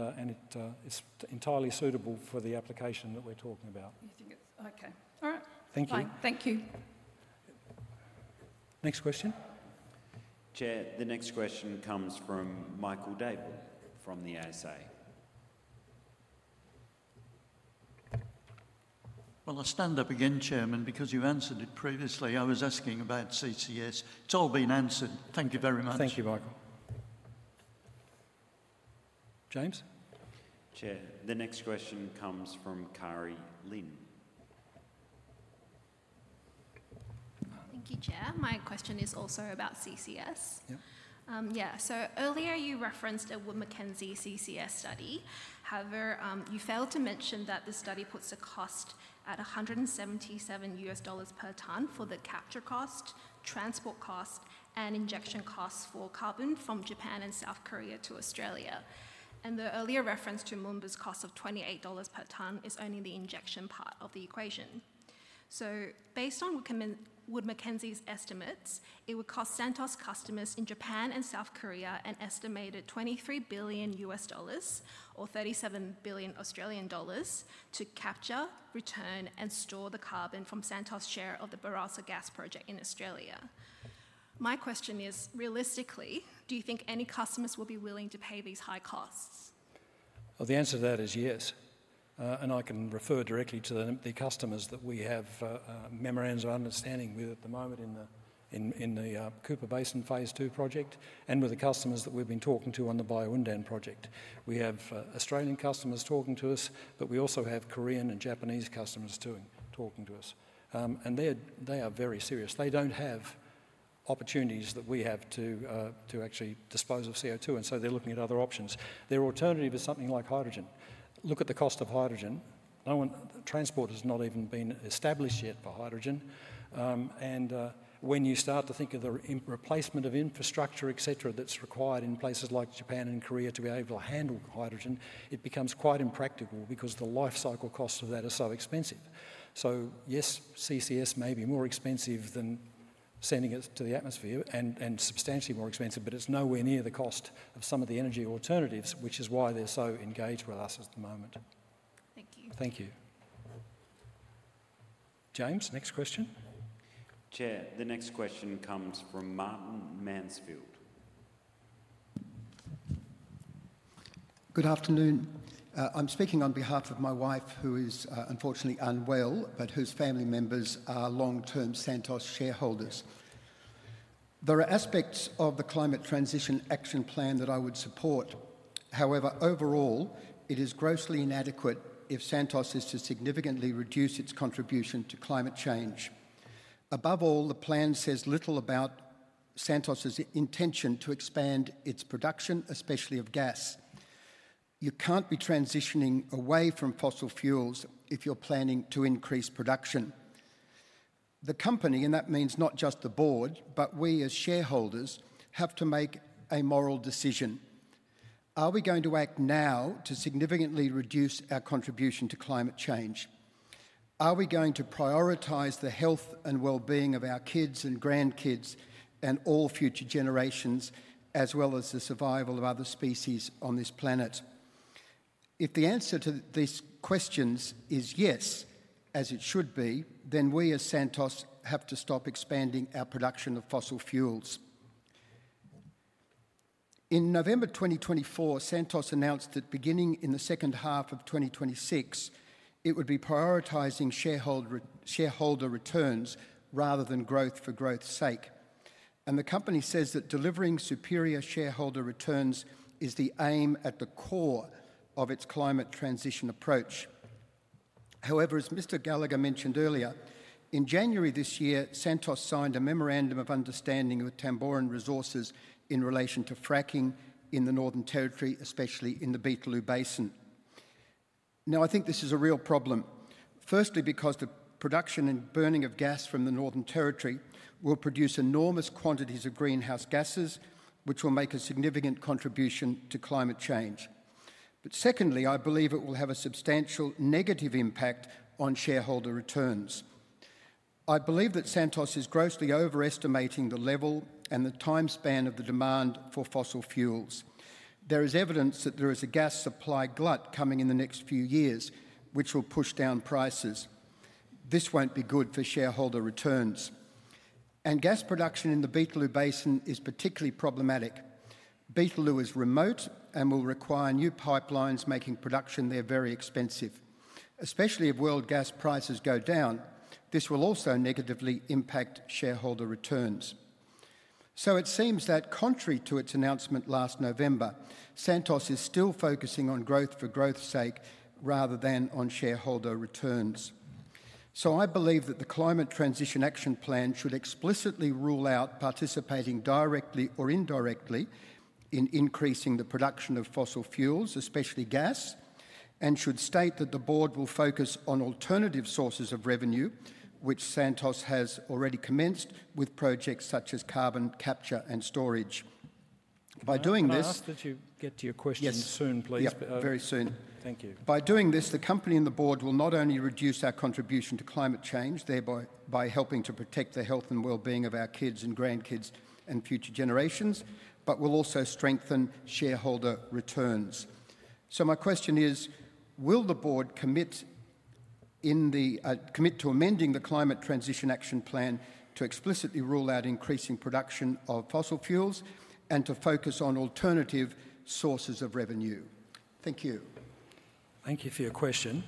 it's entirely suitable for the application that we're talking about. Okay. All right. Thank you. Thank you. Next question. Chair, the next question comes from Michael Davey from the ASA. I stand up again, Chairman, because you've answered it previously. I was asking about CCS. It's all been answered. Thank you very much. Thank you, Michael. James. Chair, the next question comes from Kari Lynn. Thank you, Chair. My question is also about CCS. Yeah. Earlier, you referenced a Wood Mackenzie CCS study. However, you failed to mention that the study puts a cost at AUD 177 per ton for the capture cost, transport cost, and injection costs for carbon from Japan and South Korea to Australia. The earlier reference to Moomba's cost of 28 dollars per ton is only the injection part of the equation. Based on Wood Mackenzie's estimates, it would cost Santos customers in Japan and South Korea an estimated AUD 23 billion or 37 billion Australian dollars to capture, return, and store the carbon from Santos' share of the Barossa gas project in Australia. My question is, realistically, do you think any customers will be willing to pay these high costs? The answer to that is yes. I can refer directly to the customers that we have memorandums of understanding. We're at the moment in the Cooper Basin phase two project and with the customers that we've been talking to on the Bayu-Undan project. We have Australian customers talking to us, but we also have Korean and Japanese customers talking to us. They are very serious. They do not have opportunities that we have to actually dispose of CO2, and they are looking at other options. Their alternative is something like hydrogen. Look at the cost of hydrogen. Transport has not even been established yet for hydrogen. When you start to think of the replacement of infrastructure, etc., that is required in places like Japan and Korea to be able to handle hydrogen, it becomes quite impractical because the life cycle costs of that are so expensive. Yes, CCS may be more expensive than sending it to the atmosphere and substantially more expensive, but it is nowhere near the cost of some of the energy alternatives, which is why they are so engaged with us at the moment. Thank you. Thank you. James, next question. Chair, the next question comes from Martin Mansfield. Good afternoon. I am speaking on behalf of my wife, who is unfortunately unwell, but whose family members are long-term Santos shareholders. There are aspects of the Climate Transition Action Plan that I would support. However, overall, it is grossly inadequate if Santos is to significantly reduce its contribution to climate change. Above all, the plan says little about Santos' intention to expand its production, especially of gas. You cannot be transitioning away from fossil fuels if you are planning to increase production. The company, and that means not just the board, but we as shareholders, have to make a moral decision. Are we going to act now to significantly reduce our contribution to climate change? Are we going to prioritize the health and well-being of our kids and grandkids and all future generations, as well as the survival of other species on this planet? If the answer to these questions is yes, as it should be, then we as Santos have to stop expanding our production of fossil fuels. In November 2024, Santos announced that beginning in the second half of 2026, it would be prioritizing shareholder returns rather than growth for growth's sake. The company says that delivering superior shareholder returns is the aim at the core of its climate transition approach. However, as Mr. Gallagher mentioned earlier, in January this year, Santos signed a memorandum of understanding with Tamboran Resources in relation to fracking in the Northern Territory, especially in the Beetaloo Basin. Now, I think this is a real problem, firstly because the production and burning of gas from the Northern Territory will produce enormous quantities of greenhouse gases, which will make a significant contribution to climate change. Secondly, I believe it will have a substantial negative impact on shareholder returns. I believe that Santos is grossly overestimating the level and the time span of the demand for fossil fuels. There is evidence that there is a gas supply glut coming in the next few years, which will push down prices. This will not be good for shareholder returns. Gas production in the Beetaloo Basin is particularly problematic. Beetaloo is remote and will require new pipelines making production there very expensive. Especially if world gas prices go down, this will also negatively impact shareholder returns. It seems that, contrary to its announcement last November, Santos is still focusing on growth for growth's sake rather than on shareholder returns. I believe that the Climate Transition Action Plan should explicitly rule out participating directly or indirectly in increasing the production of fossil fuels, especially gas, and should state that the board will focus on alternative sources of revenue, which Santos has already commenced with projects such as carbon capture and storage. By doing this—. I'll ask that you get to your question soon, please. Yes, very soon. Thank you. By doing this, the company and the board will not only reduce our contribution to climate change thereby helping to protect the health and well-being of our kids and grandkids and future generations, but will also strengthen shareholder returns. My question is, will the board commit to amending the Climate Transition Action Plan to explicitly rule out increasing production of fossil fuels and to focus on alternative sources of revenue? Thank you. Thank you for your question.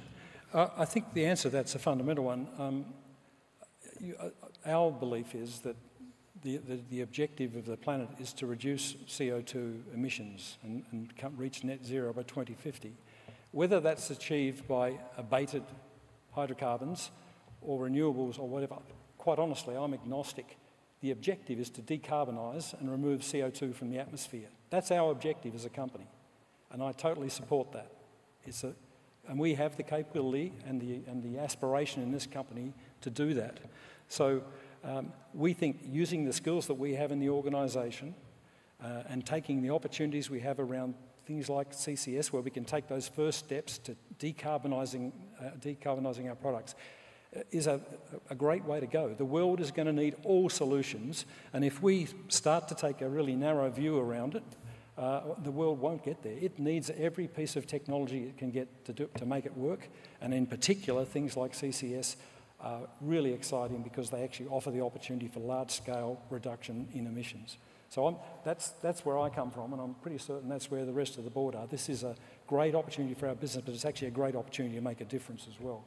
I think the answer to that is a fundamental one. Our belief is that the objective of the planet is to reduce CO2 emissions and reach net zero by 2050. Whether that is achieved by abated hydrocarbons or renewables or whatever, quite honestly, I am agnostic. The objective is to decarbonize and remove CO2 from the atmosphere. That is our objective as a company. I totally support that. We have the capability and the aspiration in this company to do that. We think using the skills that we have in the organization and taking the opportunities we have around things like CCS, where we can take those first steps to decarbonizing our products, is a great way to go. The world is going to need all solutions. If we start to take a really narrow view around it, the world won't get there. It needs every piece of technology it can get to make it work. In particular, things like CCS are really exciting because they actually offer the opportunity for large-scale reduction in emissions. That is where I come from, and I'm pretty certain that's where the rest of the board are. This is a great opportunity for our business, but it's actually a great opportunity to make a difference as well.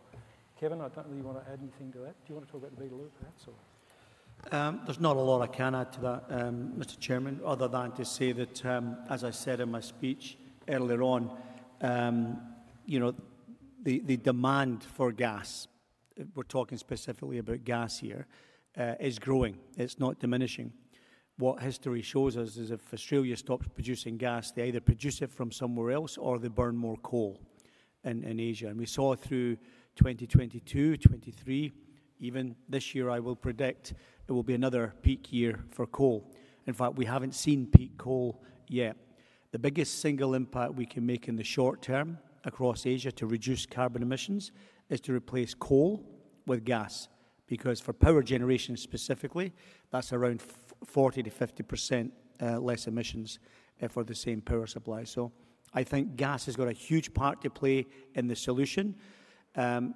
Kevin, I don't know if you want to add anything to that. Do you want to talk about the Beetaloo perhaps? There's not a lot I can add to that, Mr. Chairman, other than to say that, as I said in my speech earlier on, the demand for gas—we're talking specifically about gas here—is growing. It's not diminishing. What history shows us is if Australia stops producing gas, they either produce it from somewhere else or they burn more coal in Asia. We saw through 2022, 2023, even this year, I will predict it will be another peak year for coal. In fact, we haven't seen peak coal yet. The biggest single impact we can make in the short term across Asia to reduce carbon emissions is to replace coal with gas because for power generation specifically, that's around 40 to 50% less emissions for the same power supply. I think gas has got a huge part to play in the solution.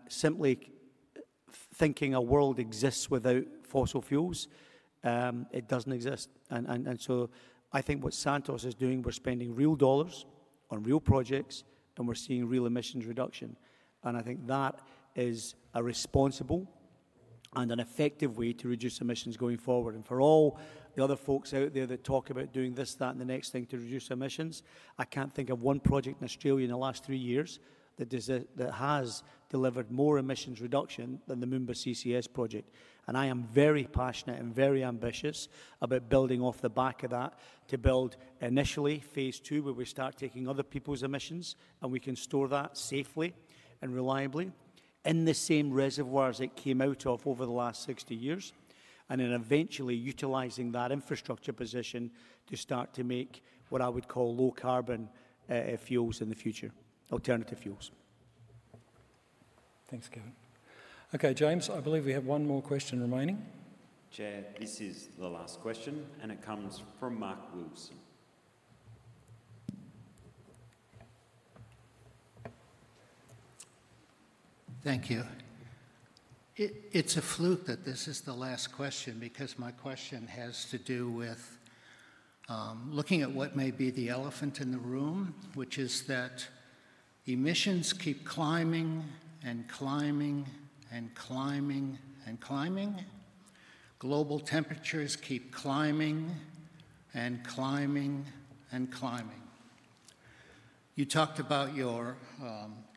Simply thinking a world exists without fossil fuels, it doesn't exist. I think what Santos is doing, we're spending real dollars on real projects, and we're seeing real emissions reduction. I think that is a responsible and an effective way to reduce emissions going forward. For all the other folks out there that talk about doing this, that, and the next thing to reduce emissions, I can't think of one project in Australia in the last three years that has delivered more emissions reduction than the Moomba CCS project. I am very passionate and very ambitious about building off the back of that to build initially phase two where we start taking other people's emissions and we can store that safely and reliably in the same reservoirs it came out of over the last 60 years and then eventually utilizing that infrastructure position to start to make what I would call low carbon fuels in the future, alternative fuels. Thanks, Kevin. Okay, James, I believe we have one more question remaining. Chair, this is the last question, and it comes from Mark Wilson. Thank you. It's a fluke that this is the last question because my question has to do with looking at what may be the elephant in the room, which is that emissions keep climbing and climbing and climbing and climbing. Global temperatures keep climbing and climbing and climbing. You talked about your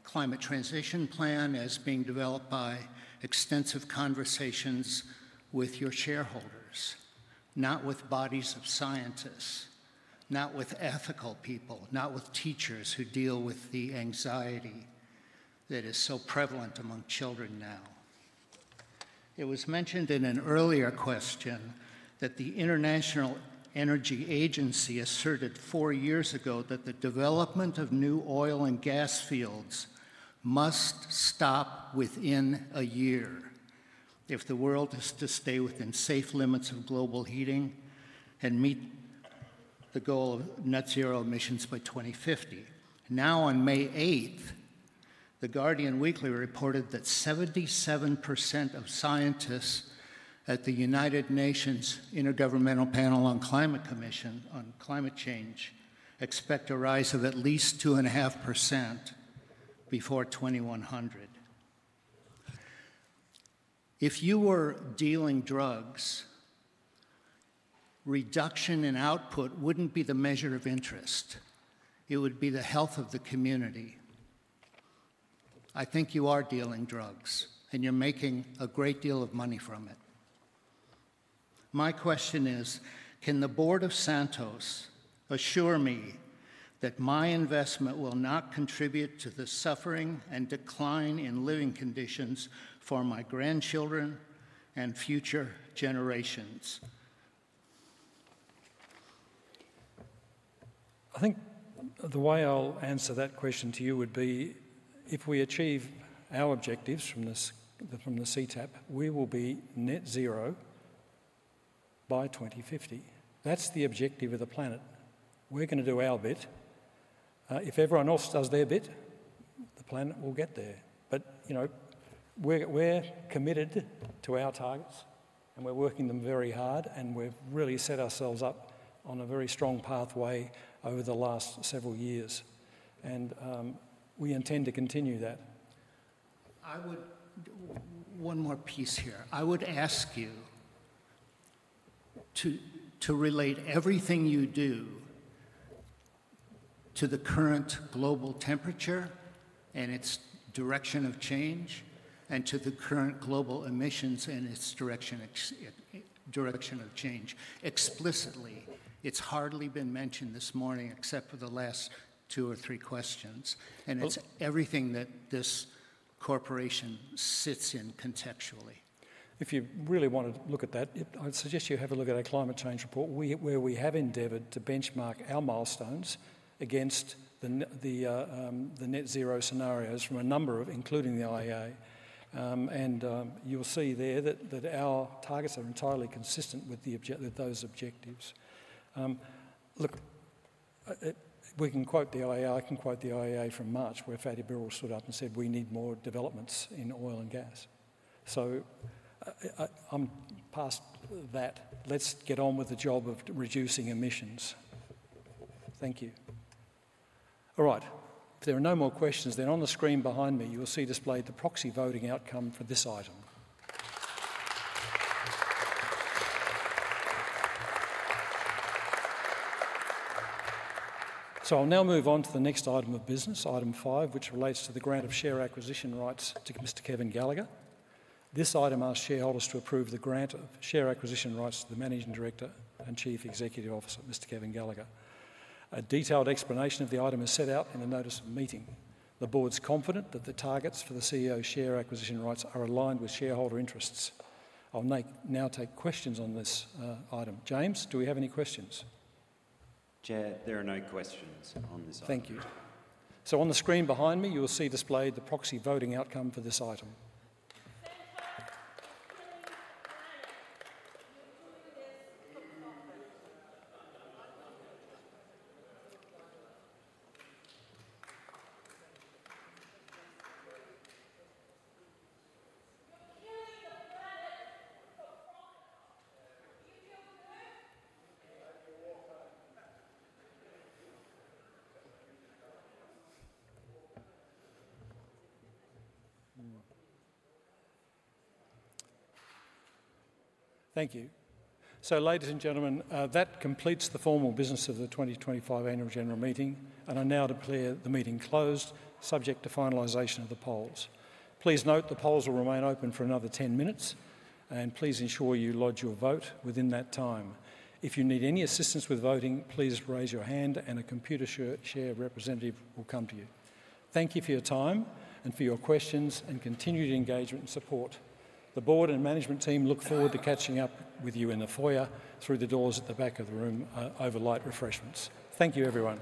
climate transition plan as being developed by extensive conversations with your shareholders, not with bodies of scientists, not with ethical people, not with teachers who deal with the anxiety that is so prevalent among children now. It was mentioned in an earlier question that the International Energy Agency asserted four years ago that the development of new oil and gas fields must stop within a year if the world is to stay within safe limits of global heating and meet the goal of net zero emissions by 2050. Now, on May 8th, The Guardian Weekly reported that 77% of scientists at the United Nations Intergovernmental Panel on Climate Change expect a rise of at least 2.5% before 2100. If you were dealing drugs, reduction in output would not be the measure of interest. It would be the health of the community. I think you are dealing drugs, and you're making a great deal of money from it. My question is, can the board of Santos assure me that my investment will not contribute to the suffering and decline in living conditions for my grandchildren and future generations? I think the way I'll answer that question to you would be if we achieve our objectives from the CTAP, we will be net zero by 2050. That's the objective of the planet. We're going to do our bit. If everyone else does their bit, the planet will get there. We're committed to our targets, and we're working them very hard, and we've really set ourselves up on a very strong pathway over the last several years. We intend to continue that. One more piece here. I would ask you to relate everything you do to the current global temperature and its direction of change and to the current global emissions and its direction of change. Explicitly, it's hardly been mentioned this morning except for the last two or three questions. And it's everything that this corporation sits in contextually. If you really want to look at that, I'd suggest you have a look at our climate change report where we have endeavored to benchmark our milestones against the net zero scenarios from a number of, including the IEA. And you'll see there that our targets are entirely consistent with those objectives. Look, we can quote the IEA. I can quote the IEA from March where Fatih Birol stood up and said, "We need more developments in oil and gas." So I'm past that. Let's get on with the job of reducing emissions. Thank you. All right. If there are no more questions, then on the screen behind me, you'll see displayed the proxy voting outcome for this item. I'll now move on to the next item of business, item five, which relates to the grant of Share Acquisition Rights to Mr. Kevin Gallagher. This item asks shareholders to approve the grant of Share Acquisition Rights to the Managing Director and Chief Executive Officer, Mr. Kevin Gallagher. A detailed explanation of the item is set out in the notice of meeting. The board is confident that the targets for the CEO's Share Acquisition Rights are aligned with shareholder interests. I'll now take questions on this item. James, do we have any questions? Chair, there are no questions on this item. Thank you. On the screen behind me, you'll see displayed the proxy voting outcome for this item. Thank you. Ladies and gentlemen, that completes the formal business of the 2025 Annual General Meeting. I now declare the meeting closed, subject to finalization of the polls. Please note the polls will remain open for another 10 minutes. Please ensure you lodge your vote within that time. If you need any assistance with voting, please raise your hand and a Computershare representative will come to you. Thank you for your time and for your questions and continued engagement and support. The board and management team look forward to catching up with you in the foyer through the doors at the back of the room over light refreshments. Thank you, everyone.